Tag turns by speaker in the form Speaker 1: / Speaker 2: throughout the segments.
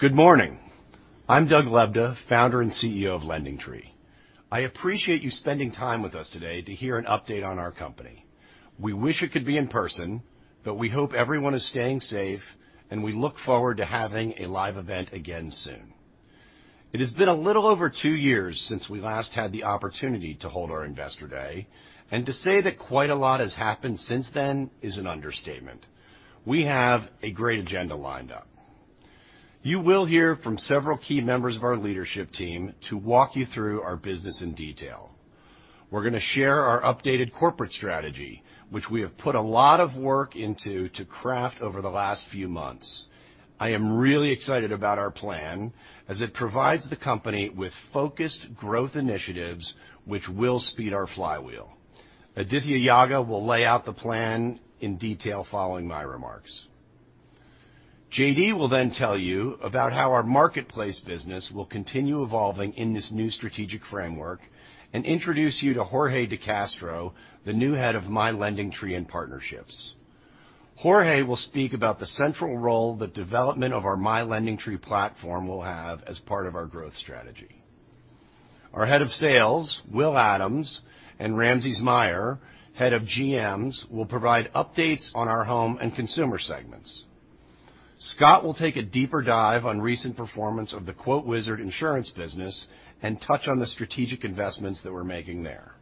Speaker 1: Good morning. I'm Doug Lebda, Founder and CEO of LendingTree. I appreciate you spending time with us today to hear an update on our company. We wish it could be in person, but we hope everyone is staying safe, and we look forward to having a live event again soon. It has been a little over two years since we last had the opportunity to hold our Investor Day, and to say that quite a lot has happened since then is an understatement. We have a great agenda lined up. You will hear from several key members of our leadership team to walk you through our business in detail. We're gonna share our updated corporate strategy, which we have put a lot of work into to craft over the last few months. I am really excited about our plan as it provides the company with focused growth initiatives which will speed our flywheel. Adithya Yaga will lay out the plan in detail following my remarks. J.D. will then tell you about how our marketplace business will continue evolving in this new strategic framework and introduce you to Jorge de Castro, the new Head of My LendingTree and Partnerships. Jorge will speak about the central role the development of our My LendingTree platform will have as part of our growth strategy. Our Head of Sales, Will Adams, and Ramses Meijer, Head of GMs, will provide updates on our home and consumer segments. Scott will take a deeper dive on recent performance of the QuoteWizard insurance business and touch on the strategic investments that we're making there.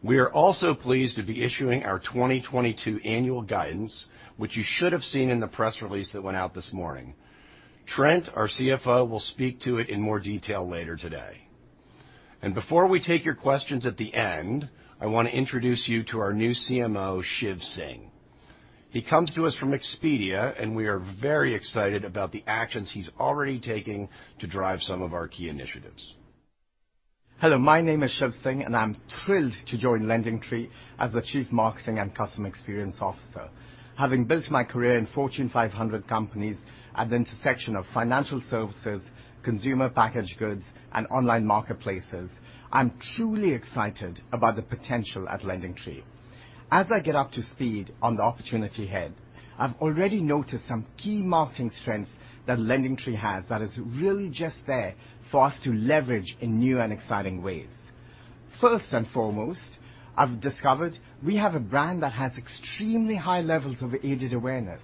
Speaker 1: We are also pleased to be issuing our 2022 annual guidance, which you should have seen in the press release that went out this morning. Trent, our CFO, will speak to it in more detail later today. Before we take your questions at the end, I wanna introduce you to our new CMO, Shiv Singh. He comes to us from Expedia, and we are very excited about the actions he's already taking to drive some of our key initiatives.
Speaker 2: Hello, my name is Shiv Singh, and I'm thrilled to join LendingTree as the Chief Marketing and Customer Experience Officer. Having built my career in Fortune 500 companies at the intersection of financial services, consumer packaged goods, and online marketplaces, I'm truly excited about the potential at LendingTree. As I get up to speed on the opportunity ahead, I've already noticed some key marketing strengths that LendingTree has that is really just there for us to leverage in new and exciting ways. First and foremost, I've discovered we have a brand that has extremely high levels of aided awareness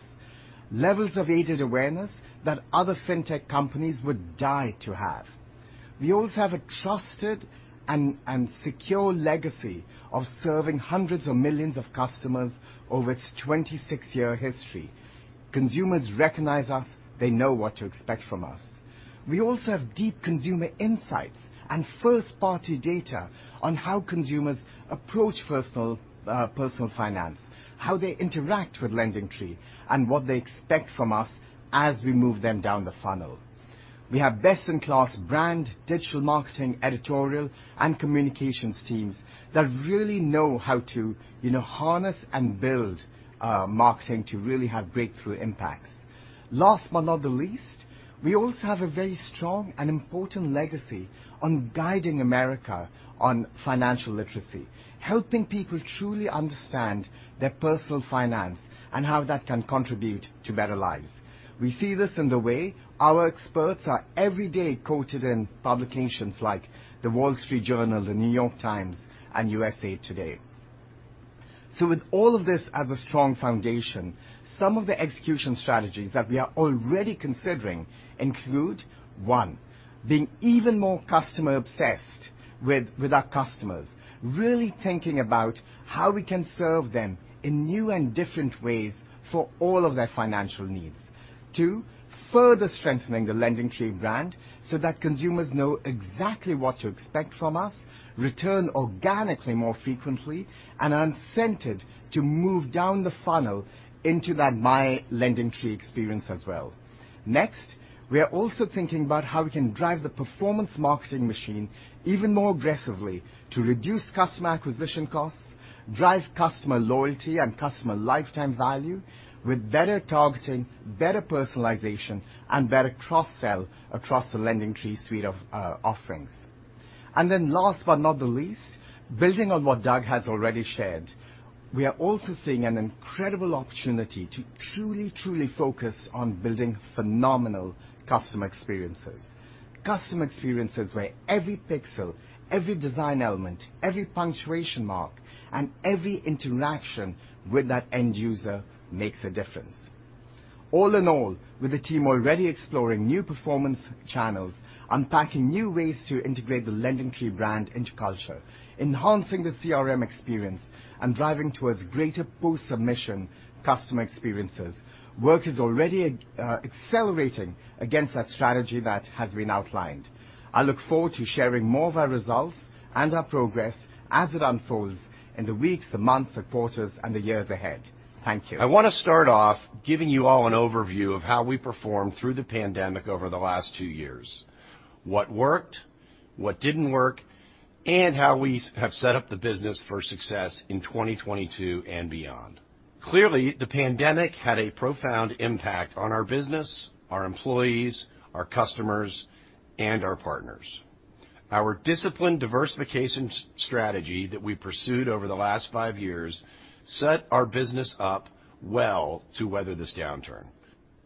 Speaker 2: that other fintech companies would die to have. We also have a trusted and secure legacy of serving hundreds of millions of customers over its 26-year history. Consumers recognize us. They know what to expect from us. We also have deep consumer insights and first-party data on how consumers approach personal finance, how they interact with LendingTree, and what they expect from us as we move them down the funnel. We have best-in-class brand, digital marketing, editorial, and communications teams that really know how to, you know, harness and build marketing to really have breakthrough impacts. Last but not the least, we also have a very strong and important legacy on guiding America on financial literacy, helping people truly understand their personal finance and how that can contribute to better lives. We see this in the way our experts are every day quoted in publications like The Wall Street Journal, The New York Times, and USA Today. With all of this as a strong foundation, some of the execution strategies that we are already considering include, one, being even more customer-obsessed with our customers, really thinking about how we can serve them in new and different ways for all of their financial needs. Two, further strengthening the LendingTree brand so that consumers know exactly what to expect from us, return organically more frequently, and are incented to move down the funnel into that My LendingTree experience as well. Next, we are also thinking about how we can drive the performance marketing machine even more aggressively to reduce customer acquisition costs, drive customer loyalty and customer lifetime value with better targeting, better personalization, and better cross-sell across the LendingTree suite of offerings. Then last but not the least, building on what Doug has already shared, we are also seeing an incredible opportunity to truly focus on building phenomenal customer experiences, customer experiences where every pixel, every design element, every punctuation mark, and every interaction with that end user makes a difference. All in all, with the team already exploring new performance channels, unpacking new ways to integrate the LendingTree brand into culture, enhancing the CRM experience, and driving towards greater post-submission customer experiences, work is already accelerating against that strategy that has been outlined. I look forward to sharing more of our results and our progress as it unfolds in the weeks, the months, the quarters, and the years ahead. Thank you.
Speaker 1: I wanna start off giving you all an overview of how we performed through the pandemic over the last two years, what worked, what didn't work, and how we have set up the business for success in 2022 and beyond. Clearly, the pandemic had a profound impact on our business, our employees, our customers, and our partners. Our disciplined diversification strategy that we pursued over the last five years set our business up well to weather this downturn.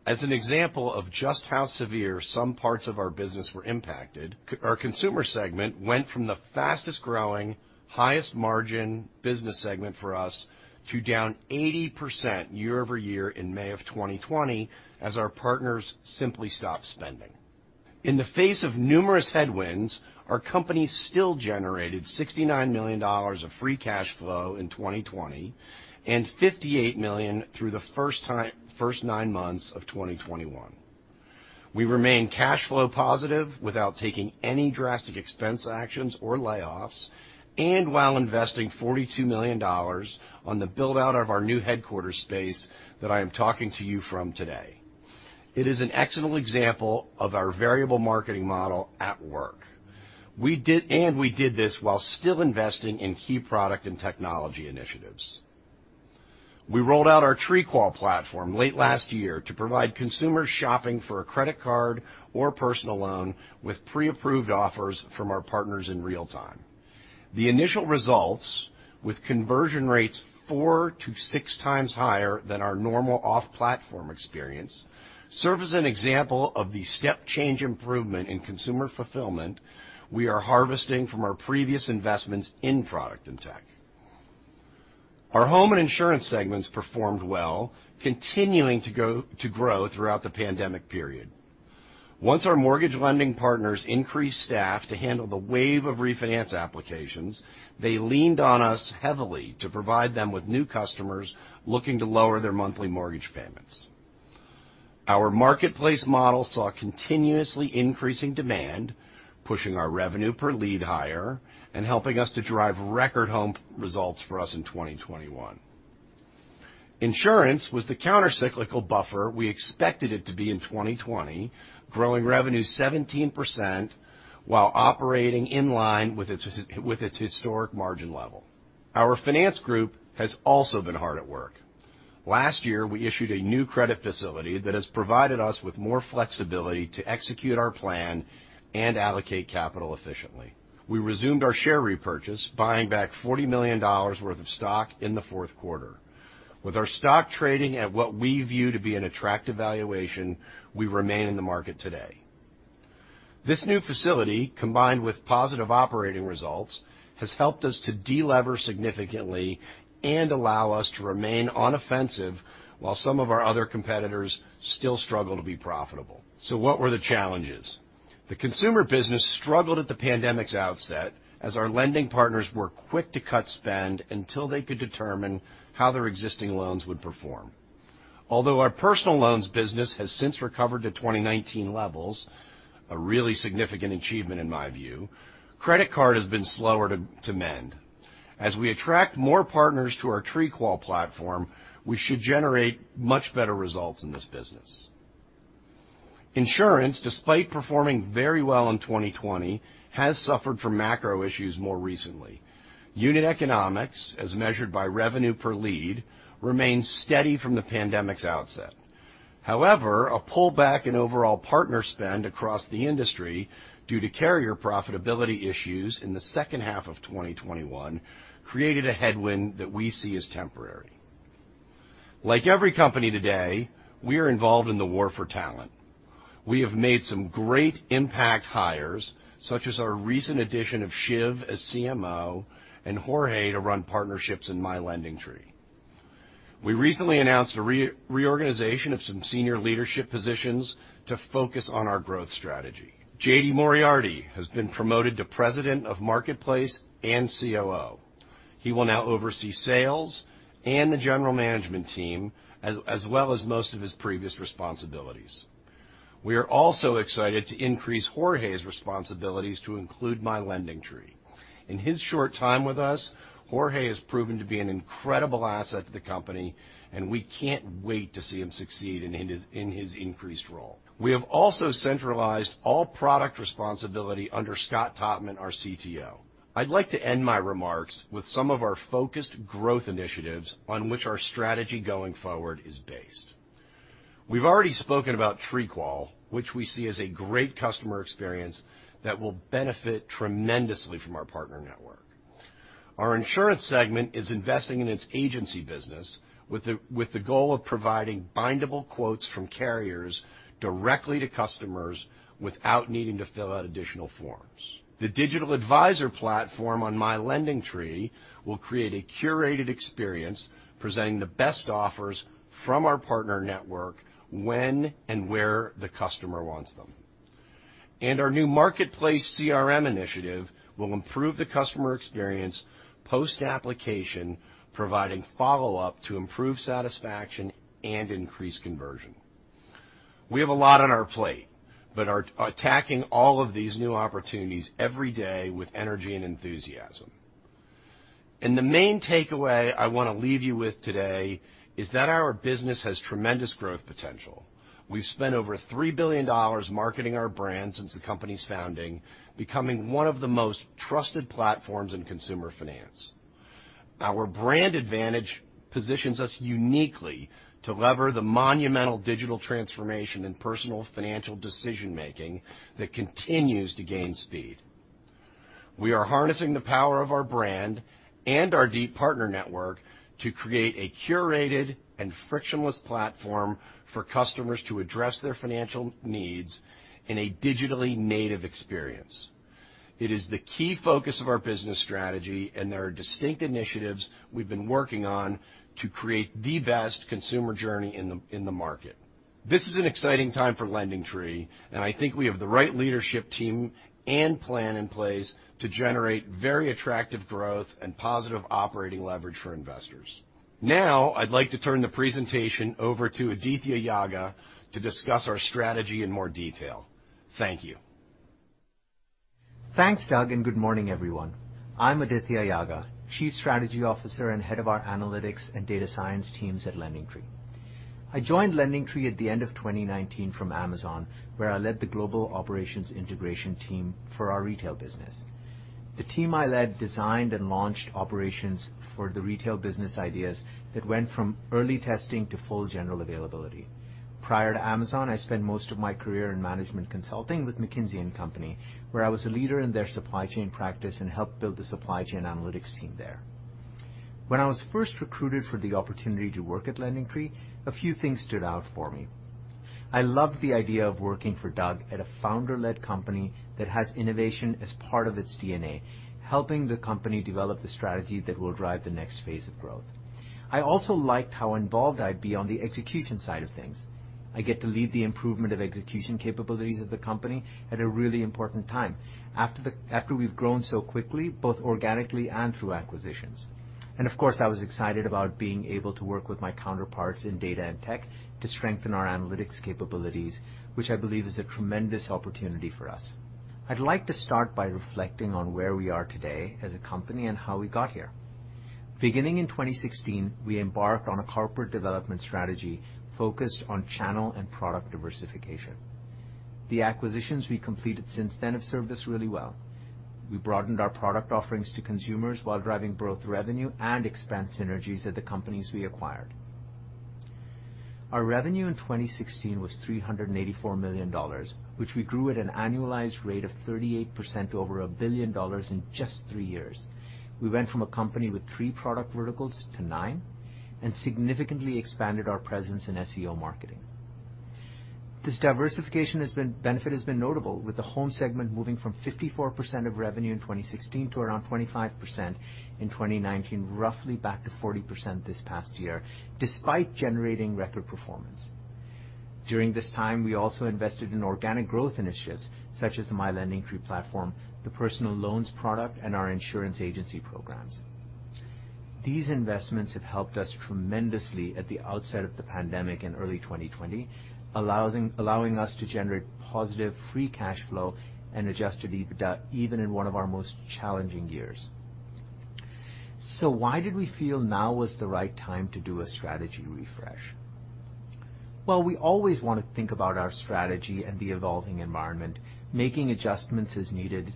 Speaker 1: As an example of just how severe some parts of our business were impacted, our consumer segment went from the fastest growing, highest margin business segment for us to down 80% year-over-year in May 2020 as our partners simply stopped spending. In the face of numerous headwinds, our company still generated $69 million of Free Cash Flow in 2020 and $58 million through the first nine months of 2021. We remain cash flow positive without taking any drastic expense actions or layoffs, and while investing $42 million on the build-out of our new headquarters space that I am talking to you from today. It is an excellent example of our variable marketing model at work. We did this while still investing in key product and technology initiatives. We rolled out our TreeQual platform late last year to provide consumers shopping for a credit card or personal loan with pre-approved offers from our partners in real time. The initial results, with conversion rates 4-6x higher than our normal off-platform experience, serve as an example of the step change improvement in consumer fulfillment we are harvesting from our previous investments in product and tech. Our home and insurance segments performed well, continuing to grow throughout the pandemic period. Once our mortgage lending partners increased staff to handle the wave of refinance applications, they leaned on us heavily to provide them with new customers looking to lower their monthly mortgage payments. Our marketplace model saw continuously increasing demand, pushing our revenue per lead higher and helping us to drive record home results for us in 2021. Insurance was the counter-cyclical buffer we expected it to be in 2020, growing revenue 17% while operating in line with its historic margin level. Our finance group has also been hard at work. Last year, we issued a new credit facility that has provided us with more flexibility to execute our plan and allocate capital efficiently. We resumed our share repurchase, buying back $40 million worth of stock in the fourth quarter. With our stock trading at what we view to be an attractive valuation, we remain in the market today. This new facility, combined with positive operating results, has helped us to de-lever significantly and allow us to remain on offensive while some of our other competitors still struggle to be profitable. What were the challenges? The consumer business struggled at the pandemic's outset as our lending partners were quick to cut spend until they could determine how their existing loans would perform. Although our personal loans business has since recovered to 2019 levels, a really significant achievement in my view, credit card has been slower to mend. As we attract more partners to our TreeQual platform, we should generate much better results in this business. Insurance, despite performing very well in 2020, has suffered from macro issues more recently. Unit economics, as measured by revenue per lead, remains steady from the pandemic's outset. However, a pullback in overall partner spend across the industry due to carrier profitability issues in the second half of 2021 created a headwind that we see as temporary. Like every company today, we are involved in the war for talent. We have made some great impact hires, such as our recent addition of Shiv as CMO and Jorge to run partnerships in My LendingTree. We recently announced a reorganization of some senior leadership positions to focus on our growth strategy. JD Moriarty has been promoted to President of Marketplace and COO. He will now oversee sales and the general management team, as well as most of his previous responsibilities. We are also excited to increase Jorge's responsibilities to include My LendingTree. In his short time with us, Jorge has proven to be an incredible asset to the company and we can't wait to see him succeed in his increased role. We have also centralized all product responsibility under Scott Totman, our CTO. I'd like to end my remarks with some of our focused growth initiatives on which our strategy going forward is based. We've already spoken about TreeQual, which we see as a great customer experience that will benefit tremendously from our partner network. Our insurance segment is investing in its agency business with the goal of providing bindable quotes from carriers directly to customers without needing to fill out additional forms. The digital advisor platform on My LendingTree will create a curated experience presenting the best offers from our partner network when and where the customer wants them. Our new marketplace CRM initiative will improve the customer experience post-application, providing follow-up to improve satisfaction and increase conversion. We have a lot on our plate, but are attacking all of these new opportunities every day with energy and enthusiasm. The main takeaway I want to leave you with today is that our business has tremendous growth potential. We've spent over $3 billion marketing our brand since the company's founding, becoming one of the most trusted platforms in consumer finance. Our brand advantage positions us uniquely to lever the monumental digital transformation in personal financial decision-making that continues to gain speed. We are harnessing the power of our brand and our deep partner network to create a curated and frictionless platform for customers to address their financial needs in a digitally native experience. It is the key focus of our business strategy, and there are distinct initiatives we've been working on to create the best consumer journey in the market. This is an exciting time for LendingTree, and I think we have the right leadership team and plan in place to generate very attractive growth and positive operating leverage for investors. Now, I'd like to turn the presentation over to Adithya Yaga to discuss our strategy in more detail. Thank you.
Speaker 3: Thanks, Doug, and good morning, everyone. I'm Adithya Yaga, Chief Strategy Officer and Head of our Analytics and Data Science teams at LendingTree. I joined LendingTree at the end of 2019 from Amazon, where I led the Global Operations Integration team for our retail business. The team I led designed and launched operations for the retail business ideas that went from early testing to full general availability. Prior to Amazon, I spent most of my career in management consulting with McKinsey & Company, where I was a leader in their supply chain practice and helped build the supply chain analytics team there. When I was first recruited for the opportunity to work at LendingTree, a few things stood out for me. I loved the idea of working for Doug at a founder-led company that has innovation as part of its DNA, helping the company develop the strategy that will drive the next phase of growth. I also liked how involved I'd be on the execution side of things. I get to lead the improvement of execution capabilities of the company at a really important time after we've grown so quickly, both organically and through acquisitions. Of course, I was excited about being able to work with my counterparts in data and tech to strengthen our analytics capabilities, which I believe is a tremendous opportunity for us. I'd like to start by reflecting on where we are today as a company and how we got here. Beginning in 2016, we embarked on a corporate development strategy focused on channel and product diversification. The acquisitions we completed since then have served us really well. We broadened our product offerings to consumers while driving growth revenue and expense synergies at the companies we acquired. Our revenue in 2016 was $384 million, which we grew at an annualized rate of 38% over $1 billion in just three years. We went from a company with three product verticals to nine and significantly expanded our presence in SEO marketing. This diversification benefit has been notable, with the home segment moving from 54% of revenue in 2016 to around 25% in 2019, roughly back to 40% this past year, despite generating record performance. During this time, we also invested in organic growth initiatives such as the My LendingTree platform, the personal loans product, and our insurance agency programs. These investments have helped us tremendously at the outset of the pandemic in early 2020, allowing us to generate positive Free Cash Flow and Adjusted EBITDA even in one of our most challenging years. Why did we feel now was the right time to do a strategy refresh? Well, we always wanna think about our strategy and the evolving environment, making adjustments as needed,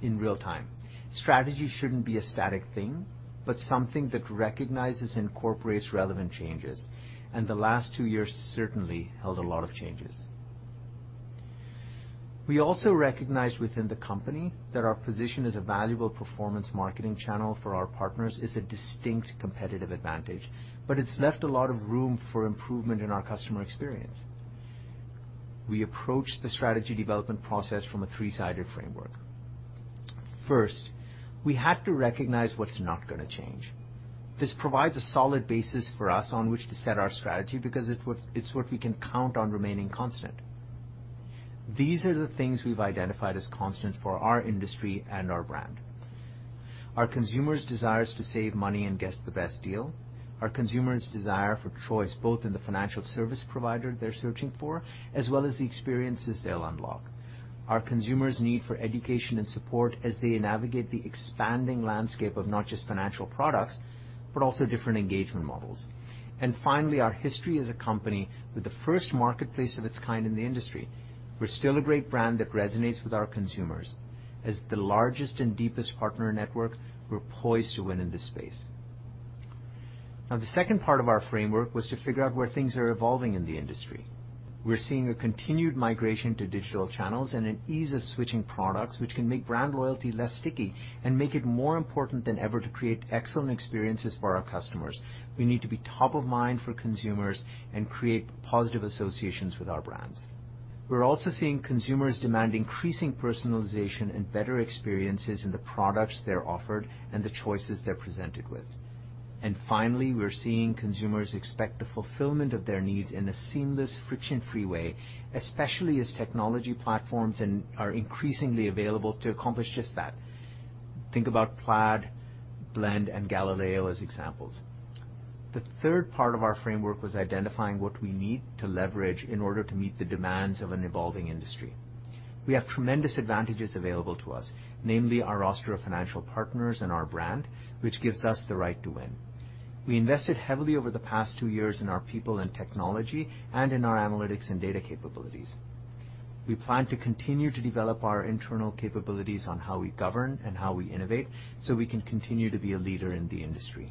Speaker 3: in real time. Strategy shouldn't be a static thing, but something that recognizes and incorporates relevant changes, and the last two years certainly held a lot of changes. We also recognized within the company that our position as a valuable performance marketing channel for our partners is a distinct competitive advantage, but it's left a lot of room for improvement in our customer experience. We approached the strategy development process from a three-sided framework. First, we had to recognize what's not gonna change. This provides a solid basis for us on which to set our strategy because it's what we can count on remaining constant. These are the things we've identified as constant for our industry and our brand. Our consumers' desires to save money and get the best deal, our consumers' desire for choice, both in the financial service provider they're searching for, as well as the experiences they'll unlock, our consumers' need for education and support as they navigate the expanding landscape of not just financial products, but also different engagement models. Finally, our history as a company with the first marketplace of its kind in the industry. We're still a great brand that resonates with our consumers. As the largest and deepest partner network, we're poised to win in this space. Now the second part of our framework was to figure out where things are evolving in the industry. We're seeing a continued migration to digital channels and an ease of switching products, which can make brand loyalty less sticky and make it more important than ever to create excellent experiences for our customers. We need to be top of mind for consumers and create positive associations with our brands. We're also seeing consumers demand increasing personalization and better experiences in the products they're offered and the choices they're presented with. Finally, we're seeing consumers expect the fulfillment of their needs in a seamless, friction-free way, especially as technology platforms are increasingly available to accomplish just that. Think about Plaid, Blend, and Galileo as examples. The third part of our framework was identifying what we need to leverage in order to meet the demands of an evolving industry. We have tremendous advantages available to us, namely our roster of financial partners and our brand, which gives us the right to win. We invested heavily over the past two years in our people and technology and in our analytics and data capabilities. We plan to continue to develop our internal capabilities on how we govern and how we innovate so we can continue to be a leader in the industry.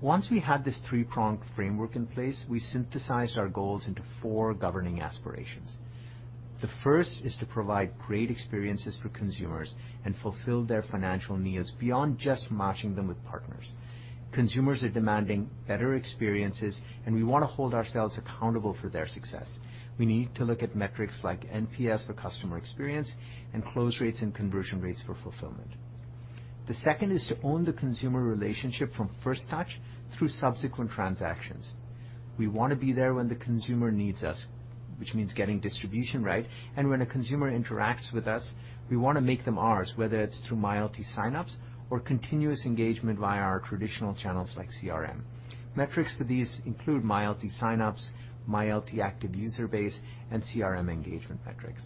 Speaker 3: Once we had this three-pronged framework in place, we synthesized our goals into four governing aspirations. The first is to provide great experiences for consumers and fulfill their financial needs beyond just matching them with partners. Consumers are demanding better experiences, and we want to hold ourselves accountable for their success. We need to look at metrics like NPS for customer experience and close rates and conversion rates for fulfillment. The second is to own the consumer relationship from first touch through subsequent transactions. We want to be there when the consumer needs us, which means getting distribution right and when a consumer interacts with us we want to make them ours, whether it's through MyLT sign-ups or continuous engagement via our traditional channels like CRM. Metrics to these include MyLT sign-ups, MyLT active user base, and CRM engagement metrics.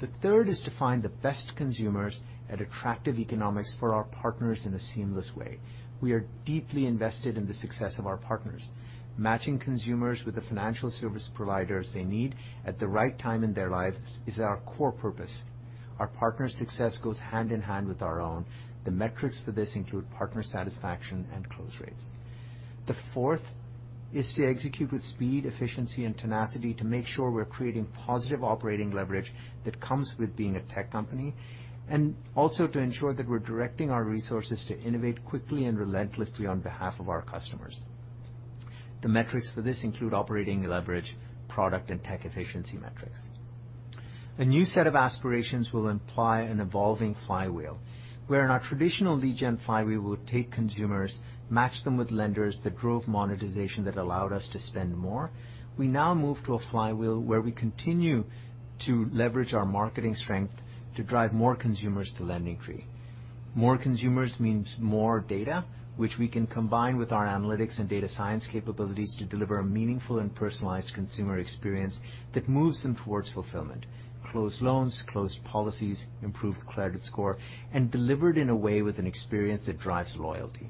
Speaker 3: The third is to find the best consumers at attractive economics for our partners in a seamless way. We are deeply invested in the success of our partners. Matching consumers with the financial service providers they need at the right time in their lives is our core purpose. Our partners' success goes hand in hand with our own. The metrics for this include partner satisfaction and close rates. The fourth is to execute with speed, efficiency, and tenacity to make sure we're creating positive operating leverage that comes with being a tech company, and also to ensure that we're directing our resources to innovate quickly and relentlessly on behalf of our customers. The metrics for this include operating leverage, product and tech efficiency metrics. A new set of aspirations will imply an evolving flywheel, wherein our traditional lead gen flywheel would take consumers, match them with lenders that drove monetization that allowed us to spend more. We now move to a flywheel where we continue to leverage our marketing strength to drive more consumers to LendingTree. More consumers means more data, which we can combine with our analytics and data science capabilities to deliver a meaningful and personalized consumer experience that moves them towards fulfillment, closed loans, closed policies, improved credit score, and delivered in a way with an experience that drives loyalty.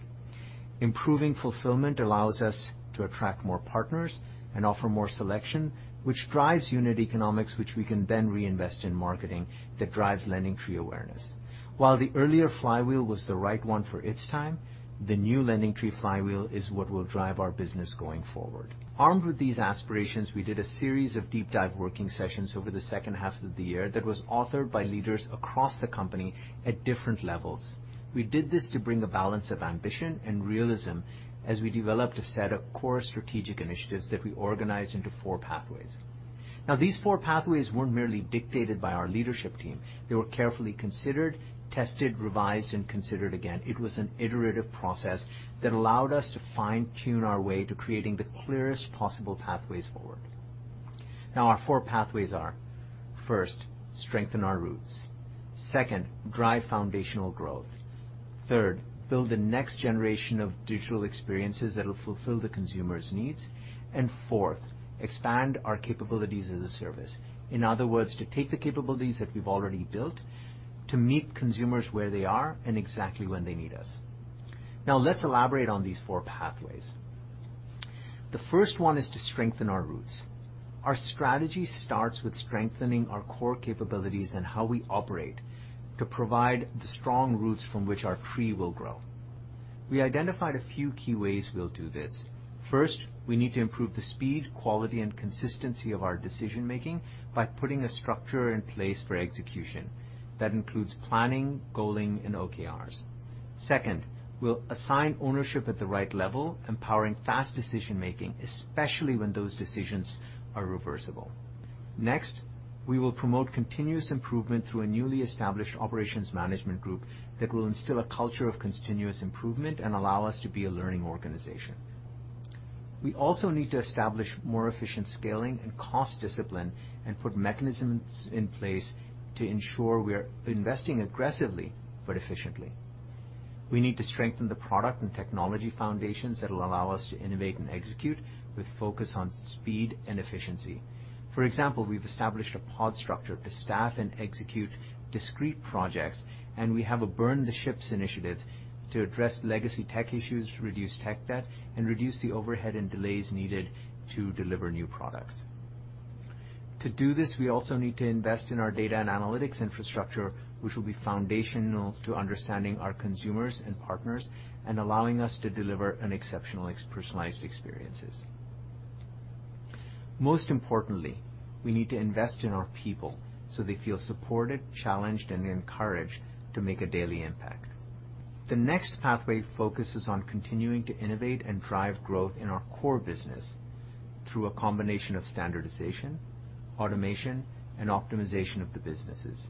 Speaker 3: Improving fulfillment allows us to attract more partners and offer more selection, which drives unit economics, which we can then reinvest in marketing that drives LendingTree awareness. While the earlier flywheel was the right one for its time, the new LendingTree flywheel is what will drive our business going forward. Armed with these aspirations, we did a series of deep dive working sessions over the second half of the year that was authored by leaders across the company at different levels. We did this to bring a balance of ambition and realism as we developed a set of core strategic initiatives that we organized into four pathways. Now, these four pathways weren't merely dictated by our leadership team. They were carefully considered, tested, revised, and considered again. It was an iterative process that allowed us to fine-tune our way to creating the clearest possible pathways forward. Now our four pathways are, first, strengthen our roots. Second, drive foundational growth. Third, build the next generation of digital experiences that will fulfill the consumer's needs. And fourth, expand our capabilities as a service. In other words, to take the capabilities that we've already built to meet consumers where they are and exactly when they need us. Now let's elaborate on these four pathways. The first one is to strengthen our roots. Our strategy starts with strengthening our core capabilities and how we operate to provide the strong roots from which our tree will grow. We identified a few key ways we'll do this. First, we need to improve the speed, quality, and consistency of our decision-making by putting a structure in place for execution. That includes planning, goaling, and OKRs. Second, we'll assign ownership at the right level, empowering fast decision-making, especially when those decisions are reversible. Next, we will promote continuous improvement through a newly established operations management group that will instill a culture of continuous improvement and allow us to be a learning organization. We also need to establish more efficient scaling and cost discipline and put mechanisms in place to ensure we are investing aggressively but efficiently. We need to strengthen the product and technology foundations that will allow us to innovate and execute with focus on speed and efficiency. For example, we've established a pod structure to staff and execute discrete projects, and we have a Burn the Ships initiative to address legacy tech issues, reduce tech debt, and reduce the overhead and delays needed to deliver new products. To do this, we also need to invest in our data and analytics infrastructure, which will be foundational to understanding our consumers and partners and allowing us to deliver an exceptional personalized experience. Most importantly, we need to invest in our people so they feel supported, challenged, and encouraged to make a daily impact. The next pathway focuses on continuing to innovate and drive growth in our core business through a combination of standardization, automation, and optimization of the businesses.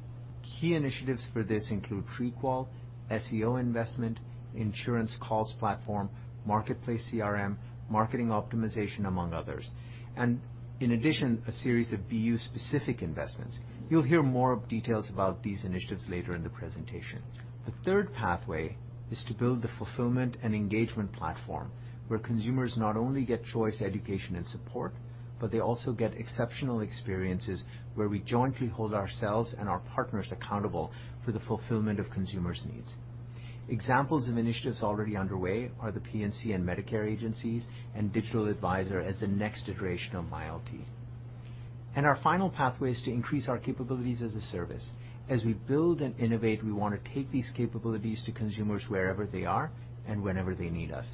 Speaker 3: Key initiatives for this include TreeQual, SEO investment, insurance calls platform, Marketplace CRM, marketing optimization, among others. In addition, a series of BU-specific investments. You'll hear more details about these initiatives later in the presentation. The third pathway is to build the fulfillment and engagement platform where consumers not only get choice, education, and support, but they also get exceptional experiences where we jointly hold ourselves and our partners accountable for the fulfillment of consumers' needs. Examples of initiatives already underway are the P&C and Medicare agencies and digital advisor as the next iteration of MyLT. Our final pathway is to increase our capabilities as a service. As we build and innovate, we wanna take these capabilities to consumers wherever they are and whenever they need us.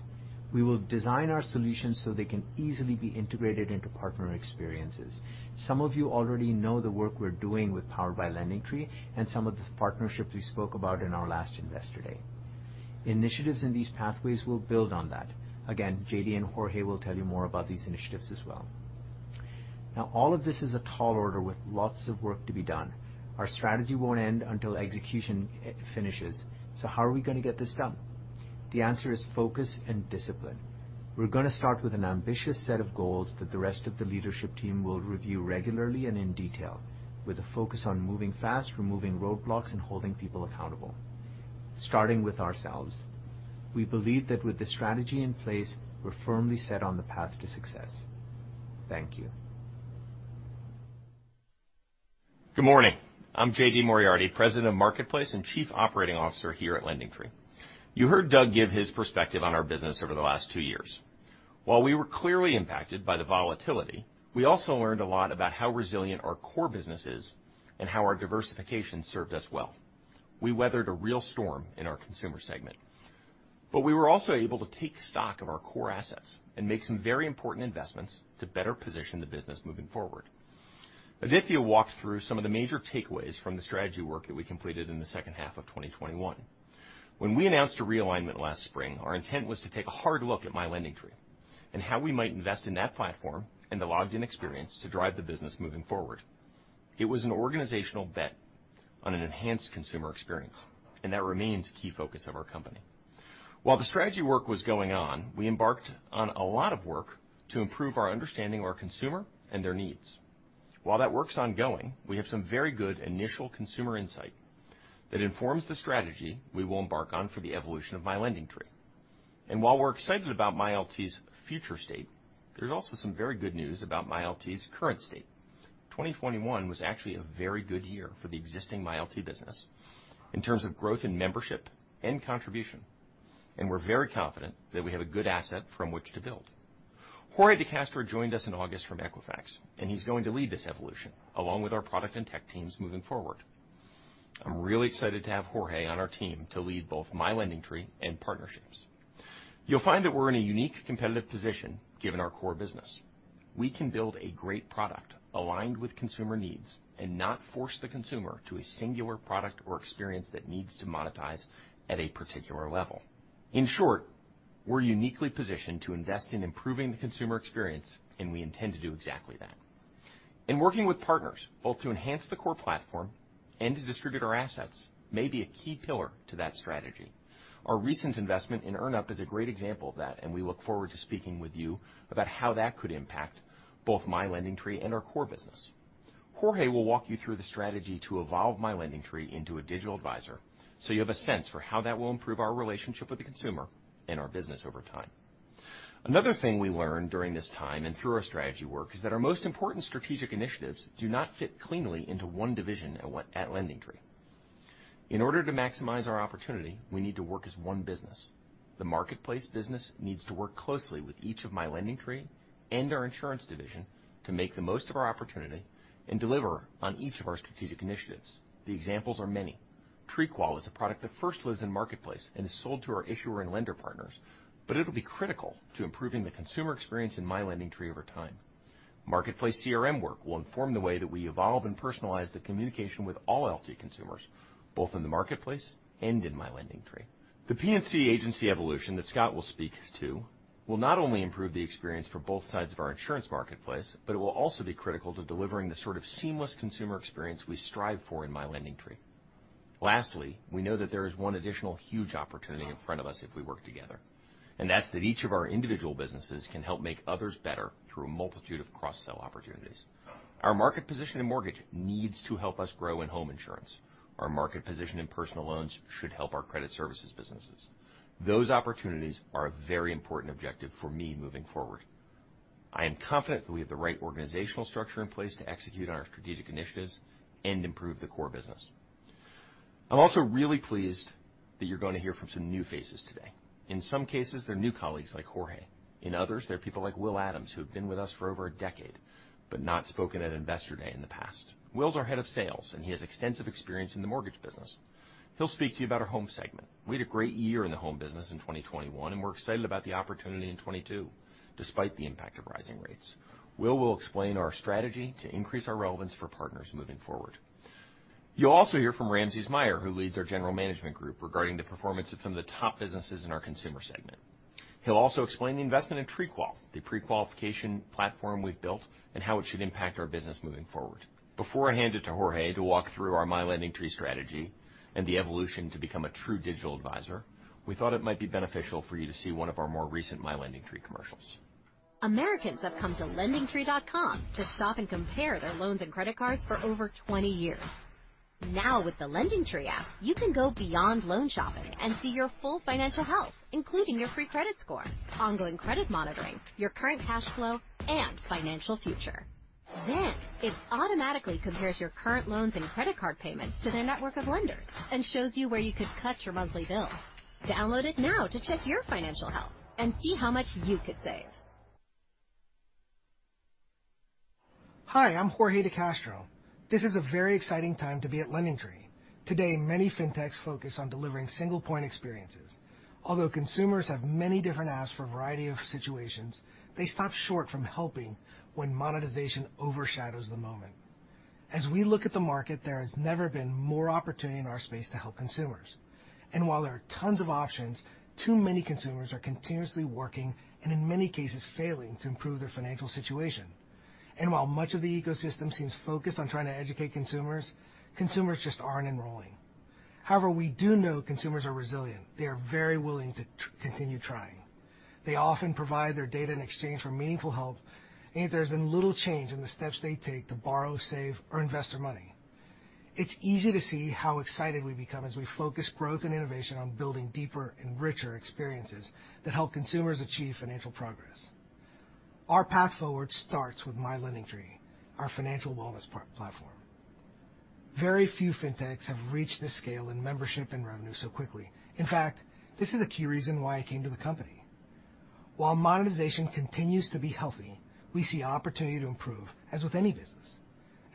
Speaker 3: We will design our solutions so they can easily be integrated into partner experiences. Some of you already know the work we're doing with Powered by LendingTree, and some of the partnerships we spoke about in our last Investor Day. Initiatives in these pathways will build on that. Again, J.D. and Jorge will tell you more about these initiatives as well. Now, all of this is a tall order with lots of work to be done. Our strategy won't end until execution finishes. How are we gonna get this done? The answer is focus and discipline. We're gonna start with an ambitious set of goals that the rest of the leadership team will review regularly and in detail with a focus on moving fast, removing roadblocks, and holding people accountable, starting with ourselves. We believe that with the strategy in place, we're firmly set on the path to success. Thank you.
Speaker 4: Good morning. I'm J.D. Moriarty, President of Marketplace and Chief Operating Officer here at LendingTree. You heard Doug give his perspective on our business over the last two years. While we were clearly impacted by the volatility, we also learned a lot about how resilient our core business is and how our diversification served us well. We weathered a real storm in our consumer segment, but we were also able to take stock of our core assets and make some very important investments to better position the business moving forward. Adithya walked through some of the major takeaways from the strategy work that we completed in the second half of 2021. When we announced a realignment last spring, our intent was to take a hard look at My LendingTree, and how we might invest in that platform and the logged-in experience to drive the business moving forward. It was an organizational bet on an enhanced consumer experience, and that remains a key focus of our company. While the strategy work was going on, we embarked on a lot of work to improve our understanding of our consumer and their needs. While that work's ongoing, we have some very good initial consumer insight that informs the strategy we will embark on for the evolution of My LendingTree. While we're excited about MyLT's future state, there's also some very good news about MyLT's current state. 2021 was actually a very good year for the existing MyLT business in terms of growth in membership and contribution, and we're very confident that we have a good asset from which to build. Jorge de Castro joined us in August from Equifax, and he's going to lead this evolution, along with our product and tech teams moving forward. I'm really excited to have Jorge on our team to lead both My LendingTree and partnerships. You'll find that we're in a unique competitive position given our core business. We can build a great product aligned with consumer needs and not force the consumer to a singular product or experience that needs to monetize at a particular level. In short, we're uniquely positioned to invest in improving the consumer experience, and we intend to do exactly that. Working with partners, both to enhance the core platform and to distribute our assets, may be a key pillar to that strategy. Our recent investment in EarnUp is a great example of that, and we look forward to speaking with you about how that could impact both My LendingTree and our core business. Jorge will walk you through the strategy to evolve My LendingTree into a digital advisor, so you have a sense for how that will improve our relationship with the consumer and our business over time. Another thing we learned during this time and through our strategy work is that our most important strategic initiatives do not fit cleanly into one division at LendingTree. In order to maximize our opportunity, we need to work as one business. The marketplace business needs to work closely with each of My LendingTree and our Insurance division to make the most of our opportunity and deliver on each of our strategic initiatives. The examples are many. TreeQual is a product that first lives in marketplace and is sold to our issuer and lender partners, but it'll be critical to improving the consumer experience in My LendingTree over time. Marketplace CRM work will inform the way that we evolve and personalize the communication with all LT consumers, both in the marketplace and in My LendingTree. The P&C agency evolution that Scott will speak to will not only improve the experience for both sides of our insurance marketplace, but it will also be critical to delivering the sort of seamless consumer experience we strive for in My LendingTree. Lastly, we know that there is one additional huge opportunity in front of us if we work together, and that's that each of our individual businesses can help make others better through a multitude of cross-sell opportunities. Our market position in mortgage needs to help us grow in home insurance. Our market position in personal loans should help our credit services businesses. Those opportunities are a very important objective for me moving forward. I am confident that we have the right organizational structure in place to execute on our strategic initiatives and improve the core business. I'm also really pleased that you're going to hear from some new faces today. In some cases, they're new colleagues like Jorge. In others, they're people like Will Adams, who have been with us for over a decade but not spoken at Investor Day in the past. Will's our Head of Sales, and he has extensive experience in the mortgage business. He'll speak to you about our home segment. We had a great year in the home business in 2021, and we're excited about the opportunity in 2022, despite the impact of rising rates. Will will explain our strategy to increase our relevance for partners moving forward. You'll also hear from Ramses Meijer, who leads our general management group, regarding the performance of some of the top businesses in our consumer segment. He'll also explain the investment in TreeQual, the pre-qualification platform we've built, and how it should impact our business moving forward. Before I hand it to Jorge to walk through our My LendingTree strategy and the evolution to become a true digital advisor, we thought it might be beneficial for you to see one of our more recent My LendingTree commercials.
Speaker 5: Americans have come to lendingtree.com to shop and compare their loans and credit cards for over 20 years. Now, with the LendingTree app, you can go beyond loan shopping and see your full financial health, including your free credit score, ongoing credit monitoring, your current cash flow, and financial future. It automatically compares your current loans and credit card payments to their network of lenders and shows you where you could cut your monthly bills. Download it now to check your financial health and see how much you could save.
Speaker 6: Hi, I'm Jorge de Castro. This is a very exciting time to be at LendingTree. Today, many fintechs focus on delivering single point experiences. Although consumers have many different apps for a variety of situations, they stop short from helping when monetization overshadows the moment. As we look at the market, there has never been more opportunity in our space to help consumers. While there are tons of options, too many consumers are continuously working, and in many cases, failing to improve their financial situation. While much of the ecosystem seems focused on trying to educate consumers just aren't enrolling. However, we do know consumers are resilient. They are very willing to continue trying. They often provide their data in exchange for meaningful help, and yet there's been little change in the steps they take to borrow, save, or invest their money. It's easy to see how excited we become as we focus growth and innovation on building deeper and richer experiences that help consumers achieve financial progress. Our path forward starts with My LendingTree, our financial wellness platform. Very few fintechs have reached this scale in membership and revenue so quickly. In fact, this is a key reason why I came to the company. While monetization continues to be healthy, we see opportunity to improve, as with any business.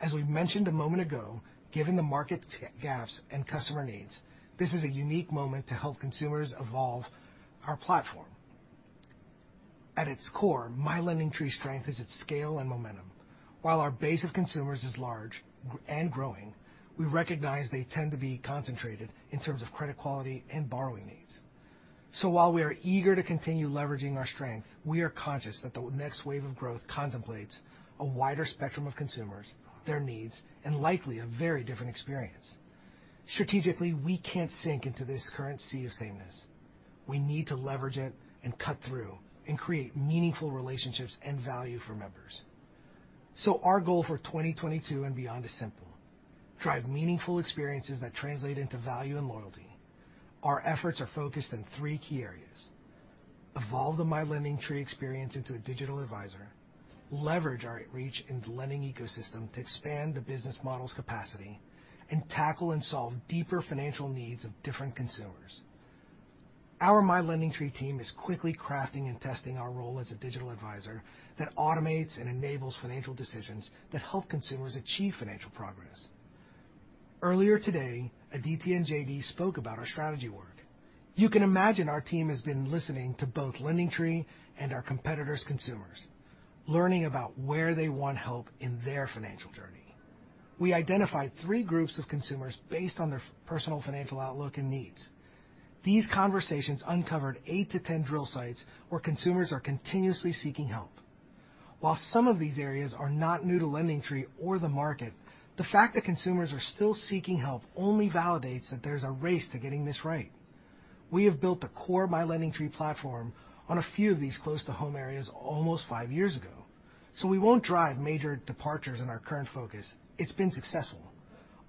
Speaker 6: As we mentioned a moment ago, given the market gaps and customer needs, this is a unique moment to help consumers evolve our platform. At its core, My LendingTree's strength is its scale and momentum. While our base of consumers is large and growing, we recognize they tend to be concentrated in terms of credit quality and borrowing needs. While we are eager to continue leveraging our strength, we are conscious that the next wave of growth contemplates a wider spectrum of consumers, their needs, and likely a very different experience. Strategically, we can't sink into this current sea of sameness. We need to leverage it and cut through and create meaningful relationships and value for members. Our goal for 2022 and beyond is simple. Drive meaningful experiences that translate into value and loyalty. Our efforts are focused in three key areas. Evolve the My LendingTree experience into a digital advisor, leverage our reach in the lending ecosystem to expand the business model's capacity, and tackle and solve deeper financial needs of different consumers. Our My LendingTree team is quickly crafting and testing our role as a digital advisor that automates and enables financial decisions that help consumers achieve financial progress. Earlier today, Adithya and J.D. spoke about our strategy work. You can imagine our team has been listening to both LendingTree and our competitors' consumers, learning about where they want help in their financial journey. We identified three groups of consumers based on their personal financial outlook and needs. These conversations uncovered 8-10 drill sites where consumers are continuously seeking help. While some of these areas are not new to LendingTree or the market, the fact that consumers are still seeking help only validates that there's a race to getting this right. We have built the core My LendingTree platform on a few of these close-to-home areas almost five years ago, so we won't drive major departures in our current focus. It's been successful.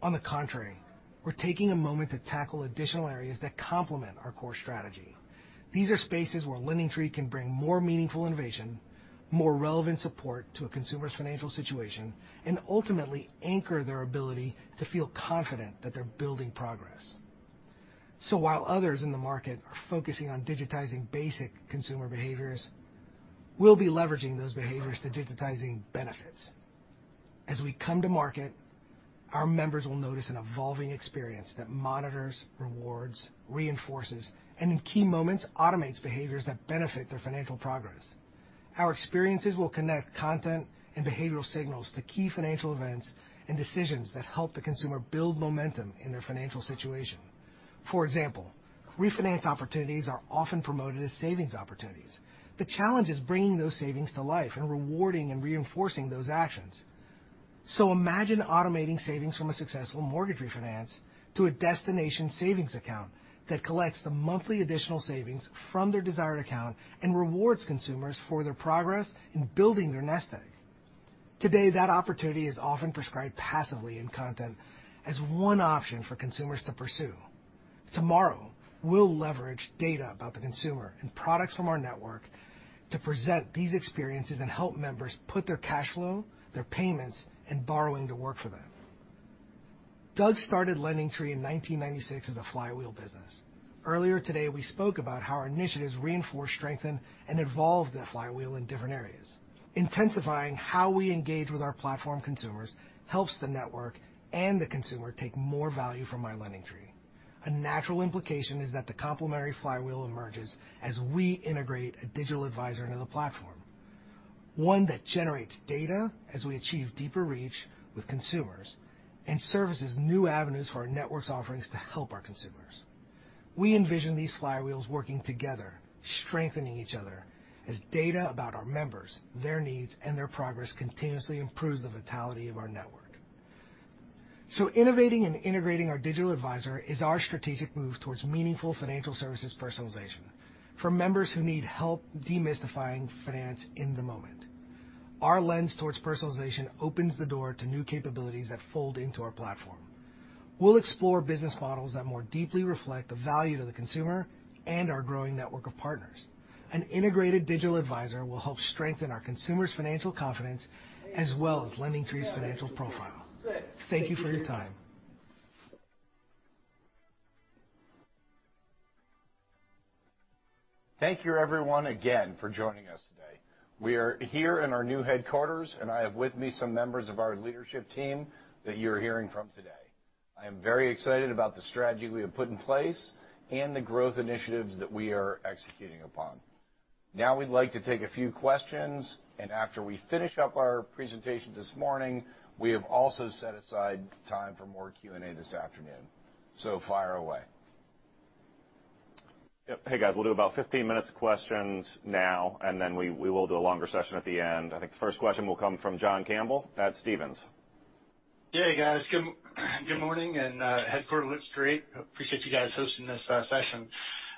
Speaker 6: On the contrary, we're taking a moment to tackle additional areas that complement our core strategy. These are spaces where LendingTree can bring more meaningful innovation, more relevant support to a consumer's financial situation, and ultimately anchor their ability to feel confident that they're building progress. While others in the market are focusing on digitizing basic consumer behaviors, we'll be leveraging those behaviors to digitizing benefits. As we come to market, our members will notice an evolving experience that monitors, rewards, reinforces, and in key moments, automates behaviors that benefit their financial progress. Our experiences will connect content and behavioral signals to key financial events and decisions that help the consumer build momentum in their financial situation. For example, refinance opportunities are often promoted as savings opportunities. The challenge is bringing those savings to life and rewarding and reinforcing those actions. Imagine automating savings from a successful mortgage refinance to a destination savings account that collects the monthly additional savings from their desired account and rewards consumers for their progress in building their nest egg. Today, that opportunity is often prescribed passively in content as one option for consumers to pursue. Tomorrow, we'll leverage data about the consumer and products from our network to present these experiences and help members put their cash flow, their payments, and borrowing to work for them. Doug started LendingTree in 1996 as a flywheel business. Earlier today, we spoke about how our initiatives reinforce, strengthen, and evolve that flywheel in different areas. Intensifying how we engage with our platform consumers helps the network and the consumer take more value from My LendingTree. A natural implication is that the complementary flywheel emerges as we integrate a digital advisor into the platform, one that generates data as we achieve deeper reach with consumers and services new avenues for our network's offerings to help our consumers. We envision these flywheels working together, strengthening each other as data about our members, their needs, and their progress continuously improves the vitality of our network. Innovating and integrating our digital advisor is our strategic move towards meaningful financial services personalization for members who need help demystifying finance in the moment. Our lens towards personalization opens the door to new capabilities that fold into our platform. We'll explore business models that more deeply reflect the value to the consumer and our growing network of partners. An integrated digital advisor will help strengthen our consumers' financial confidence as well as LendingTree's financial profile. Thank you for your time.
Speaker 1: Thank you everyone again for joining us today. We are here in our new headquarters, and I have with me some members of our leadership team that you're hearing from today. I am very excited about the strategy we have put in place and the growth initiatives that we are executing upon. Now we'd like to take a few questions, and after we finish up our presentation this morning, we have also set aside time for more Q&A this afternoon. Fire away.
Speaker 7: Hey, guys. We'll do about 15 minutes of questions now, and then we will do a longer session at the end. I think the first question will come from John Campbell at Stephens.
Speaker 8: Yeah, guys. Good morning and headquarters looks great. Appreciate you guys hosting this session.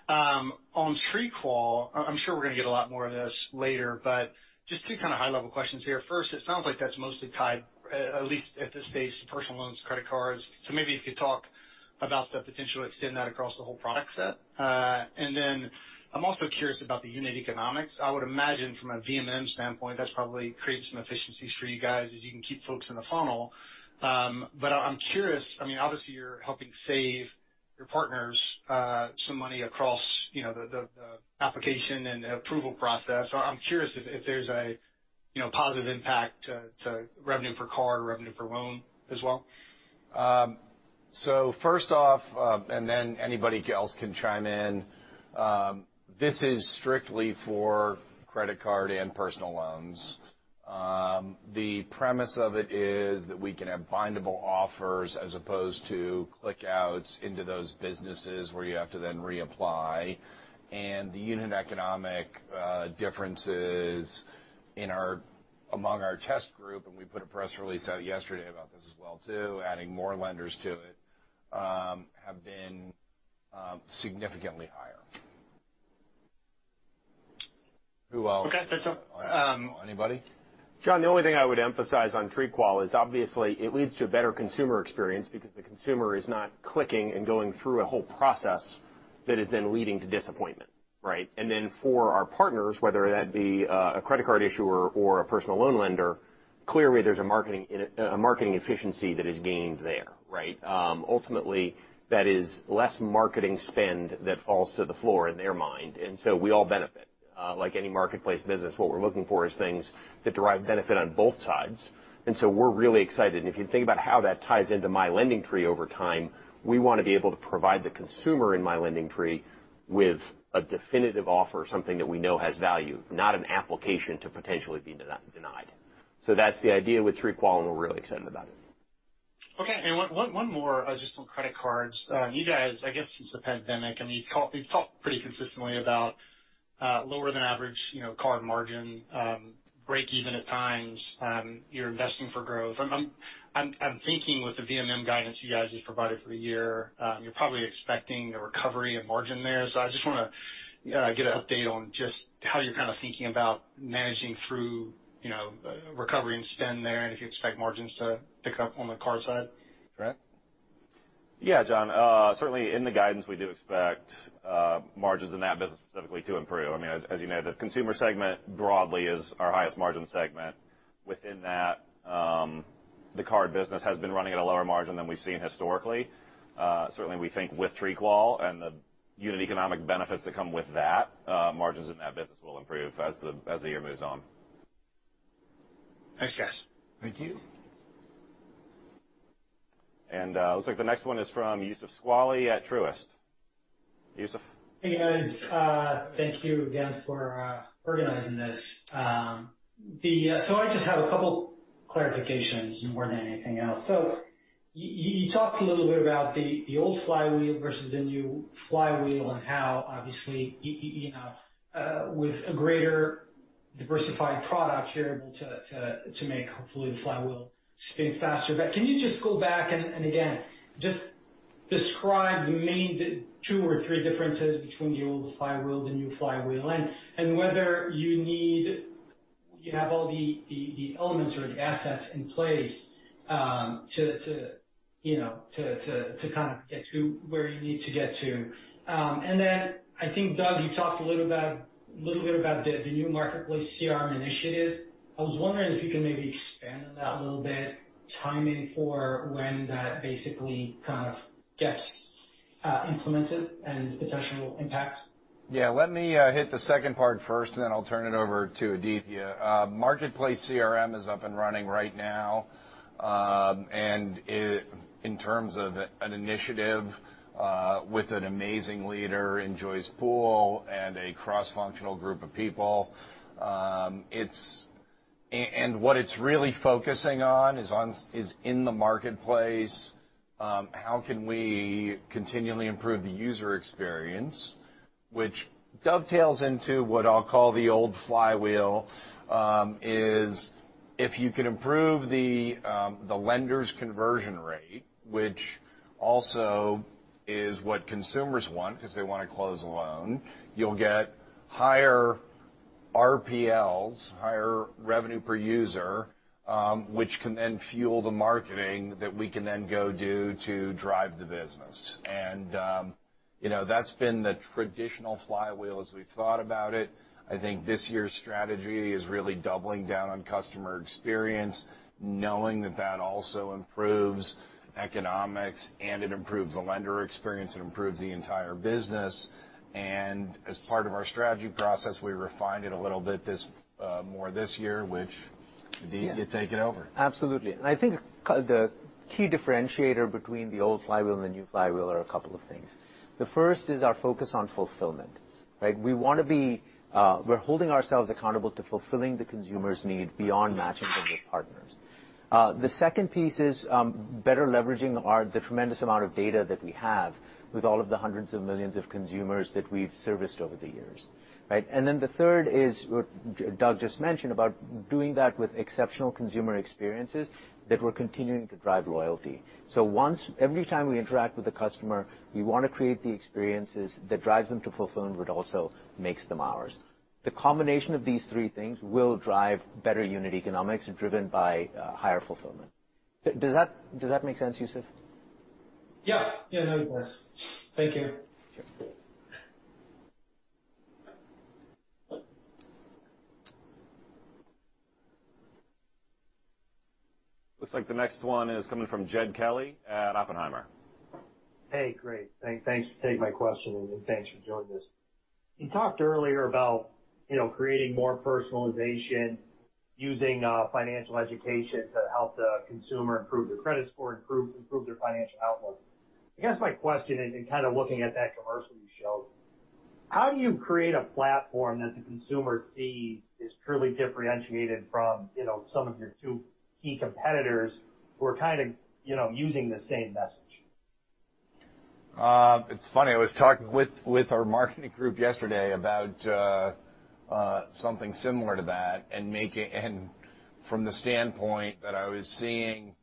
Speaker 8: On TreeQual, I'm sure we're gonna get a lot more of this later, but just two kind of high-level questions here. First, it sounds like that's mostly tied, at least at this stage, personal loans, credit cards. Maybe if you talk about the potential to extend that across the whole product set. Then I'm also curious about the unit economics. I would imagine from a VMM standpoint, that's probably creating some efficiencies for you guys as you can keep folks in the funnel. I'm curious, I mean, obviously, you're helping save your partners some money across, you know, the application and the approval process. I'm curious if there's, you know, a positive impact to revenue for card, revenue for loan as well.
Speaker 1: First off, anybody else can chime in. This is strictly for credit card and personal loans. The premise of it is that we can have bindable offers as opposed to click outs into those businesses where you have to then reapply. The unit economic differences among our test group, and we put a press release out yesterday about this as well too, adding more lenders to it, have been significantly higher. Who else?
Speaker 8: Okay. That's it.
Speaker 1: Anybody?
Speaker 4: John, the only thing I would emphasize on TreeQual is obviously it leads to a better consumer experience because the consumer is not clicking and going through a whole process that is then leading to disappointment, right? For our partners, whether that be a credit card issuer or a personal loan lender, clearly, there's a marketing efficiency that is gained there, right? Ultimately, that is less marketing spend that falls to the floor in their mind, and so we all benefit. Like any marketplace business, what we're looking for is things that derive benefit on both sides. We're really excited. If you think about how that ties into My LendingTree over time, we want to be able to provide the consumer in My LendingTree with a definitive offer, something that we know has value, not an application to potentially be de-denied. That's the idea with TreeQual, and we're really excited about it.
Speaker 8: Okay. One more, just on credit cards. You guys, I guess since the pandemic, I mean, you've talked pretty consistently about lower than average, you know, card margin, break even at times. You're investing for growth. I'm thinking with the VMM guidance you guys just provided for the year, you're probably expecting a recovery of margin there. I just want to get an update on just how you're kind of thinking about managing through, you know, recovery and spend there, and if you expect margins to pick up on the card side.
Speaker 1: Trent?
Speaker 7: Yeah, John. Certainly in the guidance, we do expect margins in that business specifically to improve. I mean, as you know, the consumer segment broadly is our highest margin segment. Within that, the card business has been running at a lower margin than we've seen historically. Certainly, we think with TreeQual and the unit economic benefits that come with that, margins in that business will improve as the year moves on.
Speaker 8: Thanks, guys.
Speaker 1: Thank you.
Speaker 7: Looks like the next one is from Youssef Squali at Truist. Youssef.
Speaker 9: Hey, guys. Thank you again for organizing this. I just have a couple clarifications more than anything else. You talked a little bit about the old flywheel versus the new flywheel and how obviously you know with a greater diversified product you're able to make hopefully the flywheel spin faster. But can you just go back and again just describe the main two or three differences between the old flywheel, the new flywheel, and whether you have all the elements or the assets in place to you know to kind of get to where you need to get to. I think Doug you talked a little bit about the new marketplace CRM initiative. I was wondering if you can maybe expand on that a little bit, timing for when that basically kind of gets implemented and potential impact?
Speaker 1: Yeah. Let me hit the second part first, and then I'll turn it over to Adithya. Marketplace CRM is up and running right now. In terms of an initiative, with an amazing leader in Joyce Poole and a cross-functional group of people, it's what it's really focusing on is in the marketplace, how can we continually improve the user experience, which dovetails into what I'll call the old flywheel, is if you can improve the lender's conversion rate, which also is what consumers want because they want to close a loan, you'll get higher RPLs, higher revenue per user, which can then fuel the marketing that we can then go do to drive the business. You know, that's been the traditional flywheel as we thought about it. I think this year's strategy is really doubling down on customer experience, knowing that that also improves economics and it improves the lender experience, it improves the entire business. As part of our strategy process, we refined it a little bit more this year. Indeed, you take it over.
Speaker 3: Absolutely. I think the key differentiator between the old flywheel and the new flywheel are a couple of things. The first is our focus on fulfillment, right? We're holding ourselves accountable to fulfilling the consumer's need beyond matching them with partners. The second piece is better leveraging the tremendous amount of data that we have with all of the hundreds of millions of consumers that we've serviced over the years, right? The third is what Doug just mentioned about doing that with exceptional consumer experiences that we're continuing to drive loyalty. Once every time we interact with the customer, we wanna create the experiences that drives them to fulfill, but also makes them ours. The combination of these three things will drive better unit economics driven by higher fulfillment. Does that make sense, Youssef?
Speaker 9: Yeah. Yeah, that it does. Thank you.
Speaker 3: Sure.
Speaker 7: Looks like the next one is coming from Jed Kelly at Oppenheimer.
Speaker 10: Hey. Great. Thanks for taking my question, and thanks for joining us. You talked earlier about, you know, creating more personalization using financial education to help the consumer improve their credit score, improve their financial outlook. I guess my question, in kind of looking at that commercial you showed, how do you create a platform that the consumer sees is truly differentiated from, you know, some of your two key competitors who are kind of, you know, using the same message?
Speaker 1: It's funny. I was talking with our marketing group yesterday about something similar to that and making from the standpoint that I was seeing,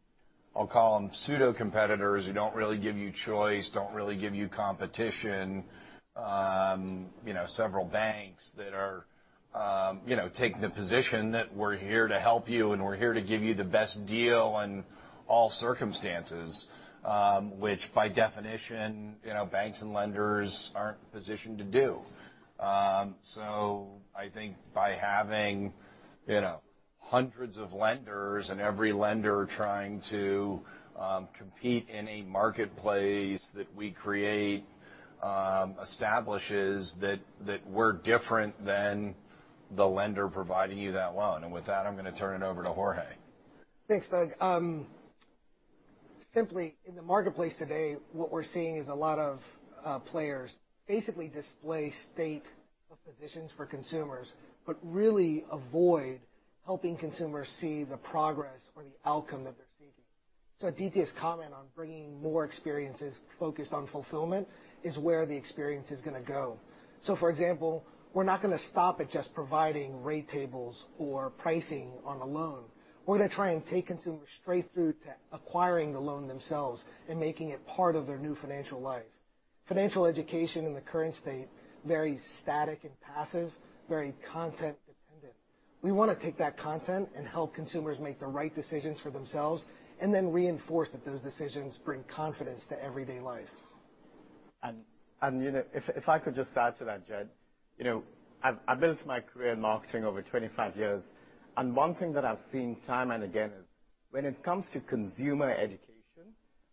Speaker 1: I'll call them pseudo competitors who don't really give you choice, don't really give you competition, you know, several banks that take the position that we're here to help you, and we're here to give you the best deal in all circumstances, which by definition, you know, banks and lenders aren't positioned to do. I think by having, you know, hundreds of lenders and every lender trying to compete in a marketplace that we create establishes that we're different than the lender providing you that loan. With that, I'm gonna turn it over to Jorge.
Speaker 6: Thanks, Doug. Simply in the marketplace today, what we're seeing is a lot of players basically display state of positions for consumers, but really avoid helping consumers see the progress or the outcome that they're seeking. Aditi's comment on bringing more experiences focused on fulfillment is where the experience is gonna go. For example, we're not gonna stop at just providing rate tables or pricing on a loan. We're gonna try and take consumers straight through to acquiring the loan themselves and making it part of their new financial life. Financial education in the current state, very static and passive, very content dependent. We wanna take that content and help consumers make the right decisions for themselves, and then reinforce that those decisions bring confidence to everyday life.
Speaker 2: You know, if I could just add to that, Jed. You know, I've built my career in marketing over 25-years, and one thing that I've seen time and again is when it comes to consumer education,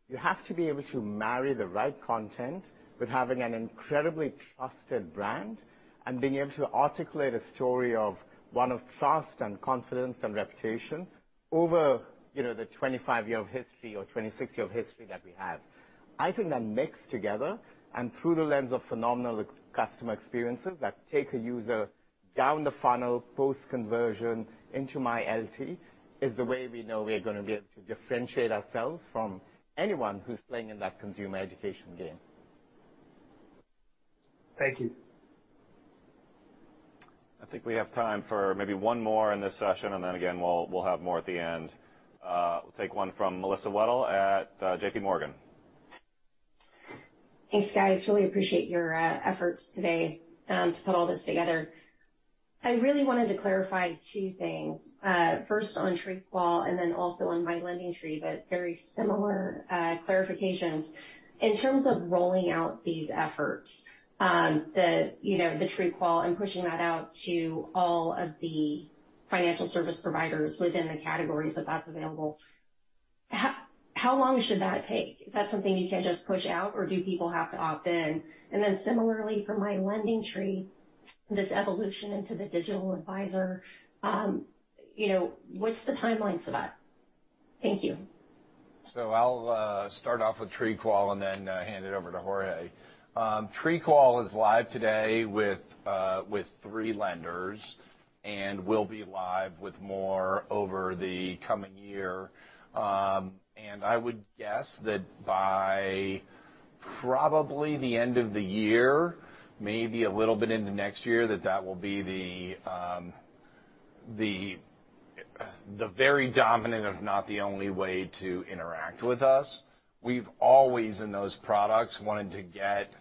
Speaker 2: you have to be able to marry the right content with having an incredibly trusted brand and being able to articulate a story of one of trust and confidence and reputation over, you know, the 25-year history or 26-year history that we have. I think that mixed together and through the lens of phenomenal customer experiences that take a user down the funnel post-conversion into MyLT is the way we know we're gonna be able to differentiate ourselves from anyone who's playing in that consumer education game.
Speaker 10: Thank you.
Speaker 7: I think we have time for maybe one more in this session, and then again, we'll have more at the end. We'll take one from Melissa Wedel at J.P. Morgan.
Speaker 11: Thanks, guys. Really appreciate your efforts today to put all this together. I really wanted to clarify two things. First on TreeQual and then also on My LendingTree, but very similar clarifications. In terms of rolling out these efforts, you know, the TreeQual and pushing that out to all of the financial service providers within the categories that that's available, how long should that take? Is that something you can just push out, or do people have to opt in? Then similarly for My LendingTree, this evolution into the digital advisor, you know, what's the timeline for that? Thank you.
Speaker 1: I'll start off with TreeQual and then hand it over to Jorge. TreeQual is live today with three lenders and will be live with more over the coming year. I would guess that by probably the end of the year, maybe a little bit into next year, that will be the very dominant if not the only way to interact with us. We've always in those products wanted to get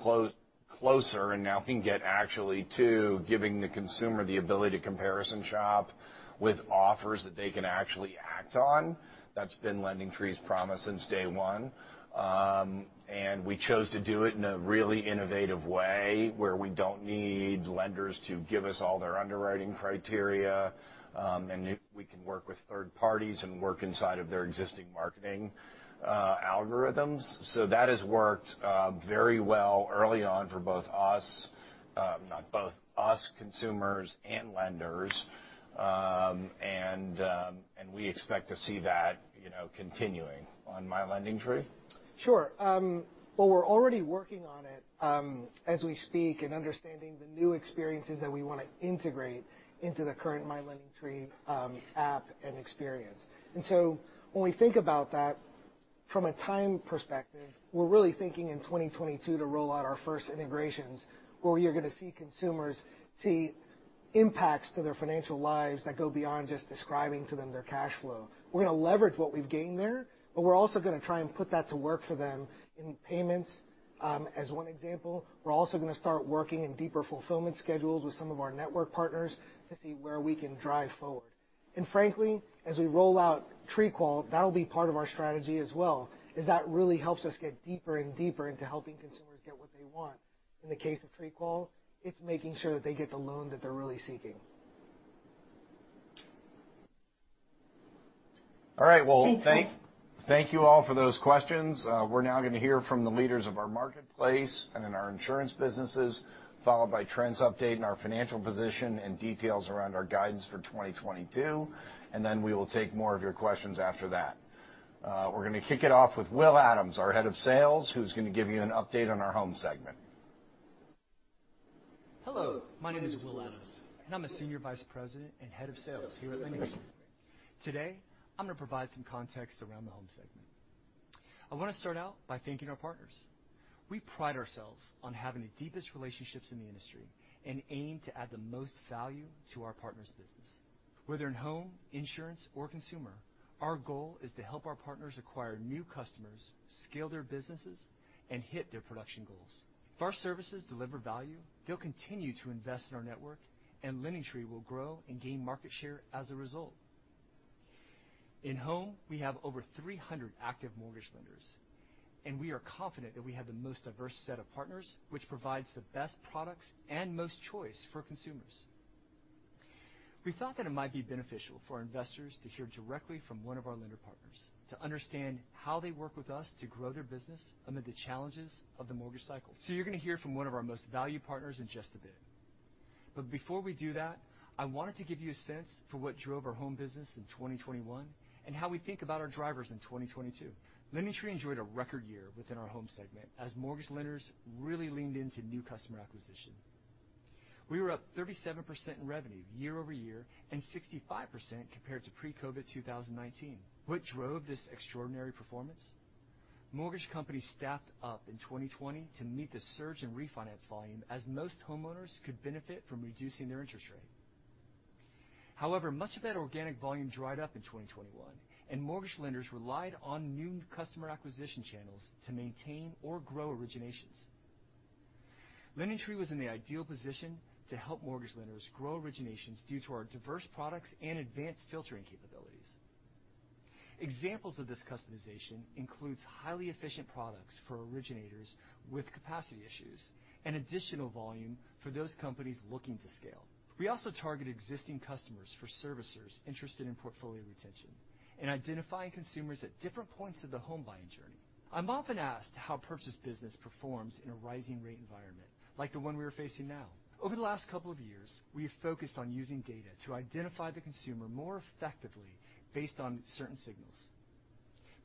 Speaker 1: closer and now can get actually to giving the consumer the ability to comparison shop with offers that they can actually act on. That's been LendingTree's promise since day one. We chose to do it in a really innovative way where we don't need lenders to give us all their underwriting criteria, and we can work with third parties and work inside of their existing marketing algorithms. That has worked very well early on for us, consumers and lenders. We expect to see that, you know, continuing. On My LendingTree?
Speaker 6: Sure. Well, we're already working on it as we speak and understanding the new experiences that we wanna integrate into the current My LendingTree app and experience. When we think about that from a time perspective, we're really thinking in 2022 to roll out our first integrations where you're gonna see consumers see impacts to their financial lives that go beyond just describing to them their cash flow. We're gonna leverage what we've gained there, but we're also gonna try and put that to work for them in payments as one example. We're also gonna start working in deeper fulfillment schedules with some of our network partners to see where we can drive forward. Frankly, as we roll out TreeQual, that'll be part of our strategy as well, is that it really helps us get deeper and deeper into helping consumers get what they want. In the case of TreeQual, it's making sure that they get the loan that they're really seeking.
Speaker 1: All right. Well, thanks. Thank you all for those questions. We're now gonna hear from the leaders of our marketplace and in our insurance businesses, followed by Trent's update and our financial position and details around our guidance for 2022, and then we will take more of your questions after that. We're gonna kick it off with Will Adams, our Head of Sales, who's gonna give you an update on our home segment.
Speaker 12: Hello, my name is Will Adams, and I'm a Senior Vice President and Head of Sales here at LendingTree. Today, I'm gonna provide some context around the home segment. I wanna start out by thanking our partners. We pride ourselves on having the deepest relationships in the industry and aim to add the most value to our partners' business. Whether in home, insurance or consumer, our goal is to help our partners acquire new customers, scale their businesses, and hit their production goals. If our services deliver value, they'll continue to invest in our network, and LendingTree will grow and gain market share as a result. In home, we have over 300 active mortgage lenders, and we are confident that we have the most diverse set of partners, which provides the best products and most choice for consumers. We thought that it might be beneficial for investors to hear directly from one of our lender partners to understand how they work with us to grow their business amid the challenges of the mortgage cycle. You're gonna hear from one of our most valued partners in just a bit. Before we do that, I wanted to give you a sense for what drove our home business in 2021 and how we think about our drivers in 2022. LendingTree enjoyed a record year within our home segment as mortgage lenders really leaned into new customer acquisition. We were up 37% in revenue year over year and 65% compared to pre-COVID 2019. What drove this extraordinary performance? Mortgage companies staffed up in 2020 to meet the surge in refinance volume as most homeowners could benefit from reducing their interest rate. However, much of that organic volume dried up in 2021, and mortgage lenders relied on new customer acquisition channels to maintain or grow originations. LendingTree was in the ideal position to help mortgage lenders grow originations due to our diverse products and advanced filtering capabilities. Examples of this customization includes highly efficient products for originators with capacity issues and additional volume for those companies looking to scale. We also target existing customers for servicers interested in portfolio retention and identifying consumers at different points of the home buying journey. I'm often asked how purchase business performs in a rising rate environment like the one we are facing now. Over the last couple of years, we have focused on using data to identify the consumer more effectively based on certain signals.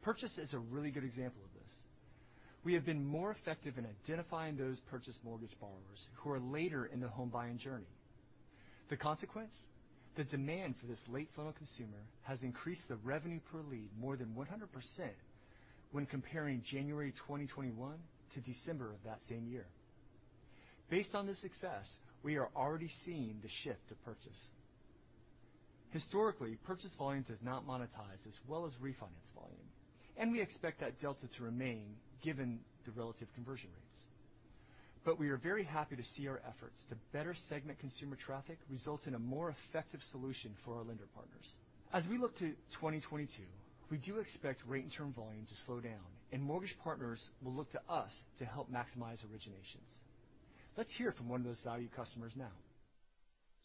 Speaker 12: Purchase is a really good example of this. We have been more effective in identifying those purchase mortgage borrowers who are later in their home buying journey. The consequence, the demand for this late funnel consumer has increased the revenue per lead more than 100% when comparing January 2021 to December of that same year. Based on this success, we are already seeing the shift to purchase. Historically, purchase volume does not monetize as well as refinance volume, and we expect that delta to remain given the relative conversion rates. We are very happy to see our efforts to better segment consumer traffic result in a more effective solution for our lender partners. As we look to 2022, we do expect rate and term volume to slow down, and mortgage partners will look to us to help maximize originations. Let's hear from one of those valued customers now.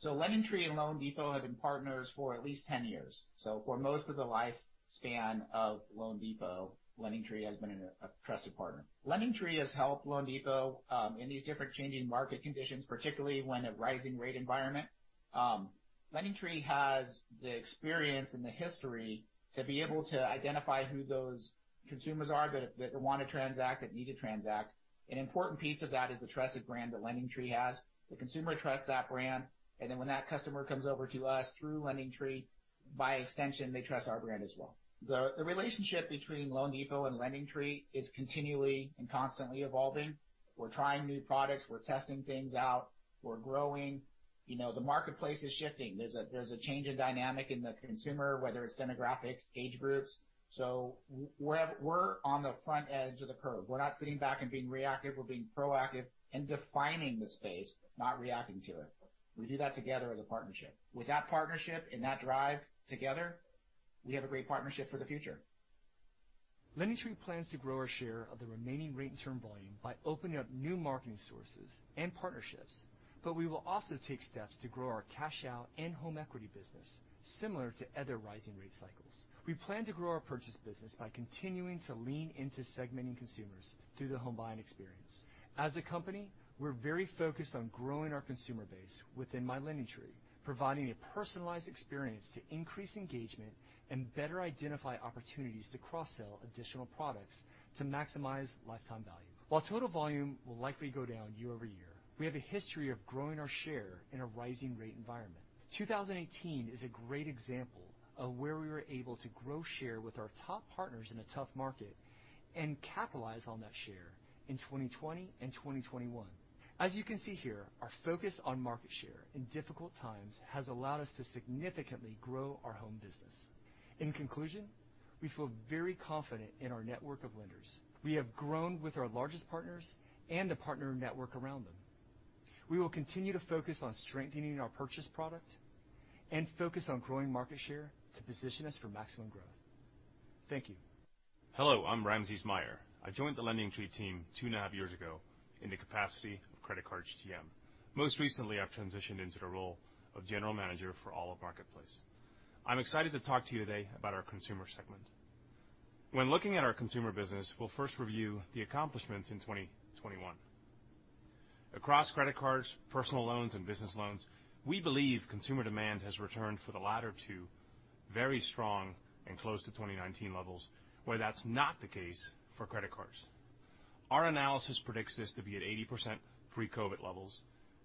Speaker 12: LendingTree and loanDepot have been partners for at least 10 years. For most of the lifespan of loanDepot, LendingTree has been a trusted partner. LendingTree has helped loanDepot in these different changing market conditions, particularly when a rising rate environment. LendingTree has the experience and the history to be able to identify who those consumers are that wanna transact, that need to transact. An important piece of that is the trusted brand that LendingTree has. The consumer trusts that brand. When that customer comes over to us through LendingTree, by extension, they trust our brand as well. The relationship between loanDepot and LendingTree is continually and constantly evolving. We're trying new products. We're testing things out. We're growing. You know, the marketplace is shifting. There's a change in dynamic in the consumer, whether it's demographics, age groups. We're on the front edge of the curve. We're not sitting back and being reactive. We're being proactive and defining the space, not reacting to it. We do that together as a partnership. With that partnership and that drive together, we have a great partnership for the future.
Speaker 5: LendingTree plans to grow our share of the remaining rate and term volume by opening up new marketing sources and partnerships, but we will also take steps to grow our cash out and home equity business similar to other rising rate cycles. We plan to grow our purchase business by continuing to lean into segmenting consumers through the home buying experience. As a company, we're very focused on growing our consumer base within My LendingTree, providing a personalized experience to increase engagement and better identify opportunities to cross-sell additional products to maximize lifetime value. While total volume will likely go down year-over-year, we have a history of growing our share in a rising rate environment. 2018 is a great example of where we were able to grow share with our top partners in a tough market and capitalize on that share in 2020 and 2021. As you can see here, our focus on market share in difficult times has allowed us to significantly grow our home business. In conclusion, we feel very confident in our network of lenders. We have grown with our largest partners and the partner network around them. We will continue to focus on strengthening our purchase product and focus on growing market share to position us for maximum growth. Thank you.
Speaker 13: Hello, I'm Ramses Meijer. I joined the LendingTree team two and a half years ago in the capacity of credit card HTM. Most recently, I've transitioned into the role of general manager for all of marketplace. I'm excited to talk to you today about our consumer segment. When looking at our consumer business, we'll first review the accomplishments in 2021. Across credit cards, personal loans, and business loans, we believe consumer demand has returned for the latter two, very strong and close to 2019 levels, where that's not the case for credit cards. Our analysis predicts this to be at 80% pre-COVID levels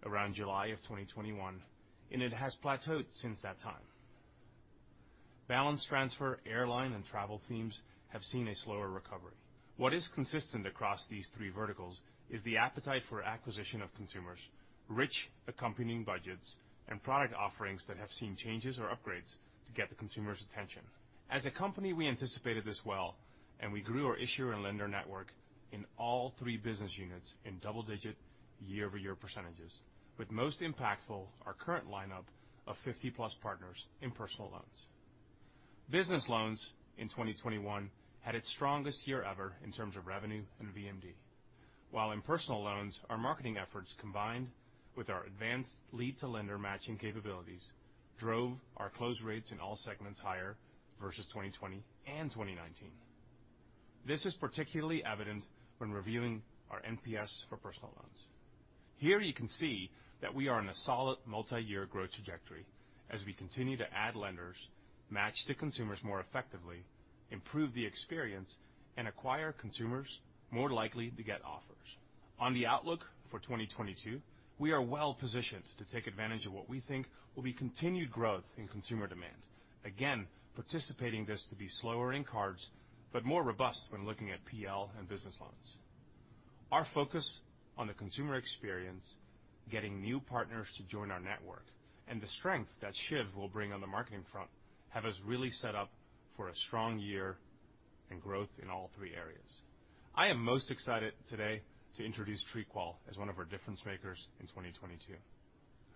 Speaker 13: around July 2021, and it has plateaued since that time. Balance transfer, airline, and travel themes have seen a slower recovery. What is consistent across these three verticals is the appetite for acquisition of consumers, rich accompanying budgets, and product offerings that have seen changes or upgrades to get the consumer's attention. As a company, we anticipated this well, and we grew our issuer and lender network in all three business units in double-digit year-over-year percentages, with most impactful our current lineup of 50+ partners in personal loans. Business loans in 2021 had its strongest year ever in terms of revenue and VMM. While in personal loans, our marketing efforts, combined with our advanced lead-to-lender matching capabilities, drove our close rates in all segments higher versus 2020 and 2019. This is particularly evident when reviewing our NPS for personal loans. Here you can see that we are in a solid multi-year growth trajectory as we continue to add lenders, match to consumers more effectively, improve the experience, and acquire consumers more likely to get offers. On the outlook for 2022, we are well-positioned to take advantage of what we think will be continued growth in consumer demand, again, expecting it to be slower in cards, but more robust when looking at PL and business loans. Our focus on the consumer experience, getting new partners to join our network, and the strength that Shiv will bring on the marketing front have us really set up for a strong year and growth in all three areas. I am most excited today to introduce TreeQual as one of our difference makers in 2022.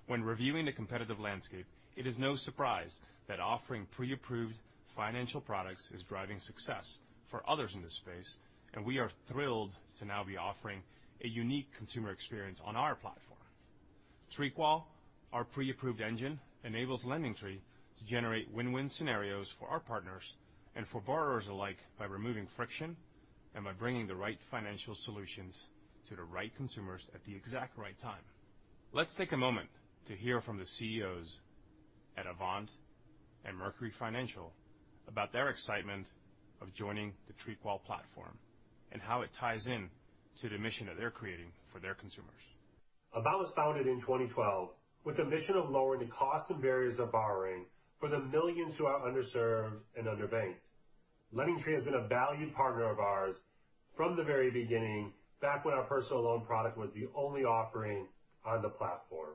Speaker 13: When reviewing the competitive landscape, it is no surprise that offering pre-approved financial products is driving success for others in this space, and we are thrilled to now be offering a unique consumer experience on our platform. TreeQual, our pre-approved engine, enables LendingTree to generate win-win scenarios for our partners and for borrowers alike by removing friction and by bringing the right financial solutions to the right consumers at the exact right time. Let's take a moment to hear from the CEOs at Avant and Mercury Financial about their excitement of joining the TreeQual platform and how it ties in to the mission that they're creating for their consumers. Avant was founded in 2012 with a mission of lowering the cost and barriers of borrowing for the millions who are underserved and underbanked. LendingTree has been a valued partner of ours from the very beginning, back when our personal loan product was the only offering on the platform.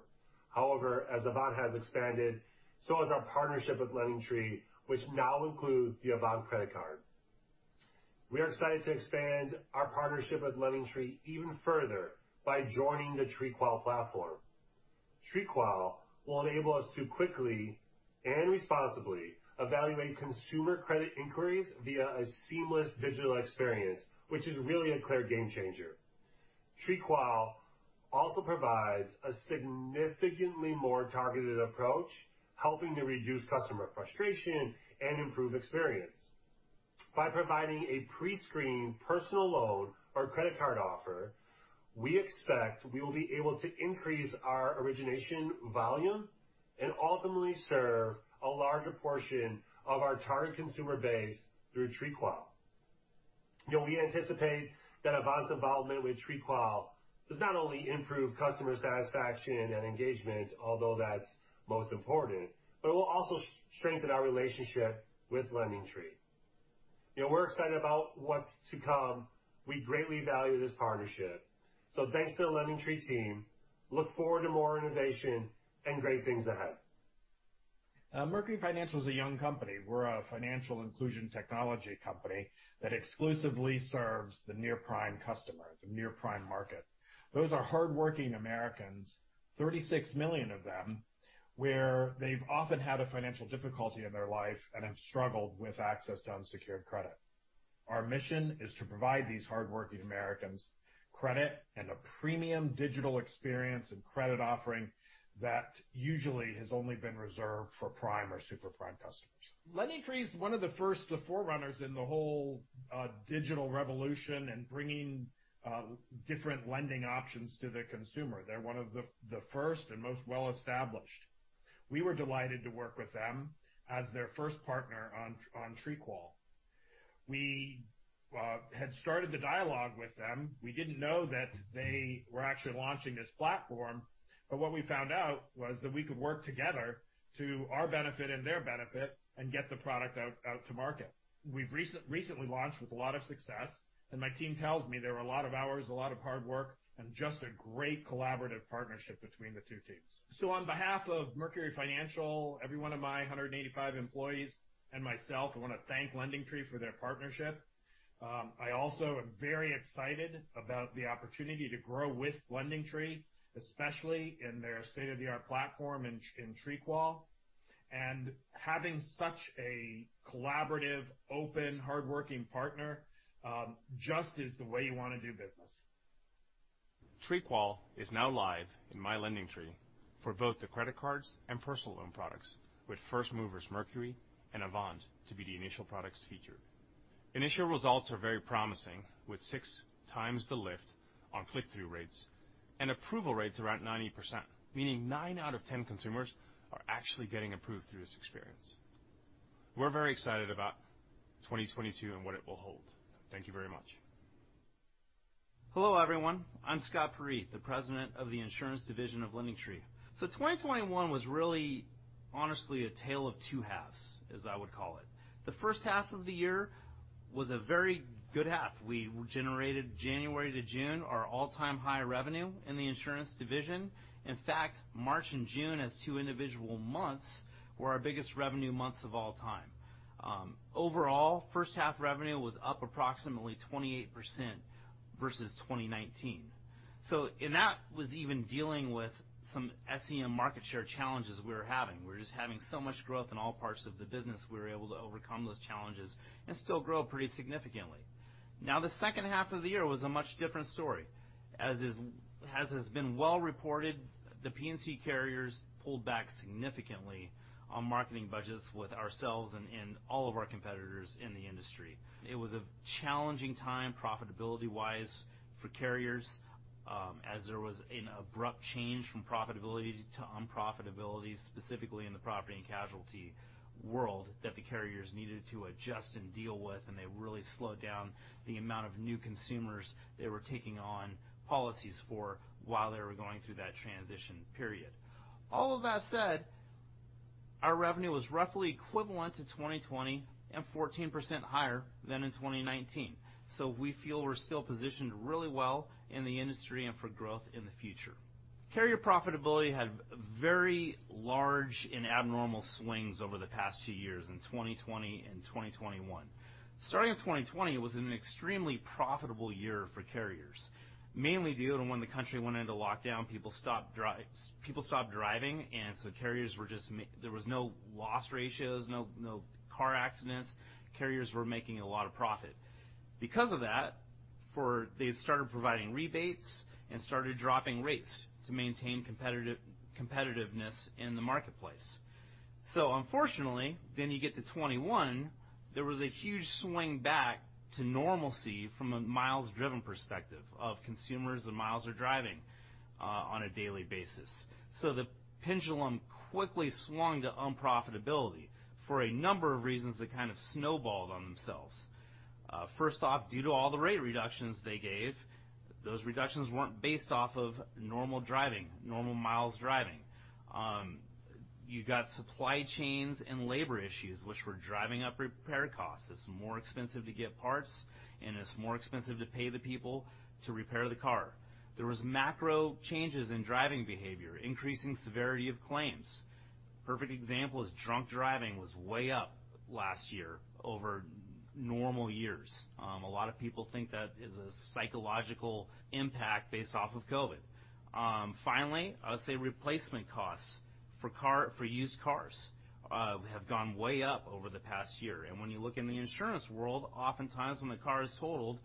Speaker 13: However, as Avant has expanded, so has our partnership with LendingTree, which now includes the Avant credit card. We are excited to expand our partnership with LendingTree even further by joining the TreeQual platform. TreeQual will enable us to quickly and responsibly evaluate consumer credit inquiries via a seamless digital experience, which is really a clear game changer. TreeQual also provides a significantly more targeted approach, helping to reduce customer frustration and improve experience. By providing a pre-screened personal loan or credit card offer, we expect we will be able to increase our origination volume and ultimately serve a larger portion of our target consumer base through TreeQual. You know, we anticipate that Avant's involvement with TreeQual does not only improve customer satisfaction and engagement, although that's most important, but it will also strengthen our relationship with LendingTree. You know, we're excited about what's to come. We greatly value this partnership. Thanks to the LendingTree team. We look forward to more innovation and great things ahead. Mercury Financial is a young company. We're a financial inclusion technology company that exclusively serves the near-prime customer, the near-prime market. Those are hardworking Americans, 36 million of them, where they've often had a financial difficulty in their life and have struggled with access to unsecured credit. Our mission is to provide these hardworking Americans credit and a premium digital experience and credit offering that usually has only been reserved for prime or super prime customers. LendingTree is one of the first, the forerunners in the whole, digital revolution and bringing, different lending options to the consumer. They're one of the first and most well-established. We were delighted to work with them as their first partner on TreeQual. We had started the dialogue with them. We didn't know that they were actually launching this platform, but what we found out was that we could work together to our benefit and their benefit and get the product out to market. We've recently launched with a lot of success, and my team tells me there were a lot of hours, a lot of hard work, and just a great collaborative partnership between the two teams. So on behalf of Mercury Financial, every one of my 185 employees and myself, I wanna thank LendingTree for their partnership. I also am very excited about the opportunity to grow with LendingTree, especially in their state-of-the-art platform in TreeQual. Having such a collaborative, open, hardworking partner just is the way you wanna do business. TreeQual is now live in My LendingTree for both the credit cards and personal loan products, with first movers Mercury and Avant to be the initial products featured. Initial results are very promising, with six times the lift on click-through rates and approval rates around 90%, meaning nine out of ten consumers are actually getting approved through this experience. We're very excited about 2022 and what it will hold. Thank you very much.
Speaker 14: Hello, everyone. I'm Scott Peyree, President of the Insurance Division of LendingTree. 2021 was really honestly a tale of two halves, as I would call it. The first half of the year was a very good half. We generated January to June, our all-time high revenue in the insurance division. In fact, March and June as two individual months were our biggest revenue months of all time. Overall, first half revenue was up approximately 28% versus 2019. And that was even dealing with some SEM market share challenges we were having. We were just having so much growth in all parts of the business, we were able to overcome those challenges and still grow pretty significantly. Now, the second half of the year was a much different story. As is... It has been well reported, the P&C carriers pulled back significantly on marketing budgets with ourselves and all of our competitors in the industry. It was a challenging time profitability-wise for carriers, as there was an abrupt change from profitability to unprofitability, specifically in the property and casualty world, that the carriers needed to adjust and deal with, and they really slowed down the amount of new consumers they were taking on policies for while they were going through that transition period. All of that said, our revenue was roughly equivalent to 2020 and 14% higher than in 2019. We feel we're still positioned really well in the industry and for growth in the future. Carrier profitability had very large and abnormal swings over the past two years in 2020 and 2021. Starting in 2020, it was an extremely profitable year for carriers, mainly due to when the country went into lockdown. People stopped driving, and carriers were just making a lot of profit. There was no loss ratios, no car accidents. Carriers were making a lot of profit. Because of that, they started providing rebates and started dropping rates to maintain competitiveness in the marketplace. Unfortunately, then you get to 2021. There was a huge swing back to normalcy from a miles driven perspective of consumers and miles they're driving on a daily basis. The pendulum quickly swung to unprofitability for a number of reasons that kind of snowballed on themselves. First off, due to all the rate reductions they gave, those reductions weren't based off of normal driving, normal miles driving. You got supply chains and labor issues which were driving up repair costs. It's more expensive to get parts, and it's more expensive to pay the people to repair the car. There was macro changes in driving behavior, increasing severity of claims. Perfect example is drunk driving was way up last year over normal years. A lot of people think that is a psychological impact based off of COVID. Finally, I would say replacement costs for car, for used cars, have gone way up over the past year. When you look in the insurance world, oftentimes when the car is totaled,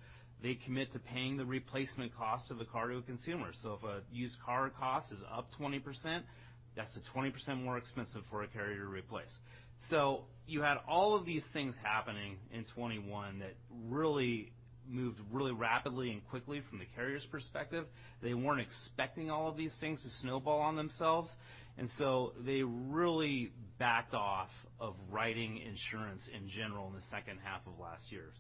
Speaker 14: they commit to paying the replacement cost of the car to a consumer. If a used car cost is up 20%, that's a 20% more expensive for a carrier to replace. You had all of these things happening in 2021 that really moved really rapidly and quickly from the carrier's perspective. They weren't expecting all of these things to snowball on themselves. They really backed off of writing insurance in general in the second half of last year.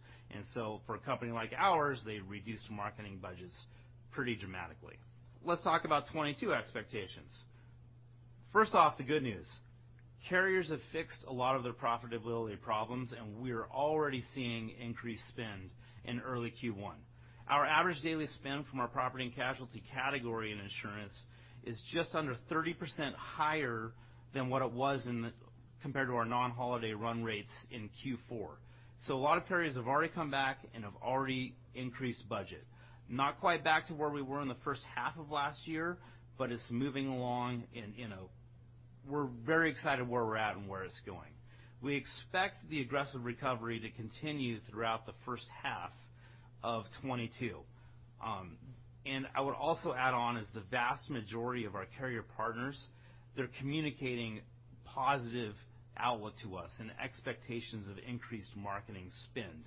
Speaker 14: For a company like ours, they reduced marketing budgets pretty dramatically. Let's talk about 2022 expectations. First off, the good news. Carriers have fixed a lot of their profitability problems, and we are already seeing increased spend in early Q1. Our average daily spend from our property and casualty category in insurance is just under 30% higher compared to our non-holiday run rates in Q4. A lot of carriers have already come back and have already increased budget. Not quite back to where we were in the first half of last year, but it's moving along and, you know, we're very excited where we're at and where it's going. We expect the aggressive recovery to continue throughout the first half of 2022. I would also add on is the vast majority of our carrier partners, they're communicating positive outlook to us and expectations of increased marketing spend.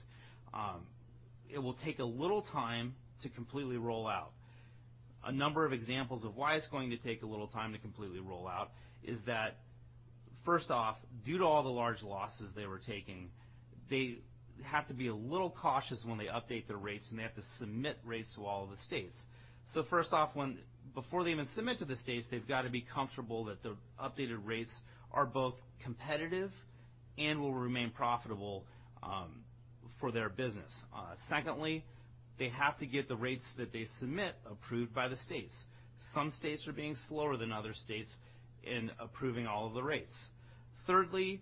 Speaker 14: It will take a little time to completely roll out. A number of examples of why it's going to take a little time to completely roll out is that first off, due to all the large losses they were taking, they have to be a little cautious when they update their rates, and they have to submit rates to all of the states. First off, before they even submit to the states, they've got to be comfortable that their updated rates are both competitive and will remain profitable, for their business. Secondly, they have to get the rates that they submit approved by the states. Some states are being slower than other states in approving all of the rates. Thirdly,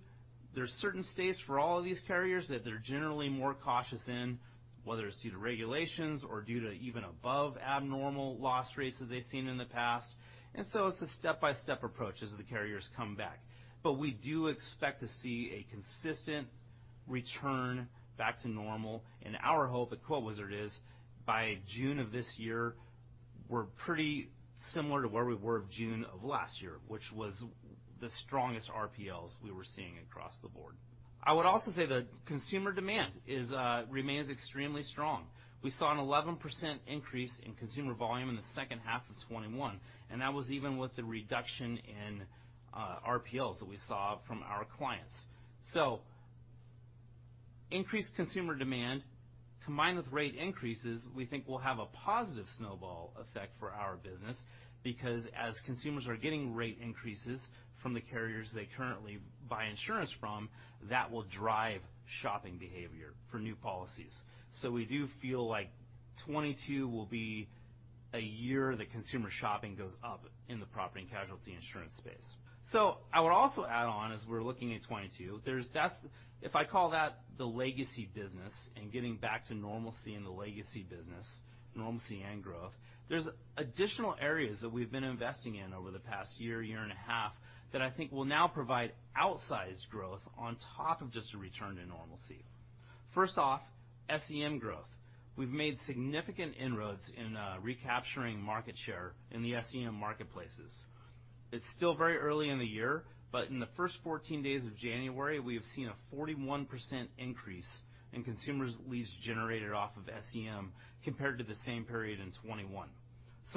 Speaker 14: there's certain states for all of these carriers that they're generally more cautious in, whether it's due to regulations or due to even above abnormal loss rates that they've seen in the past. It's a step-by-step approach as the carriers come back. We do expect to see a consistent return back to normal. Our hope at QuoteWizard is by June of this year, we're pretty similar to where we were of June of last year, which was the strongest RPLs we were seeing across the board. I would also say that consumer demand remains extremely strong. We saw an 11% increase in consumer volume in the second half of 2021, and that was even with the reduction in RPLs that we saw from our clients. Increased consumer demand combined with rate increases, we think will have a positive snowball effect for our business because as consumers are getting rate increases from the carriers they currently buy insurance from, that will drive shopping behavior for new policies. We do feel like 2022 will be a year that consumer shopping goes up in the property and casualty insurance space. I would also add on as we're looking at 2022, there's if I call that the legacy business and getting back to normalcy in the legacy business, normalcy and growth, there's additional areas that we've been investing in over the past year and a half, that I think will now provide outsized growth on top of just a return to normalcy. First off, SEM growth. We've made significant inroads in recapturing market share in the SEM marketplaces. It's still very early in the year, but in the first 14 days of January, we have seen a 41% increase in consumer leads generated off of SEM compared to the same period in 2021.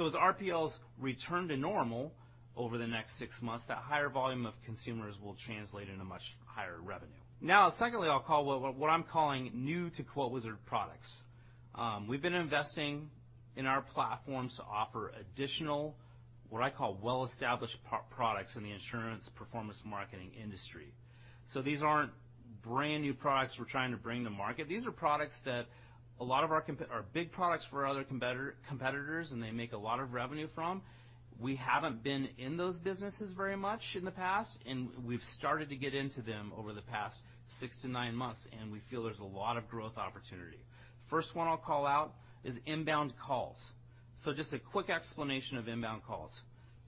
Speaker 14: As RPLs return to normal over the next six months, that higher volume of consumers will translate into much higher revenue. Now, secondly, I'll call what I'm calling new to QuoteWizard products. We've been investing in our platforms to offer additional what I call well-established products in the insurance performance marketing industry. These aren't brand-new products we're trying to bring to market. These are products that a lot of our competitors are big products for our other competitors, and they make a lot of revenue from. We haven't been in those businesses very much in the past, and we've started to get into them over the past 6-9 months, and we feel there's a lot of growth opportunity. First one I'll call out is inbound calls. Just a quick explanation of inbound calls.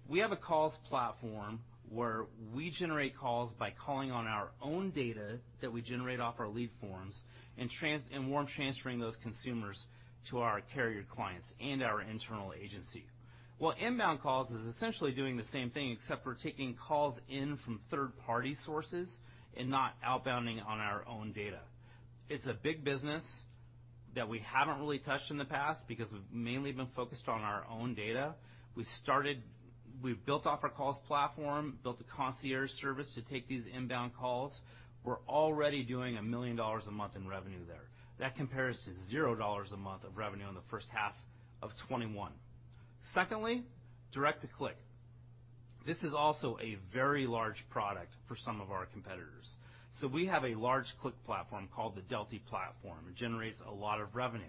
Speaker 14: We have a calls platform where we generate calls by calling on our own data that we generate off our lead forms and warm transferring those consumers to our carrier clients and our internal agency. Well, inbound calls is essentially doing the same thing except we're taking calls in from third-party sources and not outbounding on our own data. It's a big business that we haven't really touched in the past because we've mainly been focused on our own data. We've built off our calls platform, built a concierge service to take these inbound calls. We're already doing $1 million a month in revenue there. That compares to $0 a month of revenue in the first half of 2021. Secondly, direct to click. This is also a very large product for some of our competitors. We have a large click platform called the Delphi platform. It generates a lot of revenue.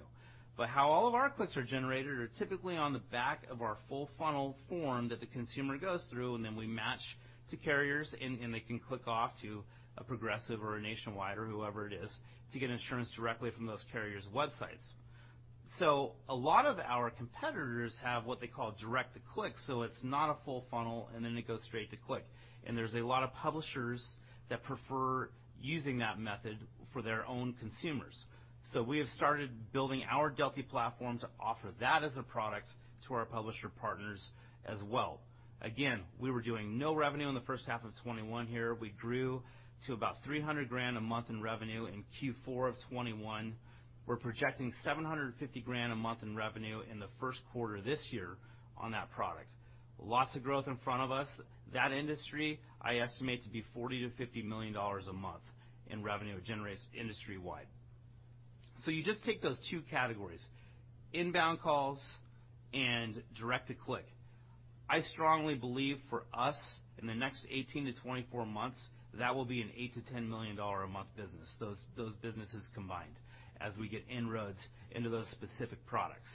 Speaker 14: How all of our clicks are generated are typically on the back of our full funnel form that the consumer goes through, and then we match to carriers and they can click off to a progressive or a nationwide or whoever it is to get insurance directly from those carriers' websites. A lot of our competitors have what they call direct to click, so it's not a full funnel, and then it goes straight to click. There's a lot of publishers that prefer using that method for their own consumers. We have started building our Delphi platform to offer that as a product to our publisher partners as well. We were doing no revenue in the first half of 2021 here. We grew to about $300,000 a month in revenue in Q4 of 2021. We're projecting $750,000 a month in revenue in the first quarter this year on that product. Lots of growth in front of us. That industry, I estimate, to be $40 million-$50 million a month in revenue it generates industry-wide. You just take those two categories, inbound calls and direct to click. I strongly believe for us in the next 18-24 months, that will be an $8 million-$10 million a month business, those businesses combined, as we get inroads into those specific products.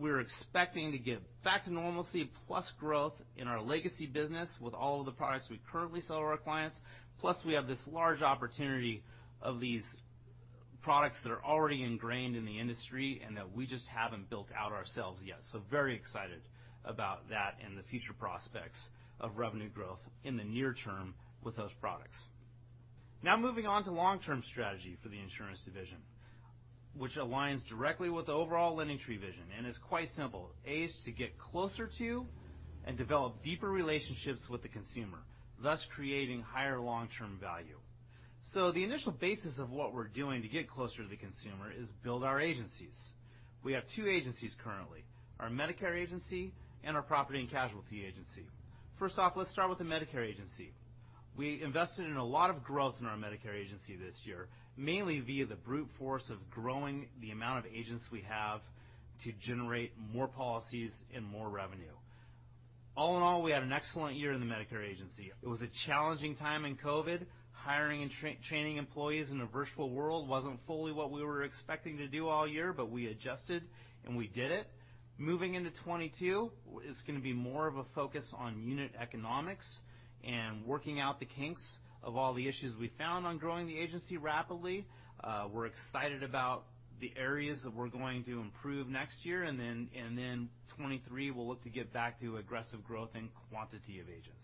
Speaker 14: We're expecting to get back to normalcy plus growth in our legacy business with all of the products we currently sell to our clients. Plus, we have this large opportunity of these products that are already ingrained in the industry and that we just haven't built out ourselves yet. Very excited about that and the future prospects of revenue growth in the near term with those products. Now moving on to long-term strategy for the insurance division, which aligns directly with the overall LendingTree vision, and it's quite simple. A is to get closer to and develop deeper relationships with the consumer, thus creating higher long-term value. The initial basis of what we're doing to get closer to the consumer is build our agencies. We have two agencies currently, our Medicare agency and our property and casualty agency. First off, let's start with the Medicare agency. We invested in a lot of growth in our Medicare agency this year, mainly via the brute force of growing the amount of agents we have to generate more policies and more revenue. All in all, we had an excellent year in the Medicare agency. It was a challenging time in COVID. Hiring and training employees in a virtual world wasn't fully what we were expecting to do all year, but we adjusted, and we did it. Moving into 2022 is gonna be more of a focus on unit economics and working out the kinks of all the issues we found on growing the agency rapidly. We're excited about the areas that we're going to improve next year, and then 2023, we'll look to get back to aggressive growth and quantity of agents.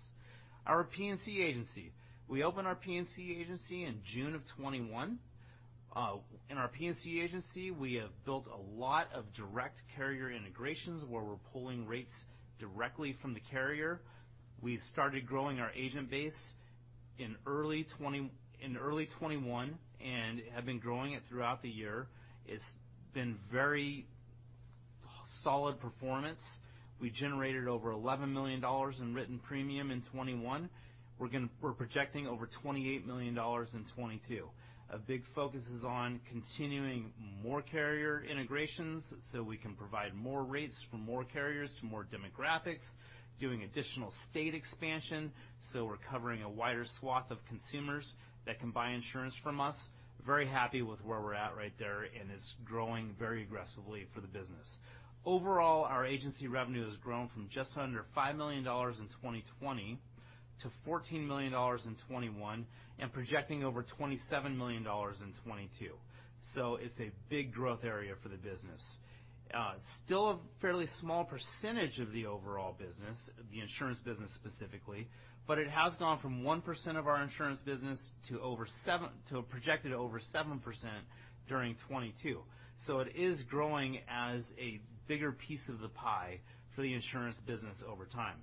Speaker 14: Our P&C agency. We opened our P&C agency in June of 2021. In our P&C agency, we have built a lot of direct carrier integrations where we're pulling rates directly from the carrier. We started growing our agent base in early 2021 and have been growing it throughout the year. It's been very solid performance. We generated over $11 million in written premium in 2021. We're projecting over $28 million in 2022. A big focus is on continuing more carrier integrations, so we can provide more rates from more carriers to more demographics, doing additional state expansion, so we're covering a wider swath of consumers that can buy insurance from us. Very happy with where we're at right there, and it's growing very aggressively for the business. Overall, our agency revenue has grown from just under $5 million in 2020-$14 million in 2021 and projecting over $27 million in 2022. It's a big growth area for the business. Still a fairly small percentage of the overall business, the insurance business specifically, but it has gone from 1% of our insurance business to a projected over 7% during 2022. It is growing as a bigger piece of the pie for the insurance business over time.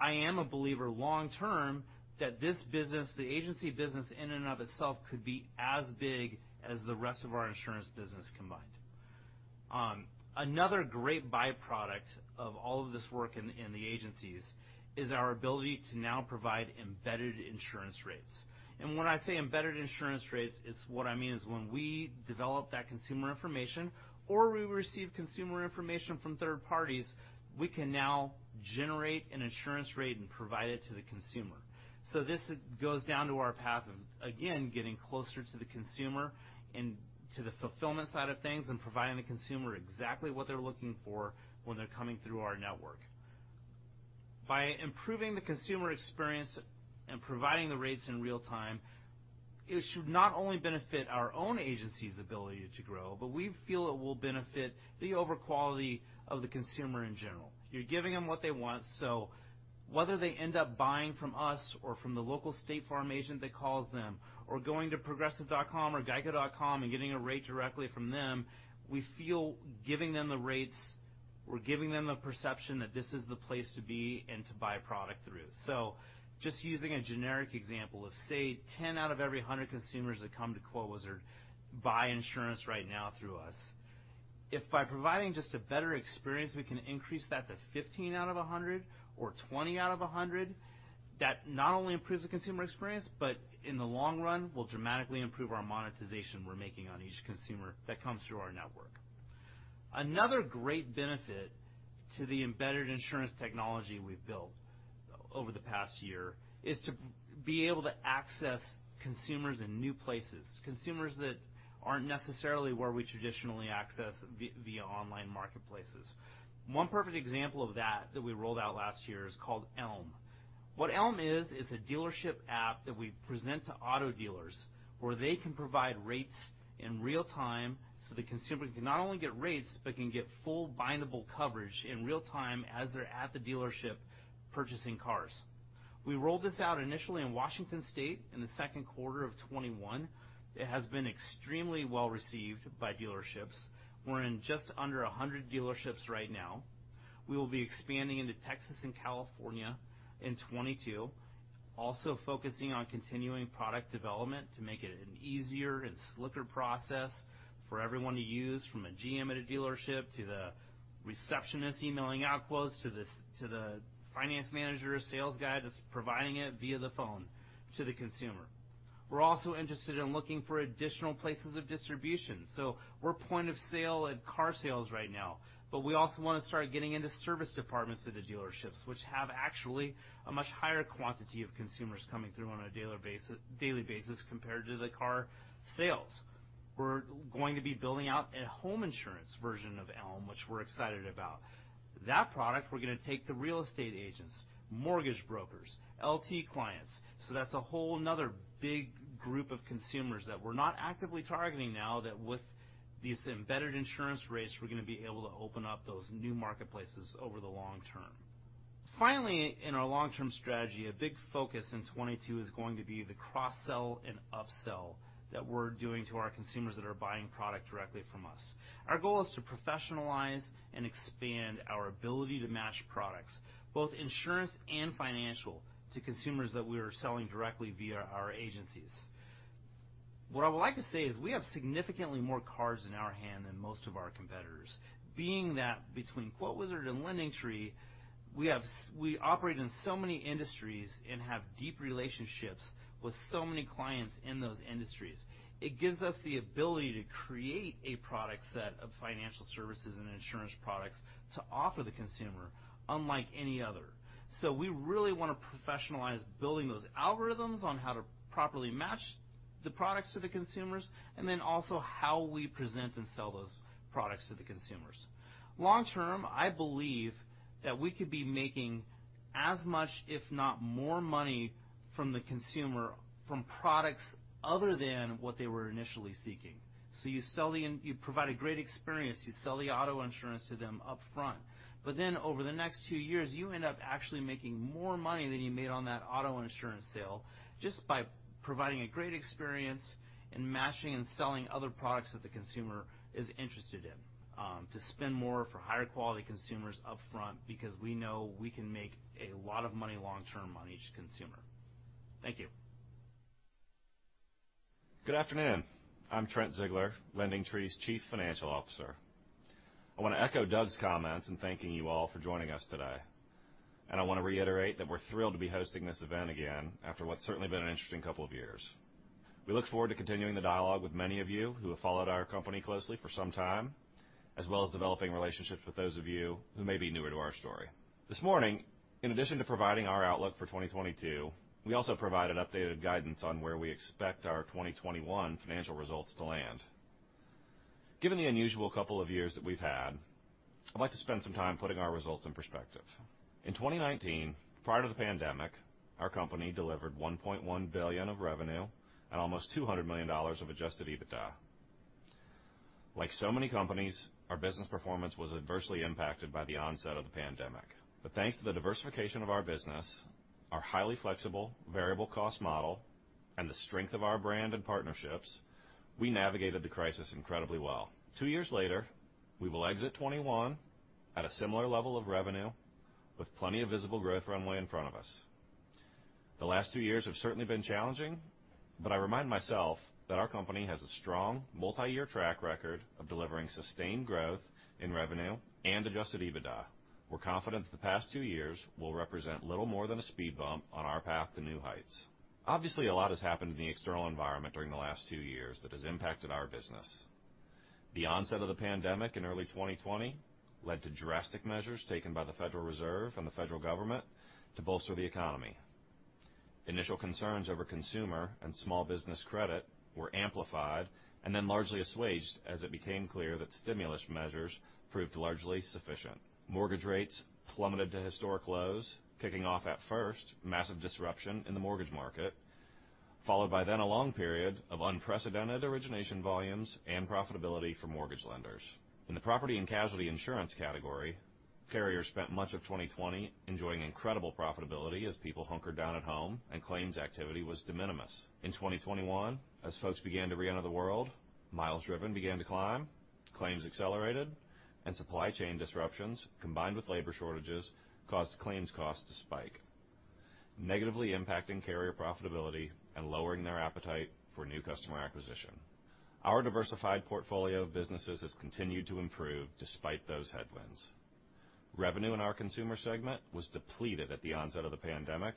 Speaker 14: I am a believer long term that this business, the agency business in and of itself, could be as big as the rest of our insurance business combined. Another great byproduct of all of this work in the agencies is our ability to now provide embedded insurance rates. When I say embedded insurance rates, what I mean is when we develop that consumer information or we receive consumer information from third parties, we can now generate an insurance rate and provide it to the consumer. This goes down to our path of, again, getting closer to the consumer and to the fulfillment side of things and providing the consumer exactly what they're looking for when they're coming through our network. By improving the consumer experience and providing the rates in real time, it should not only benefit our own agency's ability to grow, but we feel it will benefit the overall quality of the consumer in general. You're giving them what they want, so whether they end up buying from us or from the local State Farm agent that calls them or going to progressive.com or geico.com and getting a rate directly from them, we feel giving them the rates, we're giving them the perception that this is the place to be and to buy product through. Just using a generic example of, say, 10 out of every 100 consumers that come to QuoteWizard buy insurance right now through us. If by providing just a better experience, we can increase that to 15 out of 100 or 20 out of 100, that not only improves the consumer experience, but in the long run, will dramatically improve our monetization we're making on each consumer that comes through our network. Another great benefit to the embedded insurance technology we've built over the past year is to be able to access consumers in new places, consumers that aren't necessarily where we traditionally access via online marketplaces. One perfect example of that we rolled out last year is called Elm. What Elm is a dealership app that we present to auto dealers, where they can provide rates in real time, so the consumer can not only get rates, but can get full bindable coverage in real time as they're at the dealership purchasing cars. We rolled this out initially in Washington State in the second quarter of 2021. It has been extremely well received by dealerships. We're in just under 100 dealerships right now. We will be expanding into Texas and California in 2022, also focusing on continuing product development to make it an easier and slicker process for everyone to use, from a GM at a dealership to the receptionist emailing out quotes to the finance manager or sales guy that's providing it via the phone to the consumer. We're also interested in looking for additional places of distribution. We're point of sale at car sales right now, but we also wanna start getting into service departments at the dealerships, which have actually a much higher quantity of consumers coming through on a daily basis compared to the car sales. We're going to be building out a home insurance version of Elm, which we're excited about. That product we're gonna take to real estate agents, mortgage brokers, LT clients. That's a whole another big group of consumers that we're not actively targeting now that with these embedded insurance rates, we're gonna be able to open up those new marketplaces over the long term. Finally, in our long-term strategy, a big focus in 2022 is going to be the cross-sell and upsell that we're doing to our consumers that are buying product directly from us. Our goal is to professionalize and expand our ability to match products, both insurance and financial, to consumers that we are selling directly via our agencies. What I would like to say is we have significantly more cards in our hand than most of our competitors. Being that between QuoteWizard and LendingTree, we operate in so many industries and have deep relationships with so many clients in those industries. It gives us the ability to create a product set of financial services and insurance products to offer the consumer unlike any other. We really wanna professionalize building those algorithms on how to properly match the products to the consumers, and then also how we present and sell those products to the consumers. Long-term, I believe that we could be making as much, if not more money from the consumer from products other than what they were initially seeking. You provide a great experience, you sell the auto insurance to them upfront, but then over the next two years, you end up actually making more money than you made on that auto insurance sale just by providing a great experience and matching and selling other products that the consumer is interested in, to spend more for higher quality consumers upfront because we know we can make a lot of money long term on each consumer. Thank you.
Speaker 7: Good afternoon. I'm Trent Ziegler, LendingTree's Chief Financial Officer. I wanna echo Doug's comments in thanking you all for joining us today. I wanna reiterate that we're thrilled to be hosting this event again after what's certainly been an interesting couple of years. We look forward to continuing the dialogue with many of you who have followed our company closely for some time, as well as developing relationships with those of you who may be newer to our story. This morning, in addition to providing our outlook for 2022, we also provided updated guidance on where we expect our 2021 financial results to land. Given the unusual couple of years that we've had, I'd like to spend some time putting our results in perspective. In 2019, prior to the pandemic, our company delivered $1.1 billion of revenue and almost $200 million of Adjusted EBITDA. Like so many companies, our business performance was adversely impacted by the onset of the pandemic. Thanks to the diversification of our business, our highly flexible variable cost model, and the strength of our brand and partnerships, we navigated the crisis incredibly well. Two years later, we will exit 2021 at a similar level of revenue with plenty of visible growth runway in front of us. The last two years have certainly been challenging, but I remind myself that our company has a strong multi-year track record of delivering sustained growth in revenue and Adjusted EBITDA. We're confident that the past two years will represent little more than a speed bump on our path to new heights. Obviously, a lot has happened in the external environment during the last two years that has impacted our business. The onset of the pandemic in early 2020 led to drastic measures taken by the Federal Reserve and the federal government to bolster the economy. Initial concerns over consumer and small business credit were amplified and then largely assuaged as it became clear that stimulus measures proved largely sufficient. Mortgage rates plummeted to historic lows, kicking off at first massive disruption in the mortgage market, followed by then a long period of unprecedented origination volumes and profitability for mortgage lenders. In the property and casualty insurance category, carriers spent much of 2020 enjoying incredible profitability as people hunkered down at home and claims activity was de minimis. In 2021, as folks began to reenter the world, miles driven began to climb, claims accelerated, and supply chain disruptions, combined with labor shortages, caused claims costs to spike, negatively impacting carrier profitability and lowering their appetite for new customer acquisition. Our diversified portfolio of businesses has continued to improve despite those headwinds. Revenue in our consumer segment was depleted at the onset of the pandemic,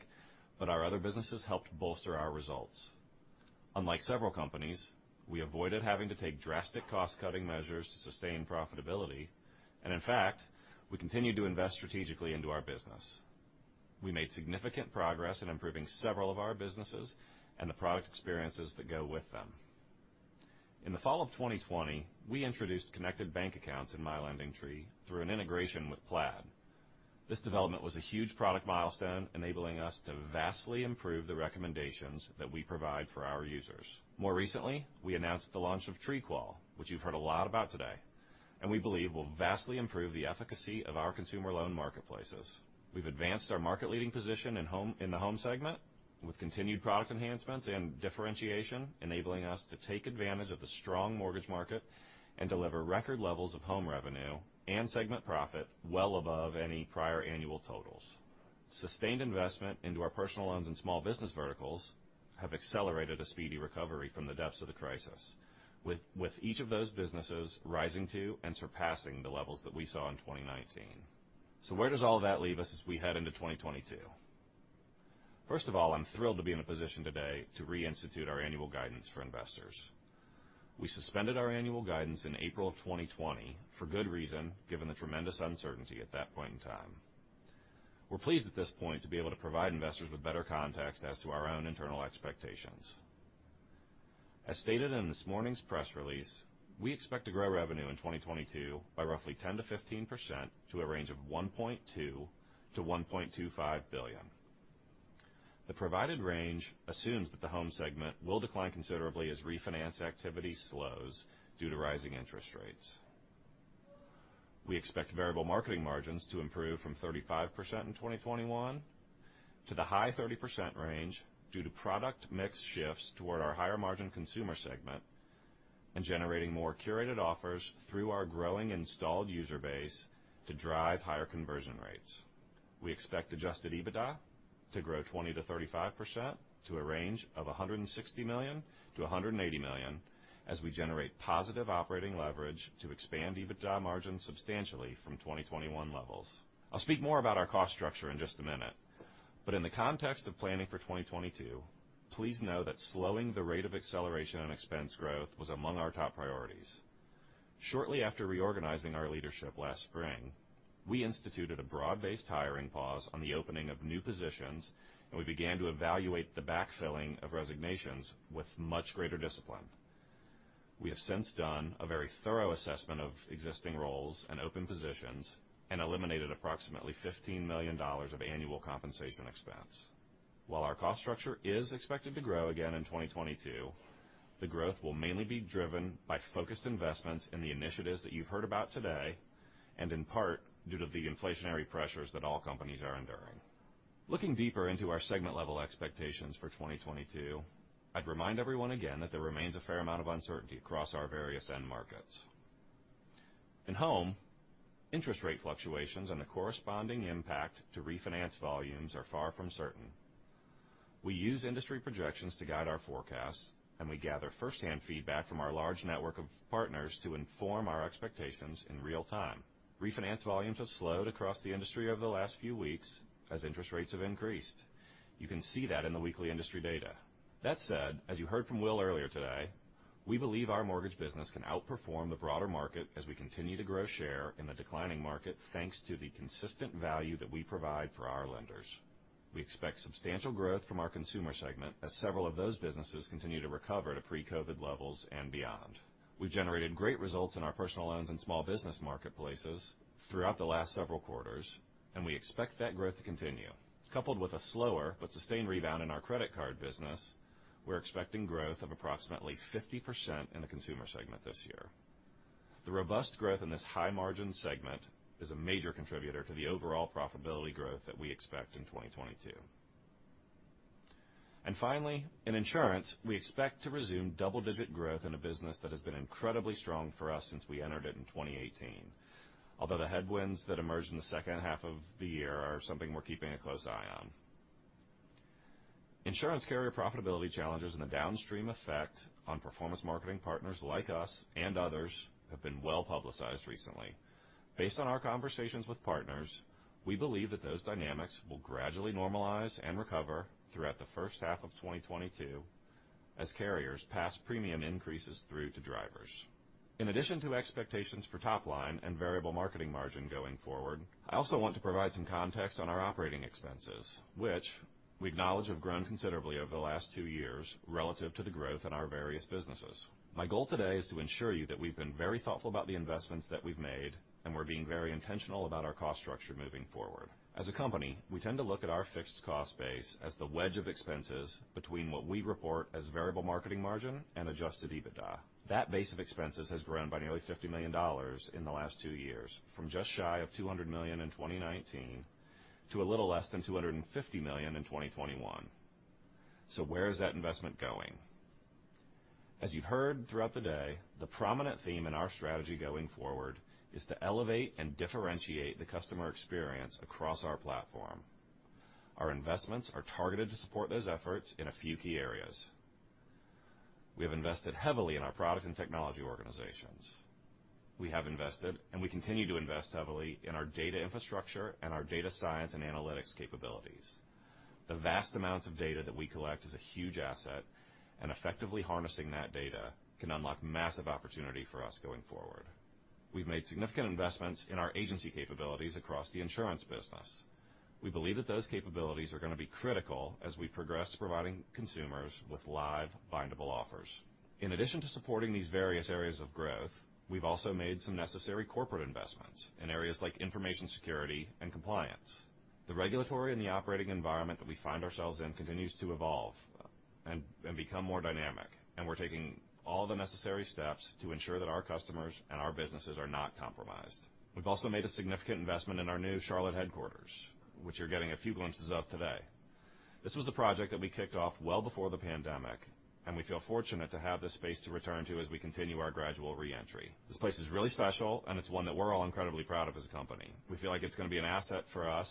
Speaker 7: but our other businesses helped bolster our results. Unlike several companies, we avoided having to take drastic cost-cutting measures to sustain profitability, and in fact, we continued to invest strategically into our business. We made significant progress in improving several of our businesses and the product experiences that go with them. In the fall of 2020, we introduced connected bank accounts in My LendingTree through an integration with Plaid. This development was a huge product milestone, enabling us to vastly improve the recommendations that we provide for our users. More recently, we announced the launch of TreeQual, which you've heard a lot about today, and we believe will vastly improve the efficacy of our consumer loan marketplaces. We've advanced our market leading position in the home segment with continued product enhancements and differentiation, enabling us to take advantage of the strong mortgage market and deliver record levels of home revenue and segment profit well above any prior annual totals. Sustained investment into our personal loans and small business verticals have accelerated a speedy recovery from the depths of the crisis, with each of those businesses rising to and surpassing the levels that we saw in 2019. Where does all that leave us as we head into 2022? First of all, I'm thrilled to be in a position today to reinstitute our annual guidance for investors. We suspended our annual guidance in April of 2020 for good reason, given the tremendous uncertainty at that point in time. We're pleased at this point to be able to provide investors with better context as to our own internal expectations. As stated in this morning's press release, we expect to grow revenue in 2022 by roughly 10%-15% to a range of $1.2 billion-$1.25 billion. The provided range assumes that the home segment will decline considerably as refinance activity slows due to rising interest rates. We expect variable marketing margins to improve from 35% in 2021 to the high 30% range due to product mix shifts toward our higher margin consumer segment and generating more curated offers through our growing installed user base to drive higher conversion rates. We expect Adjusted EBITDA to grow 20%-35% to a range of $160 million-$180 million as we generate positive operating leverage to expand EBITDA margins substantially from 2021 levels. I'll speak more about our cost structure in just a minute, but in the context of planning for 2022, please know that slowing the rate of acceleration and expense growth was among our top priorities. Shortly after reorganizing our leadership last spring, we instituted a broad-based hiring pause on the opening of new positions, and we began to evaluate the backfilling of resignations with much greater discipline. We have since done a very thorough assessment of existing roles and open positions and eliminated approximately $15 million of annual compensation expense. While our cost structure is expected to grow again in 2022, the growth will mainly be driven by focused investments in the initiatives that you've heard about today and in part due to the inflationary pressures that all companies are enduring. Looking deeper into our segment level expectations for 2022, I'd remind everyone again that there remains a fair amount of uncertainty across our various end markets. In Home, interest rate fluctuations and the corresponding impact to refinance volumes are far from certain. We use industry projections to guide our forecasts, and we gather first-hand feedback from our large network of partners to inform our expectations in real time. Refinance volumes have slowed across the industry over the last few weeks as interest rates have increased. You can see that in the weekly industry data. That said, as you heard from Will earlier today, we believe our mortgage business can outperform the broader market as we continue to grow share in the declining market, thanks to the consistent value that we provide for our lenders. We expect substantial growth from our consumer segment as several of those businesses continue to recover to pre-COVID levels and beyond. We've generated great results in our personal loans and small business marketplaces throughout the last several quarters, and we expect that growth to continue. Coupled with a slower but sustained rebound in our credit card business, we're expecting growth of approximately 50% in the consumer segment this year. The robust growth in this high margin segment is a major contributor to the overall profitability growth that we expect in 2022. Finally, in insurance, we expect to resume double-digit growth in a business that has been incredibly strong for us since we entered it in 2018. Although the headwinds that emerged in the second half of the year are something we're keeping a close eye on. Insurance carrier profitability challenges and the downstream effect on performance marketing partners like us and others have been well-publicized recently. Based on our conversations with partners, we believe that those dynamics will gradually normalize and recover throughout the first half of 2022 as carriers pass premium increases through to drivers. In addition to expectations for top line and variable marketing margin going forward, I also want to provide some context on our operating expenses, which we acknowledge have grown considerably over the last two years relative to the growth in our various businesses. My goal today is to ensure you that we've been very thoughtful about the investments that we've made, and we're being very intentional about our cost structure moving forward. As a company, we tend to look at our fixed cost base as the wedge of expenses between what we report as variable marketing margin and Adjusted EBITDA. That base of expenses has grown by nearly $50 million in the last two years, from just shy of $200 million in 2019 to a little less than $250 million in 2021. Where is that investment going? As you've heard throughout the day, the prominent theme in our strategy going forward is to elevate and differentiate the customer experience across our platform. Our investments are targeted to support those efforts in a few key areas. We have invested heavily in our product and technology organizations. We have invested, and we continue to invest heavily in our data infrastructure and our data science and analytics capabilities. The vast amounts of data that we collect is a huge asset, and effectively harnessing that data can unlock massive opportunity for us going forward. We've made significant investments in our agency capabilities across the insurance business. We believe that those capabilities are going to be critical as we progress to providing consumers with live bindable offers. In addition to supporting these various areas of growth, we've also made some necessary corporate investments in areas like information security and compliance. The regulatory and the operating environment that we find ourselves in continues to evolve and become more dynamic, and we're taking all the necessary steps to ensure that our customers and our businesses are not compromised. We've also made a significant investment in our new Charlotte headquarters, which you're getting a few glimpses of today. This was a project that we kicked off well before the pandemic, and we feel fortunate to have this space to return to as we continue our gradual re-entry. This place is really special, and it's one that we're all incredibly proud of as a company. We feel like it's going to be an asset for us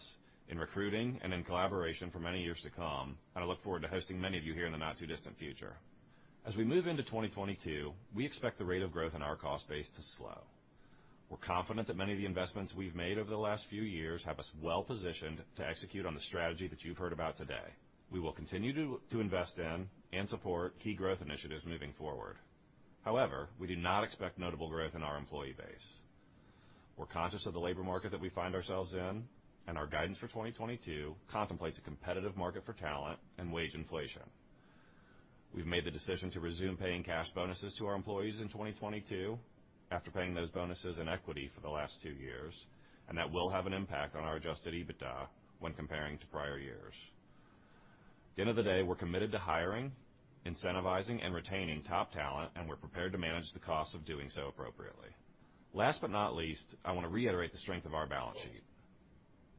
Speaker 7: in recruiting and in collaboration for many years to come, and I look forward to hosting many of you here in the not too distant future. As we move into 2022, we expect the rate of growth in our cost base to slow. We're confident that many of the investments we've made over the last few years have us well positioned to execute on the strategy that you've heard about today. We will continue to invest in and support key growth initiatives moving forward. However, we do not expect notable growth in our employee base. We're conscious of the labor market that we find ourselves in, and our guidance for 2022 contemplates a competitive market for talent and wage inflation. We've made the decision to resume paying cash bonuses to our employees in 2022 after paying those bonuses in equity for the last two years, and that will have an impact on our Adjusted EBITDA when comparing to prior years. At the end of the day, we're committed to hiring, incentivizing, and retaining top talent, and we're prepared to manage the costs of doing so appropriately. Last but not least, I want to reiterate the strength of our balance sheet.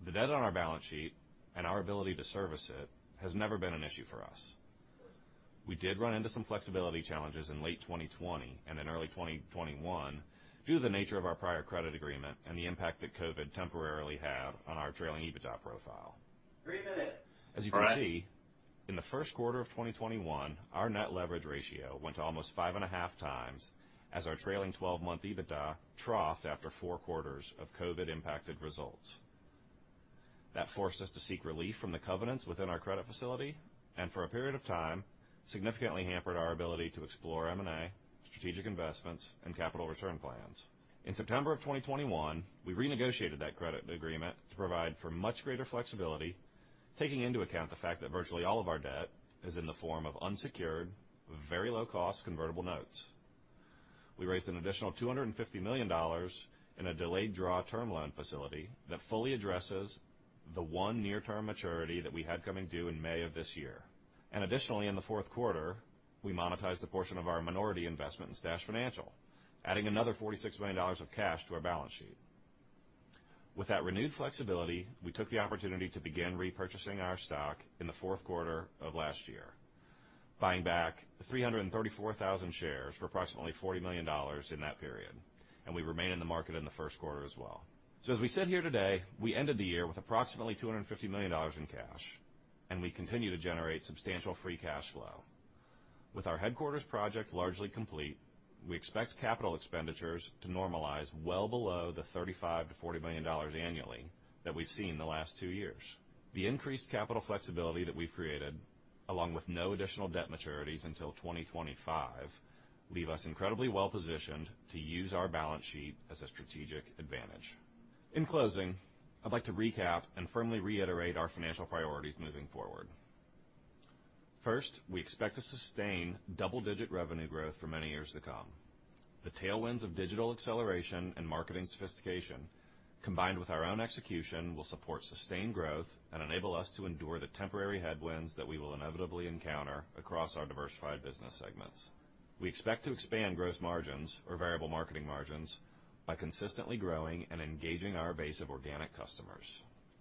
Speaker 7: The debt on our balance sheet and our ability to service it has never been an issue for us. We did run into some flexibility challenges in late 2020 and in early 2021 due to the nature of our prior credit agreement and the impact that COVID temporarily had on our trailing EBITDA profile.
Speaker 1: three minutes.
Speaker 7: As you can see, in the first quarter of 2021, our net leverage ratio went to almost 5.5x as our trailing 12-month EBITDA troughed after four quarters of COVID-impacted results. That forced us to seek relief from the covenants within our credit facility and for a period of time, significantly hampered our ability to explore M&A, strategic investments, and capital return plans. In September of 2021, we renegotiated that credit agreement to provide for much greater flexibility, taking into account the fact that virtually all of our debt is in the form of unsecured, very low-cost convertible notes. We raised an additional $250 million in a delayed draw term loan facility that fully addresses the one near-term maturity that we had coming due in May of this year. Additionally, in the fourth quarter, we monetized a portion of our minority investment in Stash Financial, adding another $46 million of cash to our balance sheet. With that renewed flexibility, we took the opportunity to begin repurchasing our stock in the fourth quarter of last year, buying back 334,000 shares for approximately $40 million in that period, and we remain in the market in the first quarter as well. As we sit here today, we ended the year with approximately $250 million in cash, and we continue to generate substantial free cash flow. With our headquarters project largely complete, we expect capital expenditures to normalize well below the $35 million-$40 million annually that we've seen the last two years. The increased capital flexibility that we've created, along with no additional debt maturities until 2025, leave us incredibly well positioned to use our balance sheet as a strategic advantage. In closing, I'd like to recap and firmly reiterate our financial priorities moving forward. First, we expect to sustain double-digit revenue growth for many years to come. The tailwinds of digital acceleration and marketing sophistication, combined with our own execution, will support sustained growth and enable us to endure the temporary headwinds that we will inevitably encounter across our diversified business segments. We expect to expand gross margins or variable marketing margins by consistently growing and engaging our base of organic customers.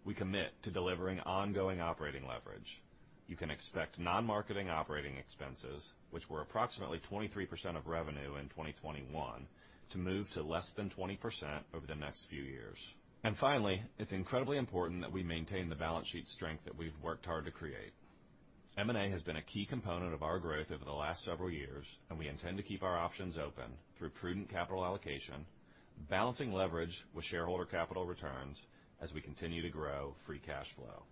Speaker 7: We commit to delivering ongoing operating leverage. You can expect non-marketing operating expenses, which were approximately 23% of revenue in 2021, to move to less than 20% over the next few years. Finally, it's incredibly important that we maintain the balance sheet strength that we've worked hard to create. M&A has been a key component of our growth over the last several years, and we intend to keep our options open through prudent capital allocation, balancing leverage with shareholder capital returns as we continue to grow Free Cash Flow.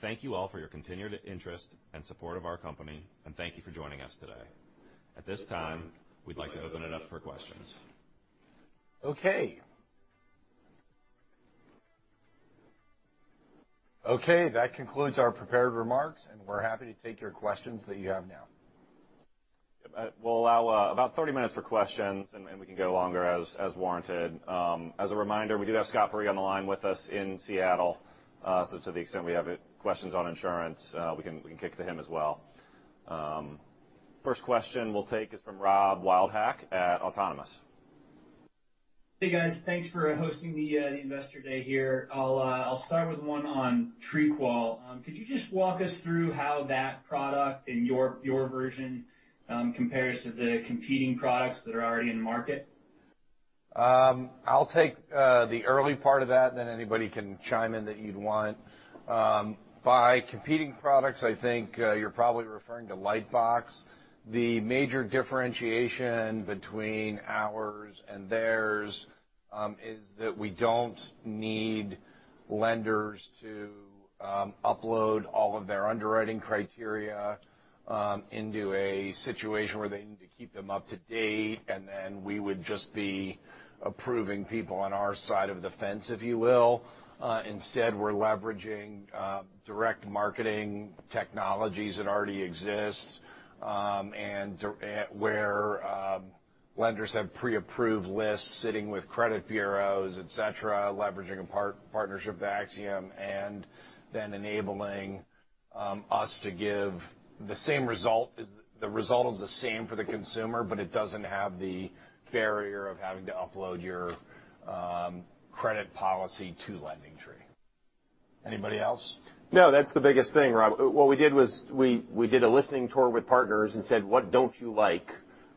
Speaker 7: Thank you all for your continued interest and support of our company, and thank you for joining us today. At this time, we'd like to open it up for questions.
Speaker 1: Okay. Okay, that concludes our prepared remarks, and we're happy to take your questions that you have now.
Speaker 7: We'll allow about 30 minutes for questions and we can go longer as warranted. As a reminder, we do have Scott on the line with us in Seattle. To the extent we have questions on insurance, we can kick to him as well. First question we'll take is from Robert Wildhack at Autonomous.
Speaker 15: Hey, guys. Thanks for hosting the investor day here. I'll start with one on TreeQual. Could you just walk us through how that product and your version compares to the competing products that are already in market?
Speaker 1: I'll take the early part of that, then anybody can chime in that you'd want. By competing products, I think you're probably referring to LightBox. The major differentiation between ours and theirs is that we don't need lenders to upload all of their underwriting criteria into a situation where they need to keep them up to date, and then we would just be approving people on our side of the fence, if you will. Instead, we're leveraging direct marketing technologies that already exist, and where lenders have pre-approved lists sitting with credit bureaus, et cetera, leveraging a partnership with Acxiom, and then enabling us to give the same result. The result is the same for the consumer, but it doesn't have the barrier of having to upload your credit policy to LendingTree. Anybody else?
Speaker 4: No, that's the biggest thing, Rob. What we did was we did a listening tour with partners and said, "What don't you like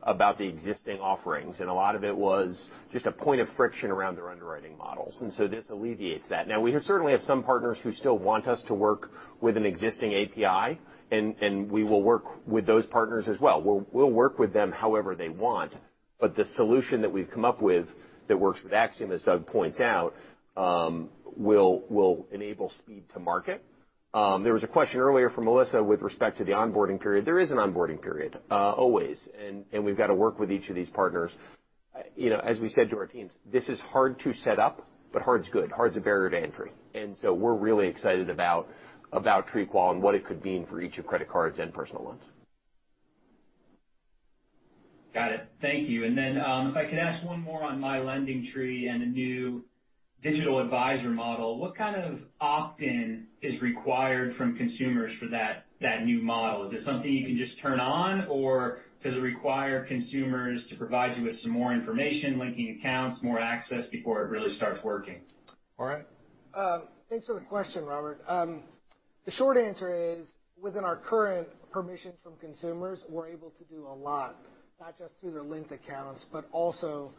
Speaker 4: about the existing offerings?" A lot of it was just a point of friction around their underwriting models, and so this alleviates that. Now, we certainly have some partners who still want us to work with an existing API, and we will work with those partners as well. We'll work with them however they want. The solution that we've come up with that works with Acxiom, as Doug points out, will enable speed to market. There was a question earlier from Melissa with respect to the onboarding period. There is an onboarding period, always, and we've got to work with each of these partners. You know, as we said to our teams, this is hard to set up, but hard's good. Hard's a barrier to entry. We're really excited about TreeQual and what it could mean for each of credit cards and personal loans.
Speaker 15: Got it. Thank you. If I could ask one more on My LendingTree and the new digital advisor model. What kind of opt-in is required from consumers for that new model? Is this something you can just turn on, or does it require consumers to provide you with some more information, linking accounts, more access before it really starts working?
Speaker 4: All right.
Speaker 6: Thanks for the question, Robert. The short answer is, within our current permission from consumers, we're able to do a lot, not just through their linked accounts, but also,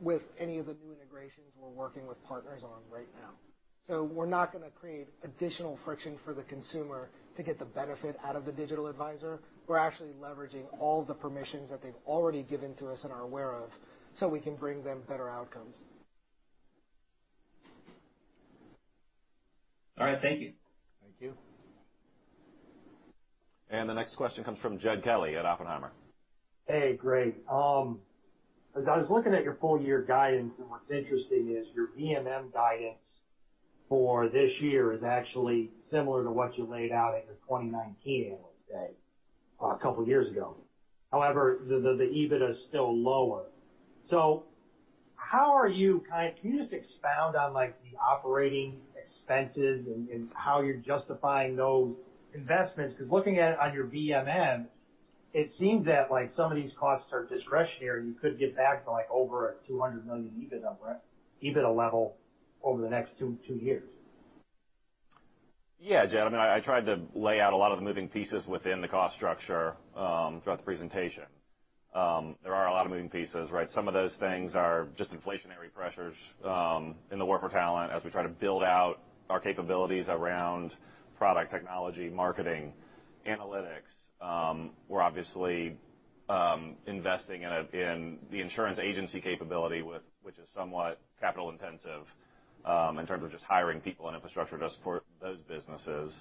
Speaker 6: with any of the new integrations we're working with partners on right now. We're not gonna create additional friction for the consumer to get the benefit out of the digital advisor. We're actually leveraging all the permissions that they've already given to us and are aware of, so we can bring them better outcomes.
Speaker 15: All right. Thank you.
Speaker 7: Thank you. The next question comes from Jed Kelly at Oppenheimer.
Speaker 10: Hey, Trent. As I was looking at your full year guidance, and what's interesting is your VMM guidance for this year is actually similar to what you laid out at your 2019 analyst day a couple years ago. However, the EBITDA is still lower. How can you just expound on, like, the operating expenses and how you're justifying those investments? Because looking at it on your VMM, it seems that, like, some of these costs are discretionary, and you could get back to, like, over a $200 million EBITDA level over the next two years.
Speaker 7: Yeah, Jed. I mean, I tried to lay out a lot of the moving pieces within the cost structure throughout the presentation. There are a lot of moving pieces, right? Some of those things are just inflationary pressures in the war for talent as we try to build out our capabilities around product technology, marketing, analytics. We're obviously investing in the insurance agency capability which is somewhat capital intensive in terms of just hiring people and infrastructure to support those businesses.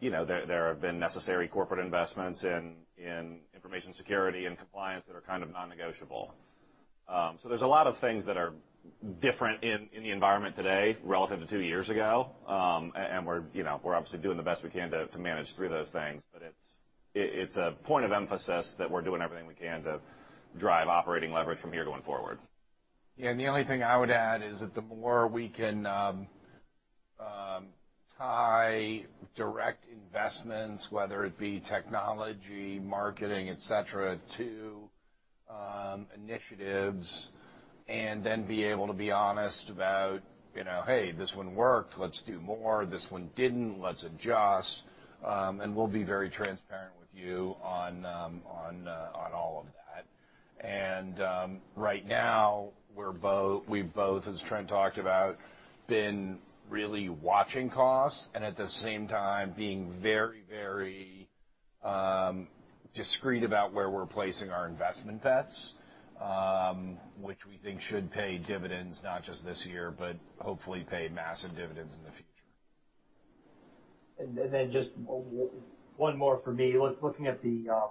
Speaker 7: You know, there have been necessary corporate investments in information security and compliance that are kind of non-negotiable. There's a lot of things that are different in the environment today relative to two years ago. We're, you know, we're obviously doing the best we can to manage through those things. It's a point of emphasis that we're doing everything we can to drive operating leverage from here going forward.
Speaker 1: Yeah, the only thing I would add is that the more we can tie direct investments, whether it be technology, marketing, et cetera, to initiatives and then be able to be honest about, you know, hey, this one worked, let's do more, this one didn't, let's adjust. We'll be very transparent with you on all of that. Right now, we've both, as Trent talked about, been really watching costs and at the same time being very, very discreet about where we're placing our investment bets, which we think should pay dividends not just this year, but hopefully pay massive dividends in the future.
Speaker 10: Just one more for me. Looking at the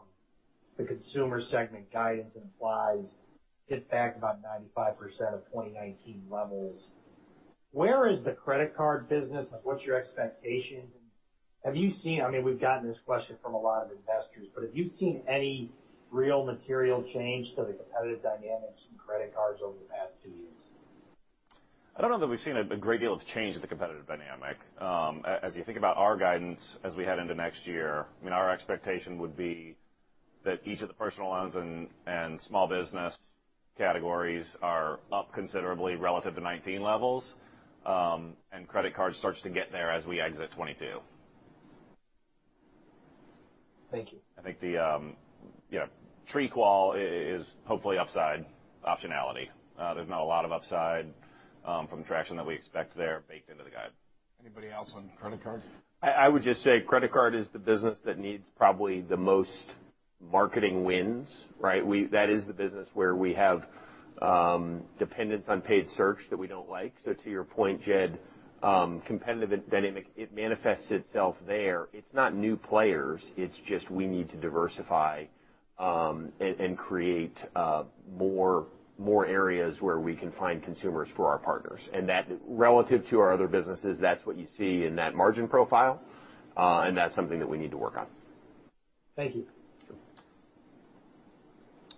Speaker 10: consumer segment guidance implies it's back about 95% of 2019 levels. Where is the credit card business, like what's your expectations? Have you seen, I mean, we've gotten this question from a lot of investors, but have you seen any real material change to the competitive dynamics in credit cards over the past two years?
Speaker 7: I don't know that we've seen a great deal of change in the competitive dynamic. As you think about our guidance as we head into next year, I mean, our expectation would be that each of the personal loans and small business categories are up considerably relative to 2019 levels, and credit card starts to get there as we exit 2022.
Speaker 10: Thank you.
Speaker 7: I think yeah, TreeQual is hopefully upside optionality. There's not a lot of upside from traction that we expect there baked into the guide.
Speaker 1: Anybody else on credit card?
Speaker 7: I would just say credit card is the business that needs probably the most marketing wins, right? That is the business where we have dependence on paid search that we don't like. To your point, Jed, competitive dynamic, it manifests itself there. It's not new players, it's just we need to diversify and create more areas where we can find consumers for our partners. That, relative to our other businesses, that's what you see in that margin profile, and that's something that we need to work on.
Speaker 10: Thank you.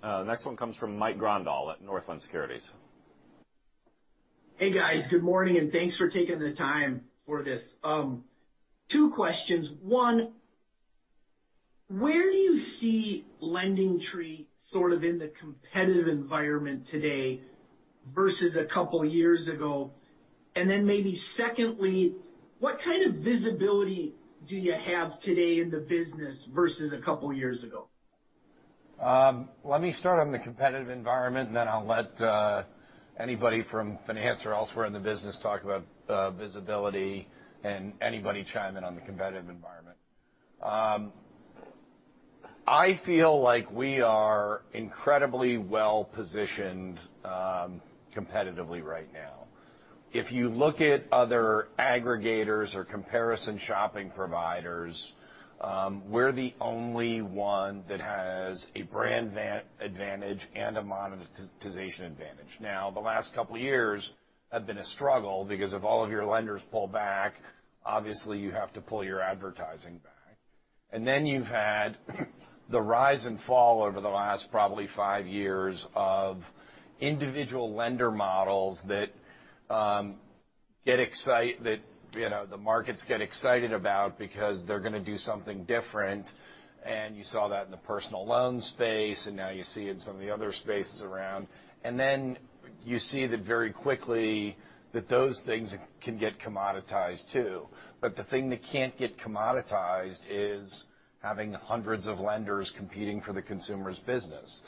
Speaker 7: Sure. Next one comes from Mike Grondahl at Northland Securities.
Speaker 16: Hey, guys. Good morning, and thanks for taking the time for this. Two questions. One, where do you see LendingTree sort of in the competitive environment today versus a couple years ago? Maybe secondly, what kind of visibility do you have today in the business versus a couple years ago?
Speaker 1: Let me start on the competitive environment, and then I'll let anybody from finance or elsewhere in the business talk about visibility and anybody chime in on the competitive environment. I feel like we are incredibly well-positioned competitively right now. If you look at other aggregators or comparison shopping providers, we're the only one that has a brand advantage and a monetization advantage. Now, the last couple of years have been a struggle because if all of your lenders pull back, obviously you have to pull your advertising back. Then you've had the rise and fall over the last probably five years of individual lender models that, you know, the markets get excited about because they're gonna do something different. You saw that in the personal loan space, and now you see it in some of the other spaces around. Then you see that very quickly that those things can get commoditized too. The thing that can't get commoditized is having hundreds of lenders competing for the consumer's business.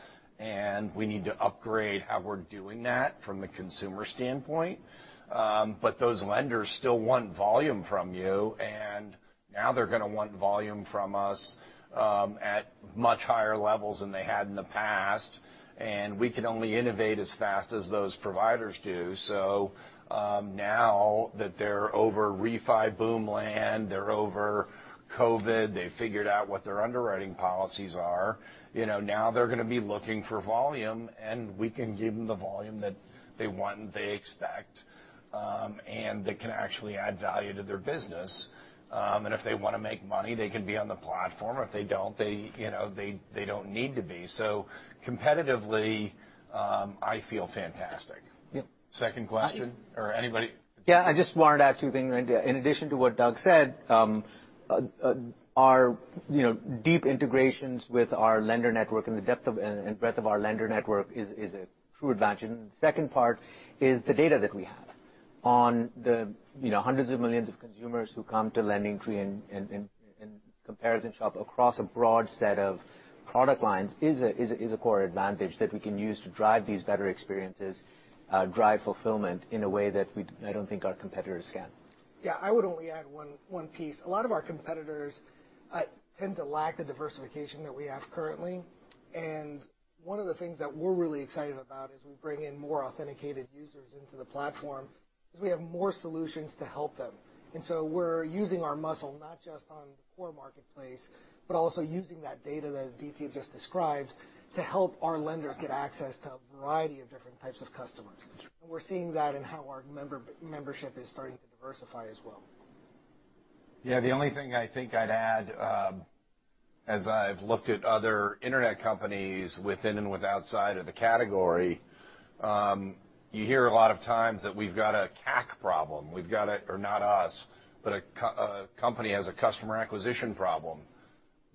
Speaker 1: We need to upgrade how we're doing that from the consumer standpoint. Those lenders still want volume from you, and now they're gonna want volume from us, at much higher levels than they had in the past, and we can only innovate as fast as those providers do. Now that they're over the refi boom and, they're over COVID, they figured out what their underwriting policies are, you know, now they're gonna be looking for volume, and we can give them the volume that they want and they expect, and that can actually add value to their business. If they wanna make money, they can be on the platform, or if they don't, they, you know, they don't need to be. Competitively, I feel fantastic.
Speaker 16: Yeah.
Speaker 1: Second question for anybody.
Speaker 3: Yeah, I just wanted to add two things. In addition to what Doug said, our, you know, deep integrations with our lender network and the depth and breadth of our lender network is a true advantage. The second part is the data that we have on the, you know, hundreds of millions of consumers who come to LendingTree and comparison shop across a broad set of product lines is a core advantage that we can use to drive these better experiences, drive fulfillment in a way that I don't think our competitors can.
Speaker 6: Yeah. I would only add one piece. A lot of our competitors tend to lack the diversification that we have currently. One of the things that we're really excited about is we bring in more authenticated users into the platform 'cause we have more solutions to help them. We're using our muscle not just on the core marketplace, but also using that data that DT just described to help our lenders get access to a variety of different types of customers. We're seeing that in how our membership is starting to diversify as well.
Speaker 1: Yeah. The only thing I think I'd add, as I've looked at other internet companies within and without the category, you hear a lot of times that we've got a CAC problem. Or not us, but a company has a customer acquisition problem.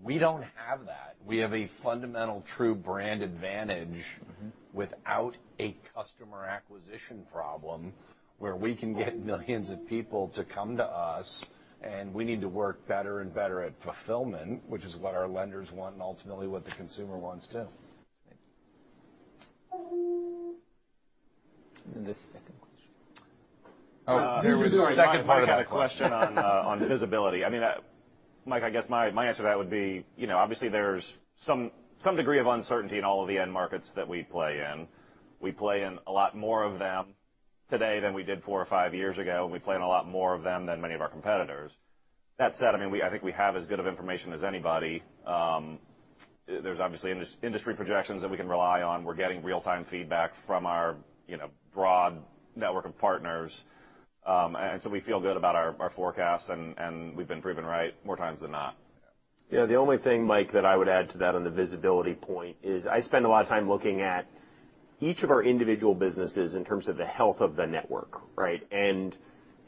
Speaker 1: We don't have that. We have a fundamental true brand advantage without a customer acquisition problem where we can get millions of people to come to us, and we need to work better and better at fulfillment, which is what our lenders want and ultimately what the consumer wants too.
Speaker 3: The second question.
Speaker 7: Oh, there was a second part of the question on visibility. I mean, Mike, I guess my answer to that would be, you know, obviously there's some degree of uncertainty in all of the end markets that we play in. We play in a lot more of them today than we did four or five years ago. We play in a lot more of them than many of our competitors. That said, I mean, I think we have as good of information as anybody. There's obviously industry projections that we can rely on. We're getting real-time feedback from our, you know, broad network of partners. We feel good about our forecast, and we've been proven right more times than not.
Speaker 4: Yeah. The only thing, Mike, that I would add to that on the visibility point is I spend a lot of time looking at each of our individual businesses in terms of the health of the network, right?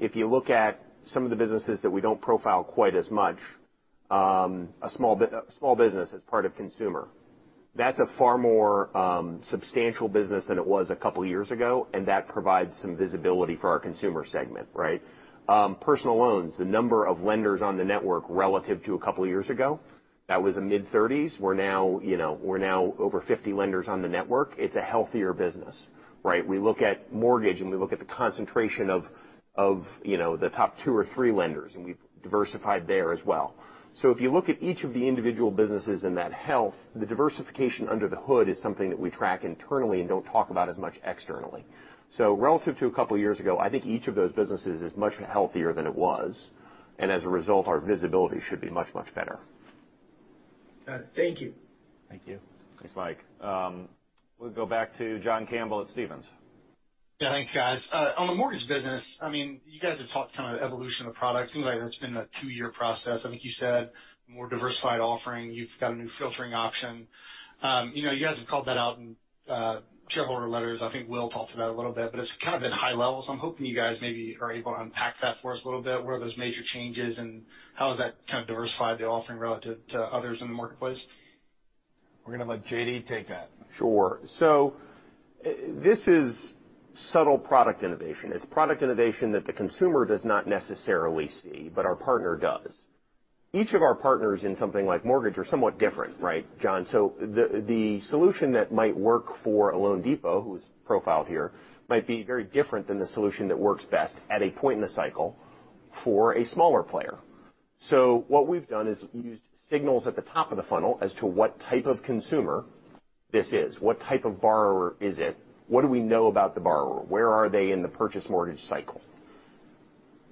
Speaker 4: If you look at some of the businesses that we don't profile quite as much, small business as part of consumer, that's a far more substantial business than it was a couple years ago, and that provides some visibility for our consumer segment, right? Personal loans, the number of lenders on the network relative to a couple years ago, that was mid-30s. We're now, you know, over 50 lenders on the network. It's a healthier business, right? We look at mortgage, and we look at the concentration of, you know, the top two or three lenders, and we've diversified there as well. If you look at each of the individual businesses and that health, the diversification under the hood is something that we track internally and don't talk about as much externally. Relative to a couple years ago, I think each of those businesses is much healthier than it was, and as a result, our visibility should be much, much better.
Speaker 16: Thank you.
Speaker 3: Thank you.
Speaker 7: Thanks, Mike. We'll go back to John Campbell at Stephens.
Speaker 8: Yeah, thanks, guys. On the mortgage business, I mean, you guys have talked kind of the evolution of the product. It seems like that's been a two-year process. I think you said more diversified offering. You've got a new filtering option. You know, you guys have called that out in shareholder letters. I think Will talked about it a little bit, but it's kind of been high level. I'm hoping you guys maybe are able to unpack that for us a little bit. What are those major changes, and how has that kind of diversified the offering relative to others in the marketplace?
Speaker 1: We're gonna let J.D. take that.
Speaker 4: Sure. This is subtle product innovation. It's product innovation that the consumer does not necessarily see, but our partner does. Each of our partners in something like mortgage are somewhat different, right, John? The solution that might work for a loanDepot, who is profiled here, might be very different than the solution that works best at a point in the cycle for a smaller player. What we've done is used signals at the top of the funnel as to what type of consumer this is, what type of borrower is it? What do we know about the borrower? Where are they in the purchase mortgage cycle?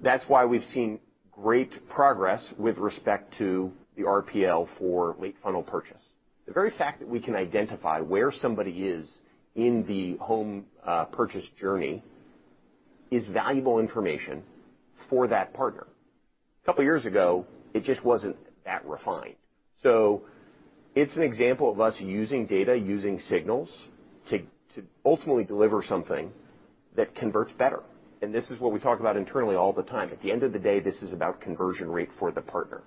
Speaker 4: That's why we've seen great progress with respect to the RPL for late funnel purchase. The very fact that we can identify where somebody is in the home purchase journey is valuable information for that partner. A couple of years ago, it just wasn't that refined. It's an example of us using data, using signals to ultimately deliver something that converts better. This is what we talk about internally all the time. At the end of the day, this is about conversion rate for the partner.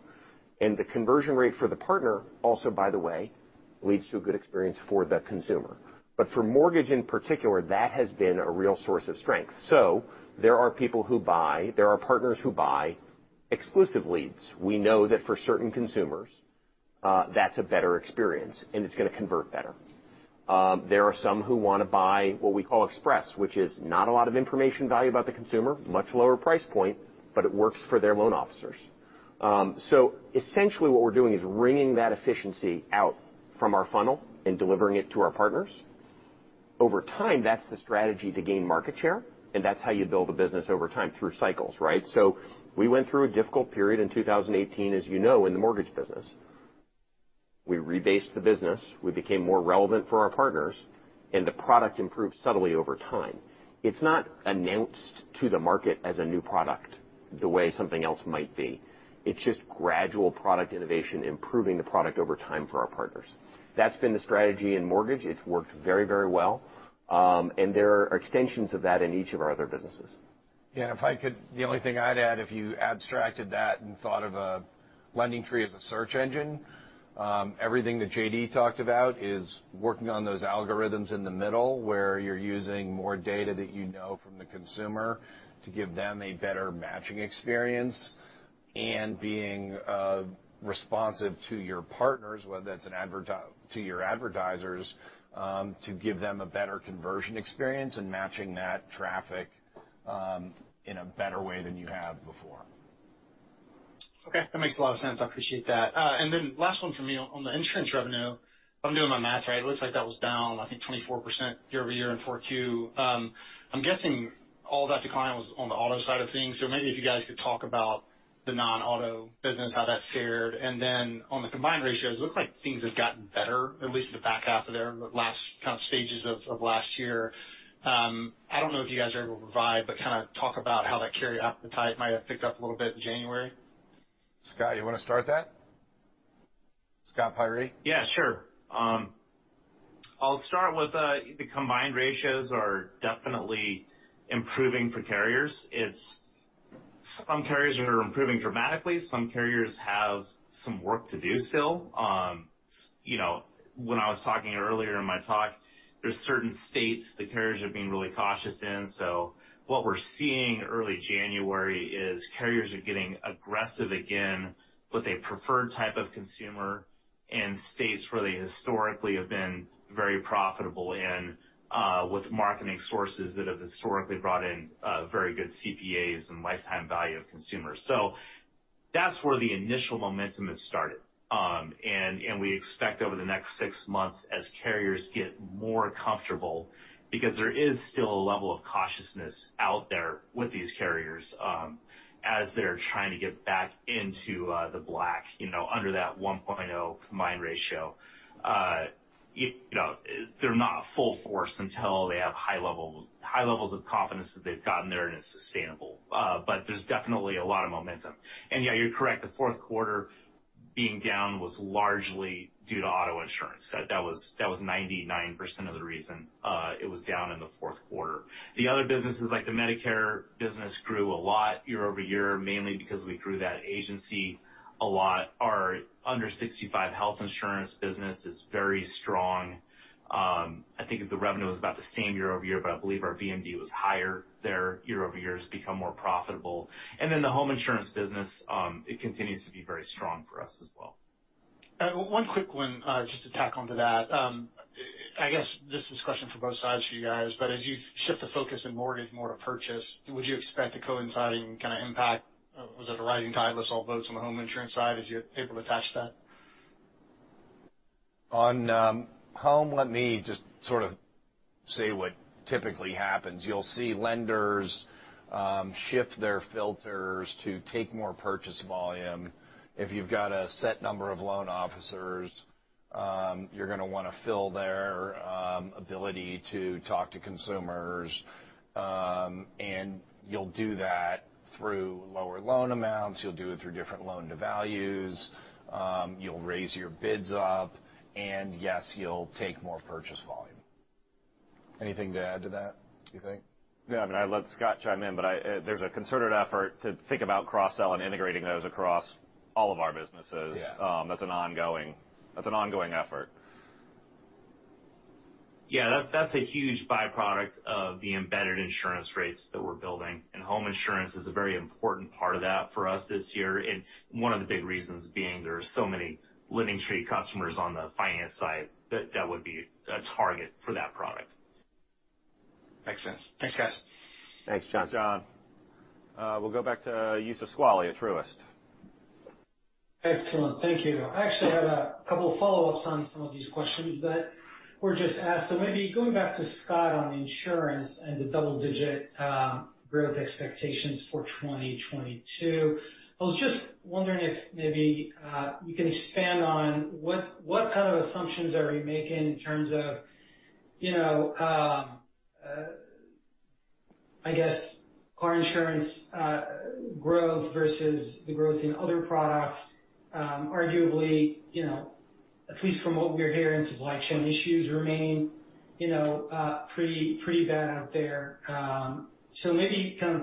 Speaker 4: The conversion rate for the partner also, by the way, leads to a good experience for the consumer. For mortgage in particular, that has been a real source of strength. There are people who buy, there are partners who buy exclusive leads. We know that for certain consumers, that's a better experience, and it's gonna convert better. There are some who wanna buy what we call express, which is not a lot of information value about the consumer, much lower price point, but it works for their loan officers. Essentially what we're doing is wringing that efficiency out from our funnel and delivering it to our partners. Over time, that's the strategy to gain market share, and that's how you build a business over time through cycles, right? We went through a difficult period in 2018, as you know, in the mortgage business. We rebased the business, we became more relevant for our partners, and the product improved subtly over time. It's not announced to the market as a new product the way something else might be. It's just gradual product innovation, improving the product over time for our partners. That's been the strategy in mortgage. It's worked very, very well. There are extensions of that in each of our other businesses.
Speaker 1: Yeah, if I could, the only thing I'd add, if you abstracted that and thought of LendingTree as a search engine, everything that J.D. talked about is working on those algorithms in the middle where you're using more data that you know from the consumer to give them a better matching experience and being responsive to your partners, whether that's to your advertisers, to give them a better conversion experience and matching that traffic in a better way than you have before.
Speaker 8: Okay, that makes a lot of sense. I appreciate that. Last one for me. On the insurance revenue, if I'm doing my math right, it looks like that was down, I think, 24% year-over-year in 4Q. I'm guessing all that decline was on the auto side of things. Maybe if you guys could talk about the non-auto business, how that fared. On the combined ratios, it looks like things have gotten better, at least the back half of their last kind of stages of last year. I don't know if you guys are able to provide, but kinda talk about how that carrier appetite might have picked up a little bit in January.
Speaker 1: Scott, you wanna start that? Scott Peyree?
Speaker 14: Yeah, sure. I'll start with the combined ratios are definitely improving for carriers. Some carriers are improving dramatically. Some carriers have some work to do still. You know, when I was talking earlier in my talk, there's certain states the carriers are being really cautious in. What we're seeing early January is carriers are getting aggressive again with a preferred type of consumer in states where they historically have been very profitable and with marketing sources that have historically brought in very good CPAs and lifetime value of consumers. That's where the initial momentum has started. We expect over the next six months as carriers get more comfortable because there is still a level of cautiousness out there with these carriers, as they're trying to get back into the black, you know, under that 1.0 combined ratio. You know, they're not full force until they have high level, high levels of confidence that they've gotten there and it's sustainable. There's definitely a lot of momentum. Yeah, you're correct. The fourth quarter being down was largely due to auto insurance. That was 99% of the reason it was down in the fourth quarter. The other businesses, like the Medicare business, grew a lot year-over-year, mainly because we grew that agency a lot. Our under-65 health insurance business is very strong. I think the revenue was about the same year-over-year, but I believe our BMD was higher there year-over-year. It's become more profitable. The home insurance business, it continues to be very strong for us as well.
Speaker 8: One quick one, just to tack onto that. I guess this is a question for both sides for you guys, but as you shift the focus in mortgage more to purchase, would you expect a coinciding impact? Is it a rising tide lifts all boats on the home insurance side? Are you able to attach that?
Speaker 14: On home, let me just sort of say what typically happens. You'll see lenders shift their filters to take more purchase volume. If you've got a set number of loan officers, you're gonna wanna fill their ability to talk to consumers, and you'll do that through lower loan amounts. You'll do it through different loan to values. You'll raise your bids up. Yes, you'll take more purchase volume. Anything to add to that, do you think?
Speaker 7: Yeah. I mean, I'd let Scott chime in, but I, there's a concerted effort to think about cross-sell and integrating those across all of our businesses.
Speaker 14: Yeah.
Speaker 7: That's an ongoing effort.
Speaker 4: Yeah. That's a huge byproduct of the embedded insurance rates that we're building, and home insurance is a very important part of that for us this year. One of the big reasons being there are so many LendingTree customers on the finance side that would be a target for that product.
Speaker 8: Makes sense. Thanks, guys.
Speaker 1: Thanks, John.
Speaker 7: Thanks, John. We'll go back to Youssef Squali at Truist.
Speaker 9: Excellent. Thank you. I actually have a couple of follow-ups on some of these questions that were just asked. Maybe going back to Scott on insurance and the double-digit growth expectations for 2022. I was just wondering if maybe you can expand on what kind of assumptions are we making in terms of, you know, I guess, car insurance growth versus the growth in other products, arguably, you know, at least from what we're hearing, supply chain issues remain, you know, pretty bad out there. Maybe kind of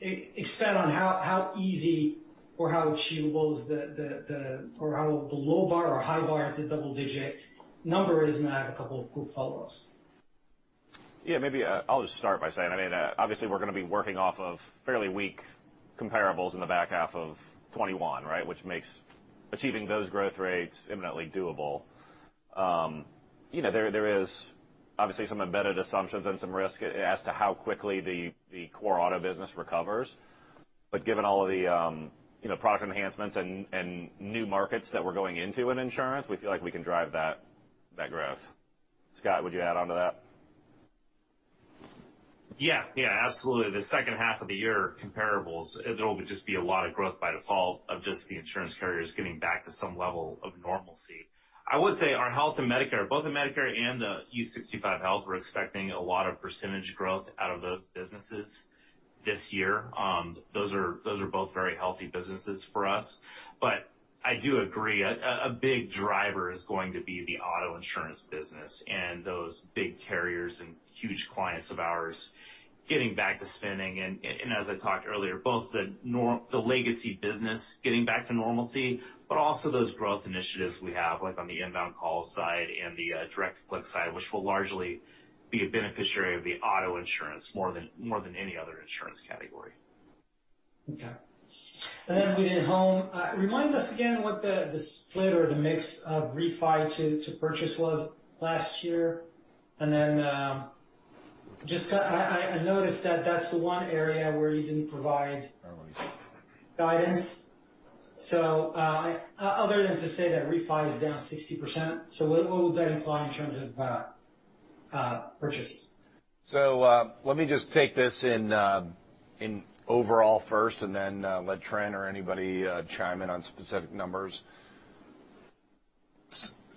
Speaker 9: expand on how easy or how achievable is the or how the low bar or high bar at the double-digit number is, and then I have a couple of quick follow-ups.
Speaker 7: Yeah, maybe, I'll just start by saying, I mean, obviously, we're gonna be working off of fairly weak comparables in the back half of 2021, right? Which makes achieving those growth rates eminently doable. There is obviously some embedded assumptions and some risk as to how quickly the core auto business recovers. But given all of the product enhancements and new markets that we're going into in insurance, we feel like we can drive that growth. Scott, would you add on to that?
Speaker 14: Yeah, yeah. Absolutely. The second half of the year comparables, it'll just be a lot of growth by default of just the insurance carriers getting back to some level of normalcy. I would say our health and Medicare, both the Medicare and the under-65 health, we're expecting a lot of percentage growth out of those businesses this year. Those are both very healthy businesses for us. I do agree, a big driver is going to be the auto insurance business, and those big carriers and huge clients of ours getting back to spending. as I talked earlier, both the legacy business getting back to normalcy, but also those growth initiatives we have, like on the inbound call side and the direct click side, which will largely be a beneficiary of the auto insurance more than any other insurance category.
Speaker 9: Okay. Within home, remind us again what the split or the mix of refi to purchase was last year. Just, I noticed that that's the one area where you didn't provide guidance. Other than to say that refi is down 60%. What would that imply in terms of purchase?
Speaker 1: Let me just take this in overall first and then let Trent or anybody chime in on specific numbers.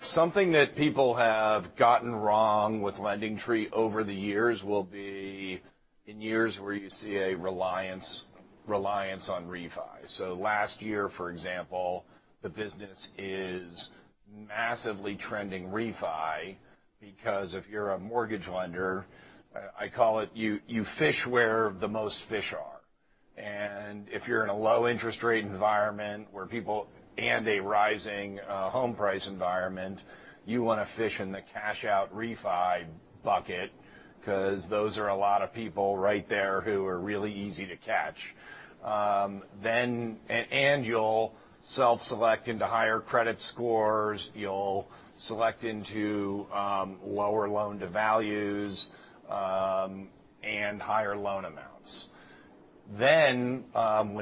Speaker 1: Something that people have gotten wrong with LendingTree over the years will be in years where you see a reliance on refi. Last year, for example, the business is massively trending refi because if you're a mortgage lender, I call it you fish where the most fish are. If you're in a low interest rate environment where people and a rising home price environment, you want to fish in the cash out refi bucket because those are a lot of people right there who are really easy to catch. You'll self-select into higher credit scores, you'll select into lower loan-to-values and higher loan amounts. When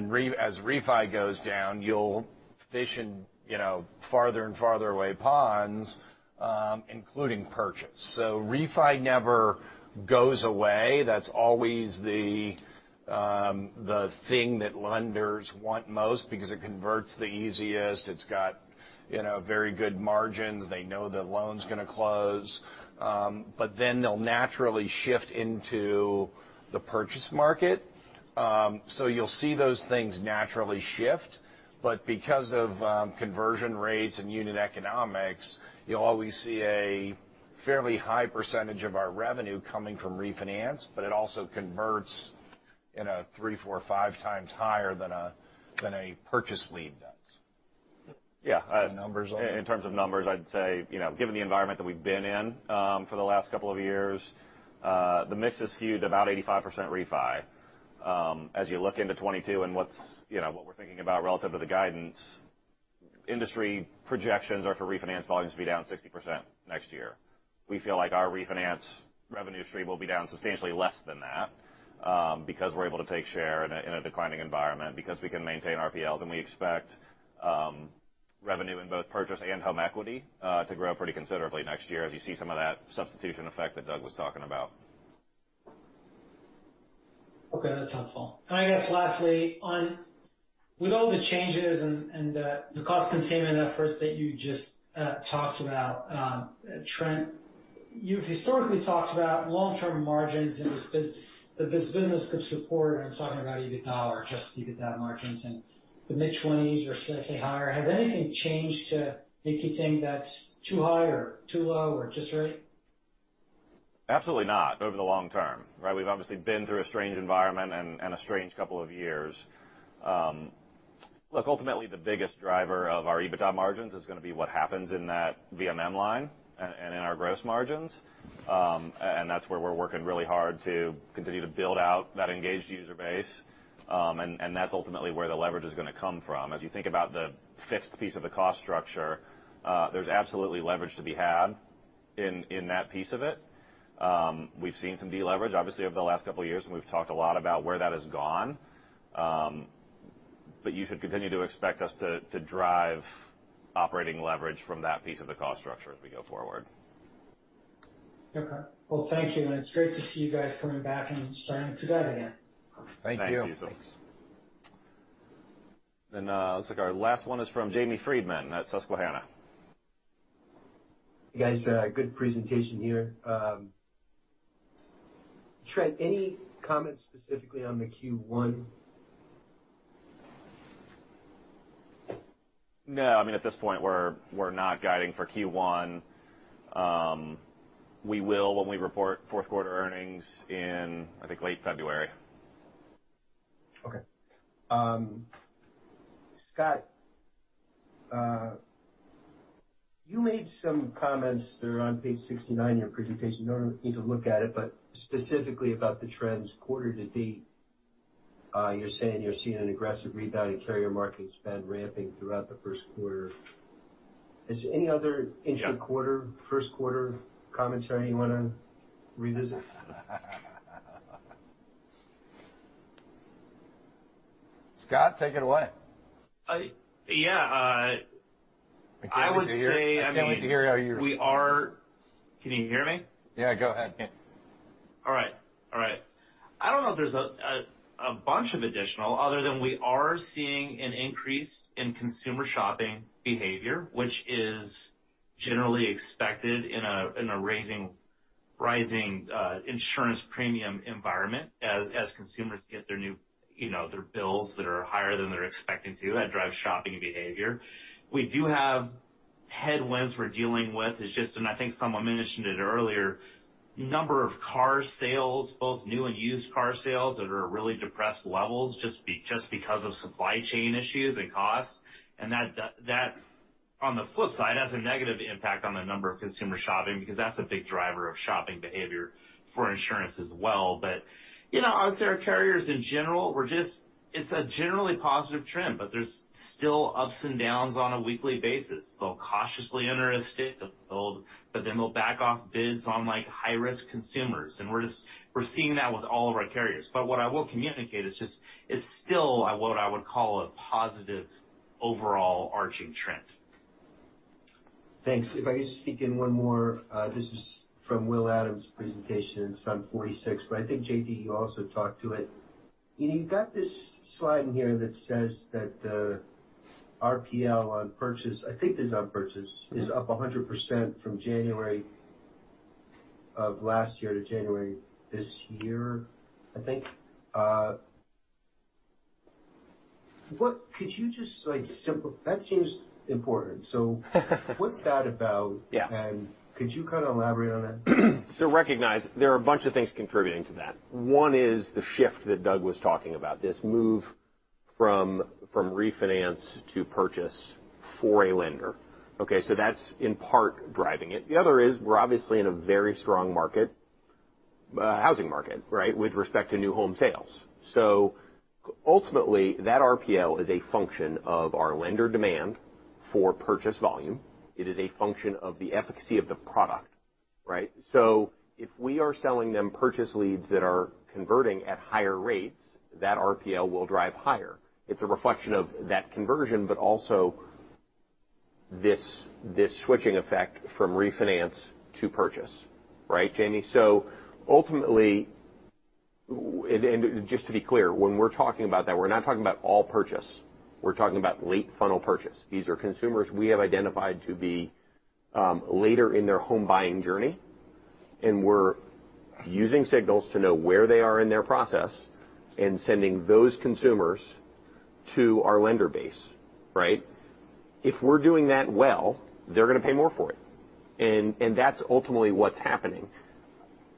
Speaker 1: refi goes down, you'll fish in, you know, farther and farther away ponds, including purchase. Refi never goes away. That's always the thing that lenders want most because it converts the easiest. It's got, you know, very good margins. They know the loan's gonna close. They'll naturally shift into the purchase market. You'll see those things naturally shift. Because of conversion rates and unit economics, you'll always see a fairly high percentage of our revenue coming from refinance, but it also converts three, four, five times higher than a purchase lead does.
Speaker 7: Yeah.
Speaker 1: The numbers on that.
Speaker 7: In terms of numbers, I'd say, you know, given the environment that we've been in, for the last couple of years, the mix is skewed about 85% refi. As you look into 2022 and what's, you know, what we're thinking about relative to the guidance, industry projections are for refinance volumes to be down 60% next year. We feel like our refinance revenue stream will be down substantially less than that, because we're able to take share in a declining environment because we can maintain RPLs, and we expect, revenue in both purchase and home equity, to grow pretty considerably next year as you see some of that substitution effect that Doug was talking about.
Speaker 9: Okay, that's helpful. I guess lastly, on with all the changes and the cost containment efforts that you just talked about, Trent, you've historically talked about long-term margins in this business that this business could support. I'm talking about EBITDA or just EBITDA margins in the mid-20s% or slightly higher. Has anything changed to make you think that's too high or too low or just right?
Speaker 7: Absolutely not over the long term, right? We've obviously been through a strange environment and a strange couple of years. Look, ultimately, the biggest driver of our EBITDA margins is gonna be what happens in that VMM line and in our gross margins. That's where we're working really hard to continue to build out that engaged user base. That's ultimately where the leverage is gonna come from. As you think about the fixed piece of the cost structure, there's absolutely leverage to be had in that piece of it. We've seen some deleverage, obviously, over the last couple of years, and we've talked a lot about where that has gone. You should continue to expect us to drive operating leverage from that piece of the cost structure as we go forward.
Speaker 9: Okay. Well, thank you, and it's great to see you guys coming back and shining together again.
Speaker 7: Thank you.
Speaker 1: Thanks, Youssef.
Speaker 7: Looks like our last one is from Jamie Friedman at Susquehanna.
Speaker 17: You guys, good presentation here. Trent, any comments specifically on the Q1?
Speaker 7: No. I mean, at this point, we're not guiding for Q1. We will when we report fourth quarter earnings in, I think, late February.
Speaker 17: Okay. Scott, you made some comments that are on page 69 in your presentation. Don't know if you need to look at it, but specifically about the trends quarter to date, you're saying you're seeing an aggressive rebound in carrier market spend ramping throughout the first quarter. Is any other-
Speaker 14: Yeah.
Speaker 17: Intra-quarter, first quarter commentary you wanna revisit?
Speaker 1: Scott, take it away.
Speaker 14: Yeah. I would say, I mean.
Speaker 1: I can't wait to hear how you-
Speaker 14: Can you hear me?
Speaker 1: Yeah, go ahead. Yeah.
Speaker 14: All right. I don't know if there's a bunch of additional other than we are seeing an increase in consumer shopping behavior, which is generally expected in a rising insurance premium environment as consumers get their new, you know, their bills that are higher than they're expecting, too. That drives shopping behavior. We do have headwinds we're dealing with. It's just. I think someone mentioned it earlier, number of car sales, both new and used car sales that are at really depressed levels just because of supply chain issues and costs. That, on the flip side, has a negative impact on the number of consumer shopping because that's a big driver of shopping behavior for insurance as well. You know, as there are carriers in general, we're just. It's a generally positive trend, but there's still ups and downs on a weekly basis. They'll cautiously enter the mix. They'll back off bids on, like, high-risk consumers, and we're seeing that with all of our carriers. What I will communicate is just, it's still what I would call a positive overarching trend.
Speaker 17: Thanks. If I could just sneak in one more, this is from Will Adams's presentation. It's on 46, but I think, J.D., you also talked to it. You know, you've got this slide in here that says that the RPL on purchase, I think this is on purchase, is up 100% from January of last year to January this year, I think. What could you just, like, simplify that? That seems important. What's that about?
Speaker 4: Yeah.
Speaker 17: Could you kinda elaborate on that?
Speaker 4: Recognize there are a bunch of things contributing to that. One is the shift that Doug was talking about, this move from refinance to purchase for a lender. Okay? That's in part driving it. The other is we're obviously in a very strong market, housing market, right, with respect to new home sales. Ultimately, that RPL is a function of our lender demand for purchase volume. It is a function of the efficacy of the product, right? If we are selling them purchase leads that are converting at higher rates, that RPL will drive higher. It's a reflection of that conversion, but also this switching effect from refinance to purchase, right, Jamie? Ultimately, and just to be clear, when we're talking about that, we're not talking about all purchase. We're talking about late funnel purchase. These are consumers we have identified to be later in their home buying journey, and we're using signals to know where they are in their process and sending those consumers to our lender base, right? If we're doing that well, they're gonna pay more for it. That's ultimately what's happening.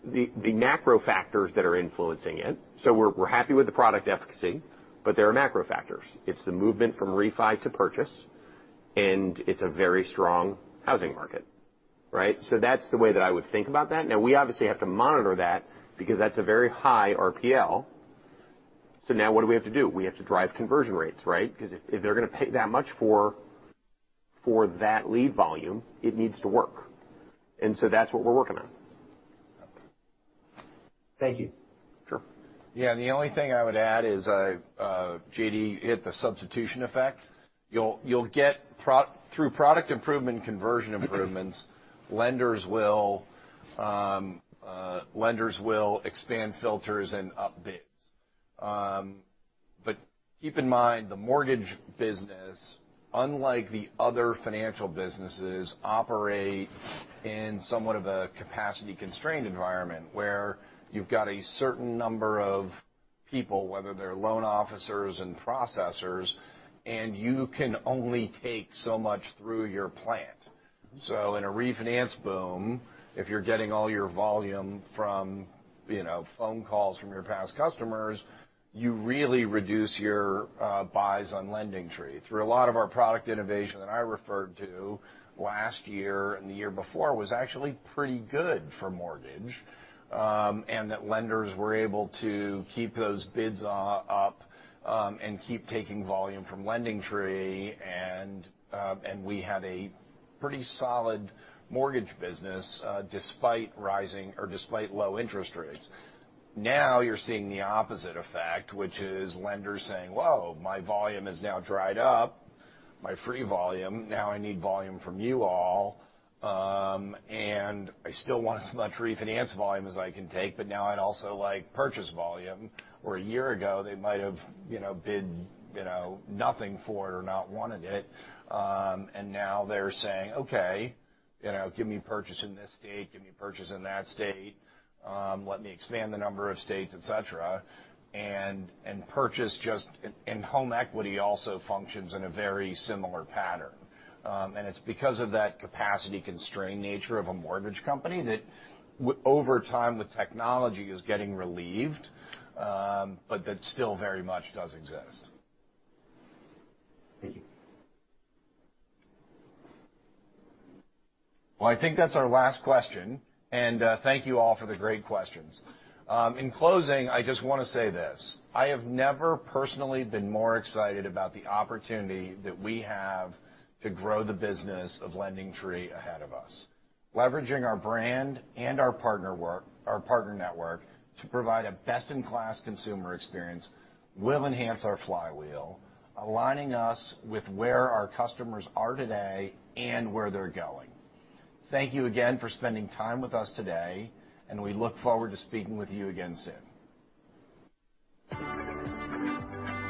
Speaker 4: The macro factors that are influencing it, so we're happy with the product efficacy, but there are macro factors. It's the movement from refi to purchase, and it's a very strong housing market, right? That's the way that I would think about that. Now, we obviously have to monitor that because that's a very high RPL. Now what do we have to do? We have to drive conversion rates, right? 'Cause if they're gonna pay that much for that lead volume, it needs to work. That's what we're working on.
Speaker 17: Thank you.
Speaker 4: Sure.
Speaker 1: Yeah. The only thing I would add is, J.D., you hit the substitution effect. You'll get through product improvement and conversion improvements, lenders will expand filters and up bids. Keep in mind, the mortgage business, unlike the other financial businesses, operate in somewhat of a capacity-constrained environment, where you've got a certain number of people, whether they're loan officers and processors, and you can only take so much through your plant. In a refinance boom, if you're getting all your volume from, you know, phone calls from your past customers, you really reduce your buys on LendingTree. Through a lot of our product innovation that I referred to last year and the year before was actually pretty good for mortgage, and that lenders were able to keep those bids up, and keep taking volume from LendingTree, and we had a pretty solid mortgage business, despite low interest rates. Now you're seeing the opposite effect, which is lenders saying, "Whoa, my volume has now dried up, my free volume. Now I need volume from you all. And I still want as much refinance volume as I can take, but now I'd also like purchase volume." Where a year ago, they might have, you know, bid, you know, nothing for it or not wanted it, and now they're saying, "Okay, you know, give me purchase in this state, give me purchase in that state. Let me expand the number of states, et cetera. Home equity also functions in a very similar pattern. It's because of that capacity-constrained nature of a mortgage company that over time with technology is getting relieved, but that still very much does exist.
Speaker 17: Thank you.
Speaker 1: Well, I think that's our last question, and thank you all for the great questions. In closing, I just wanna say this: I have never personally been more excited about the opportunity that we have to grow the business of LendingTree ahead of us. Leveraging our brand and our partner network to provide a best-in-class consumer experience will enhance our flywheel, aligning us with where our customers are today and where they're going. Thank you again for spending time with us today, and we look forward to speaking with you again soon.